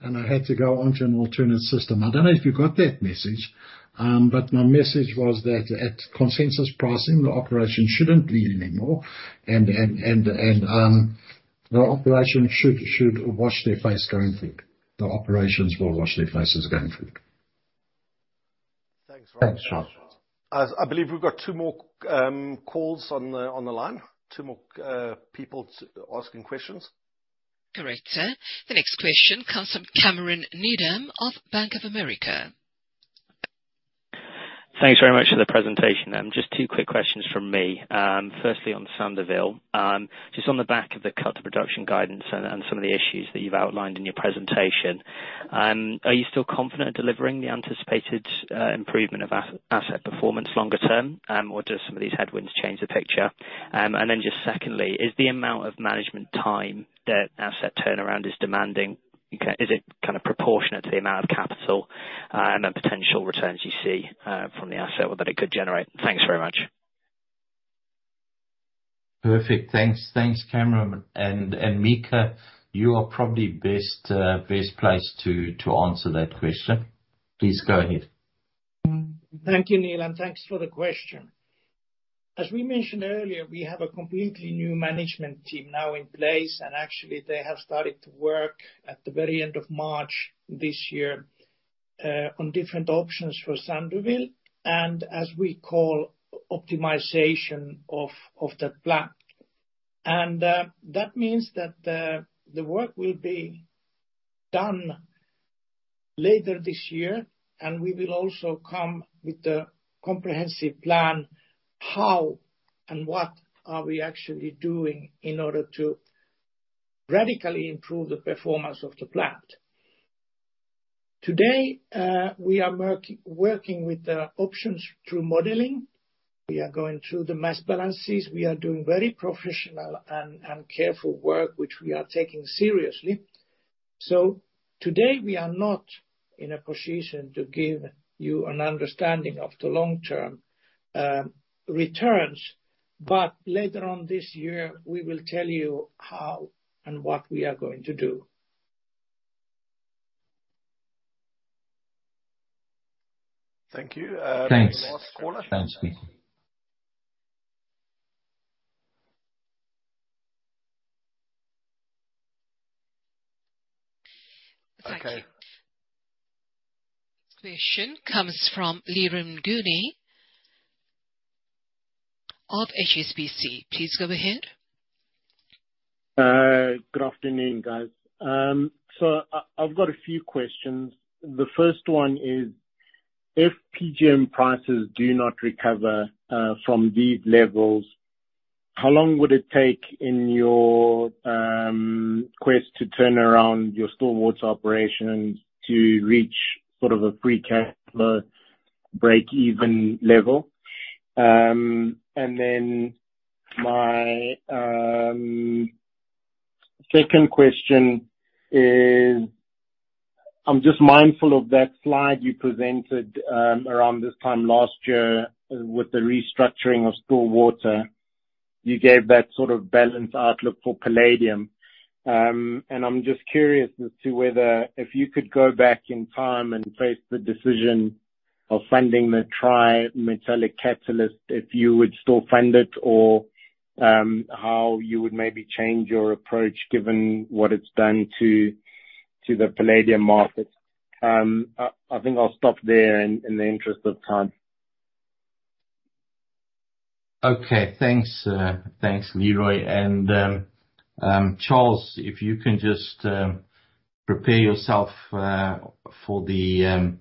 and I had to go onto an alternate system. I don't know if you got that message, but my message was that at consensus pricing, the operation shouldn't bleed anymore, and the operation should wash their face going forward. The operations will wash their faces going forward. Thanks, Rob. Thanks, Charles. I believe we've got two more calls on the line. Two more people asking questions. Correct, sir. The next question comes from Cameron Needham of Bank of America. Thanks very much for the presentation. Just two quick questions from me. Firstly, on Sandouville. Just on the back of the cut to production guidance and, and some of the issues that you've outlined in your presentation, are you still confident in delivering the anticipated, improvement of asset performance longer term, or do some of these headwinds change the picture? And then just secondly, is the amount of management time that asset turnaround is demanding, okay, is it kind of proportionate to the amount of capital, and the potential returns you see, from the asset or that it could generate? Thanks very much. Perfect. Thanks. Thanks, Cameron. And Mika, you are probably best placed to answer that question. Please go ahead. Thank you, Neil, and thanks for the question. As we mentioned earlier, we have a completely new management team now in place, and actually they have started to work at the very end of March this year on different options for Sandouville, and as we call, optimization of that plant. That means that the work will be done later this year, and we will also come with a comprehensive plan, how and what are we actually doing in order to radically improve the performance of the plant. Today we are working with the options through modeling. We are going through the mass balances. We are doing very professional and careful work, which we are taking seriously. Today, we are not in a position to give you an understanding of the long-term returns, but later on this year, we will tell you how and what we are going to do. Thank you, Thanks. Last caller. Thanks, Mika. Thank you. Okay. Question comes from Leroy Nguni of HSBC. Please go ahead. Good afternoon, guys. So I've got a few questions. The first one is, if PGM prices do not recover from these levels, how long would it take in your quest to turn around your Stillwater operation to reach sort of a free cash flow breakeven level? And then my second question is... I'm just mindful of that slide you presented around this time last year with the restructuring of Stillwater. You gave that sort of balanced outlook for palladium, and I'm just curious as to whether if you could go back in time and face the decision of funding the tri-metallic catalyst, if you would still fund it, or how you would maybe change your approach, given what it's done to the palladium market. I think I'll stop there in the interest of time. Okay. Thanks, thanks, Leroy. And, Charles, if you can just prepare yourself for the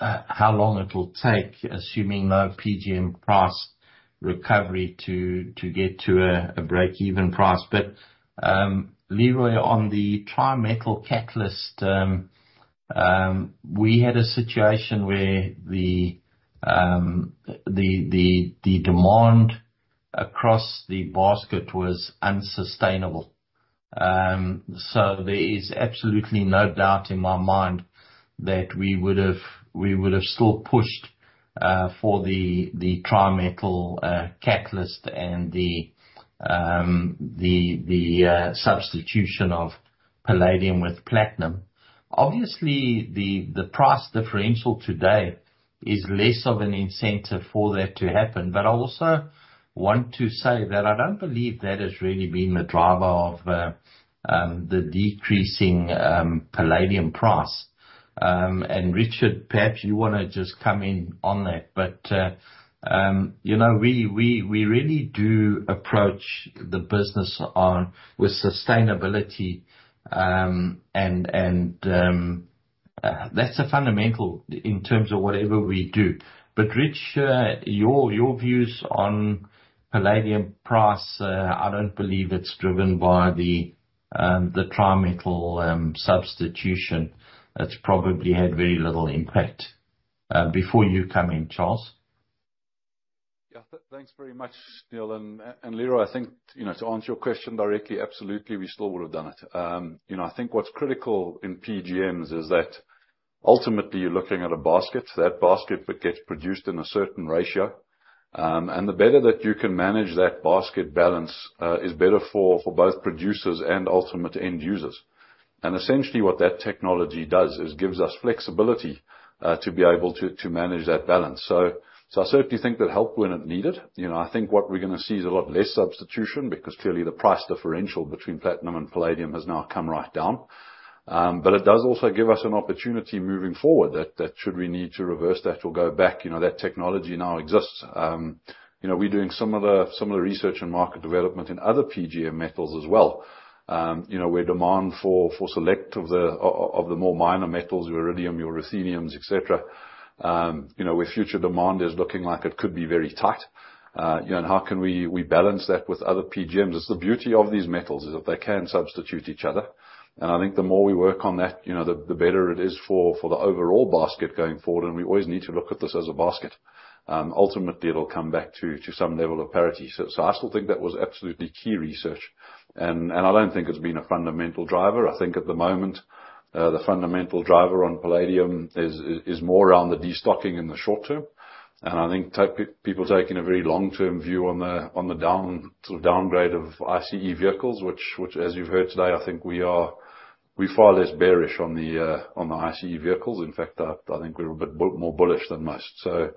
how long it will take, assuming no PGM price recovery, to get to a breakeven price. But, Leroy, on the tri-metal catalyst, We had a situation where the demand across the basket was unsustainable. So there is absolutely no doubt in my mind that we would've still pushed for the tri-metal catalyst and the substitution of palladium with platinum. Obviously, the price differential today is less of an incentive for that to happen. But I also want to say that I don't believe that has really been the driver of the decreasing palladium price. And Richard, perhaps you want to just come in on that. But you know, we really do approach the business on, with sustainability, and that's a fundamental in terms of whatever we do. But Rich, your views on palladium price, I don't believe it's driven by the tri-metal substitution. It's probably had very little impact. Before you come in, Charles? Yeah, thanks very much, Neal. And Leroy, I think, you know, to answer your question directly, absolutely, we still would have done it. You know, I think what's critical in PGMs is that ultimately you're looking at a basket. That basket would get produced in a certain ratio, and the better that you can manage that basket balance is better for both producers and ultimate end users. And essentially, what that technology does is gives us flexibility to be able to manage that balance. So I certainly think that helped when it needed. You know, I think what we're going to see is a lot less substitution, because clearly the price differential between platinum and palladium has now come right down. But it does also give us an opportunity moving forward, that should we need to reverse that or go back, you know, that technology now exists. You know, we're doing some of the research and market development in other PGM metals as well. You know, where demand for select of the more minor metals, iridium, ruthenium, et cetera, where future demand is looking like it could be very tight. You know, and how can we balance that with other PGMs? It's the beauty of these metals, is that they can substitute each other. And I think the more we work on that, you know, the better it is for the overall basket going forward, and we always need to look at this as a basket. Ultimately, it'll come back to some level of parity. So, I still think that was absolutely key research, and I don't think it's been a fundamental driver. I think at the moment, the fundamental driver on palladium is more around the destocking in the short term. And I think people taking a very long-term view on the down, sort of downgrade of ICE vehicles, which, as you've heard today, I think we are-- we're far less bearish on the on the ICE vehicles. In fact, I think we're a bit more bullish than most. So,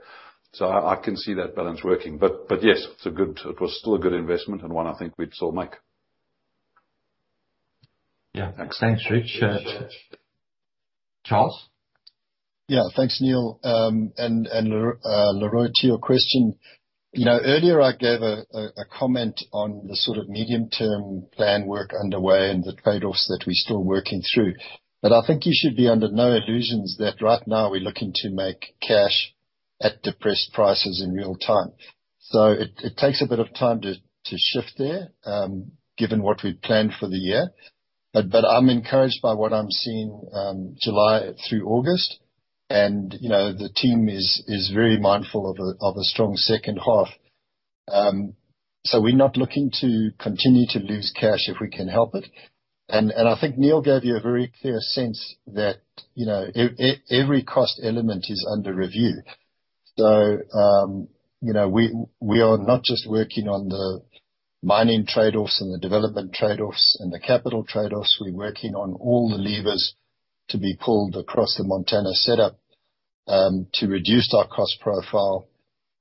I can see that balance working. But yes, it was still a good investment, and one I think we'd still make. Yeah. Thanks, Rich. Charles? Yeah. Thanks, Neal. And, Lerroy, to your question, you know, earlier I gave a comment on the sort of medium-term plan work underway and the trade-offs that we're still working through. But I think you should be under no illusions that right now we're looking to make cash at depressed prices in real time. So it takes a bit of time to shift there, given what we've planned for the year. But I'm encouraged by what I'm seeing, July through August, and, you know, the team is very mindful of a strong second half. So we're not looking to continue to lose cash if we can help it. And I think Neal gave you a very clear sense that, you know, every cost element is under review. So, you know, we are not just working on the mining trade-offs and the development trade-offs and the capital trade-offs, we're working on all the levers to be pulled across the Montana setup to reduce our cost profile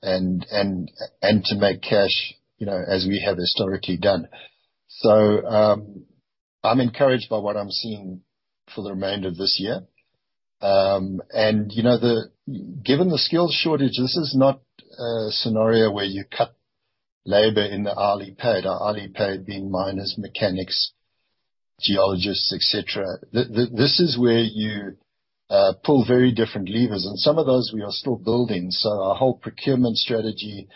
and to make cash, you know, as we have historically done. So, I'm encouraged by what I'm seeing for the remainder of this year. And, you know, given the skills shortage, this is not a scenario where you cut labor in the hourly paid, or hourly paid being miners, mechanics, geologists, et cetera. This is where you pull very different levers, and some of those we are still building. So our whole procurement strategy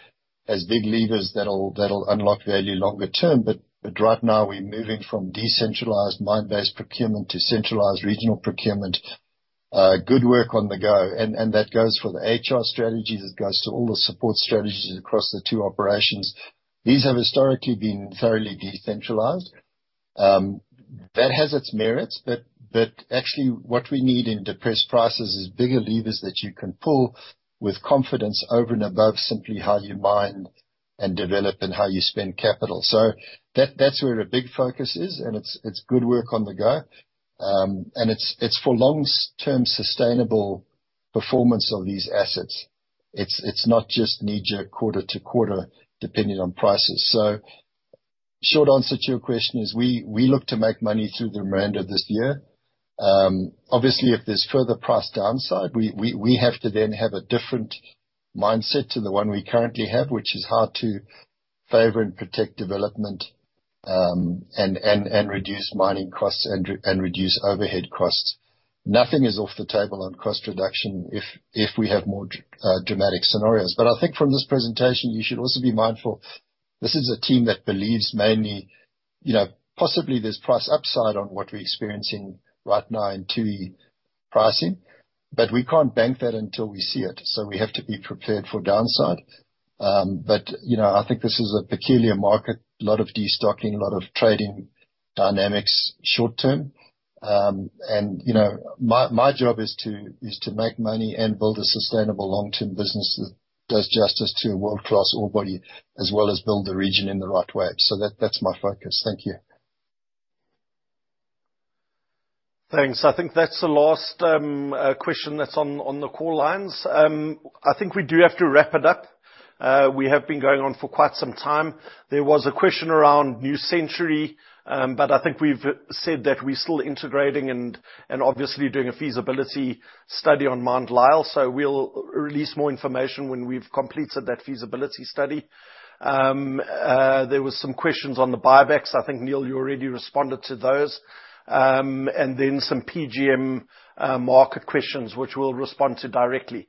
has big levers that'll unlock value longer term. But right now, we're moving from decentralized mine-based procurement to centralized regional procurement. Good work on the go. And, and that goes for the HR strategies, it goes to all the support strategies across the two operations. These have historically been thoroughly decentralized. That has its merits, but, but actually, what we need in depressed prices is bigger levers that you can pull with confidence over and above simply how you mine and develop and how you spend capital. So that, that's where a big focus is, and it's, it's good work on the go. And it's, it's for long-term, sustainable performance of these assets. It's, it's not just knee-jerk, quarter to quarter, depending on prices. So short answer to your question is, we, we look to make money through the remainder of this year. Obviously, if there's further price downside, we have to then have a different mindset to the one we currently have, which is how to favor and protect development, and reduce mining costs, and reduce overhead costs. Nothing is off the table on cost reduction if we have more dramatic scenarios. But I think from this presentation, you should also be mindful. This is a team that believes mainly, you know, possibly there's price upside on what we're experiencing right now in two-year pricing, but we can't bank that until we see it, so we have to be prepared for downside. But, you know, I think this is a peculiar market, a lot of destocking, a lot of trading dynamics short term. And, you know, my job is to make money and build a sustainable long-term business that does justice to a world-class ore body, as well as build the region in the right way. So, that's my focus. Thank you. Thanks. I think that's the last question that's on the call lines. I think we do have to wrap it up. We have been going on for quite some time. There was a question around New Century, but I think we've said that we're still integrating and obviously doing a feasibility study on Mount Lyell. So we'll release more information when we've completed that feasibility study. There was some questions on the buybacks. I think, Neal, you already responded to those. And then some PGM market questions, which we'll respond to directly.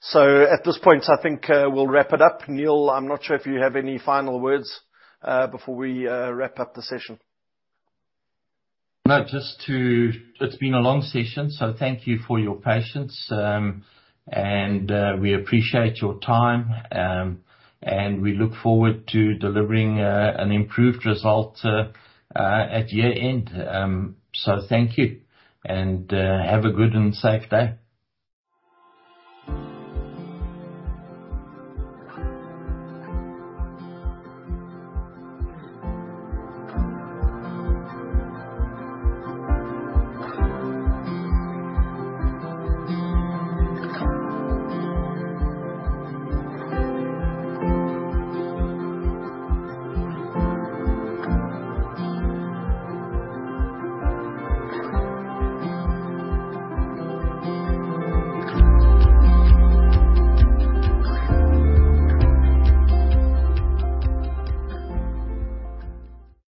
So at this point, I think we'll wrap it up. Neal, I'm not sure if you have any final words before we wrap up the session. It's been a long session, so thank you for your patience. We appreciate your time, and we look forward to delivering an improved result at year-end. So thank you, and have a good and safe day.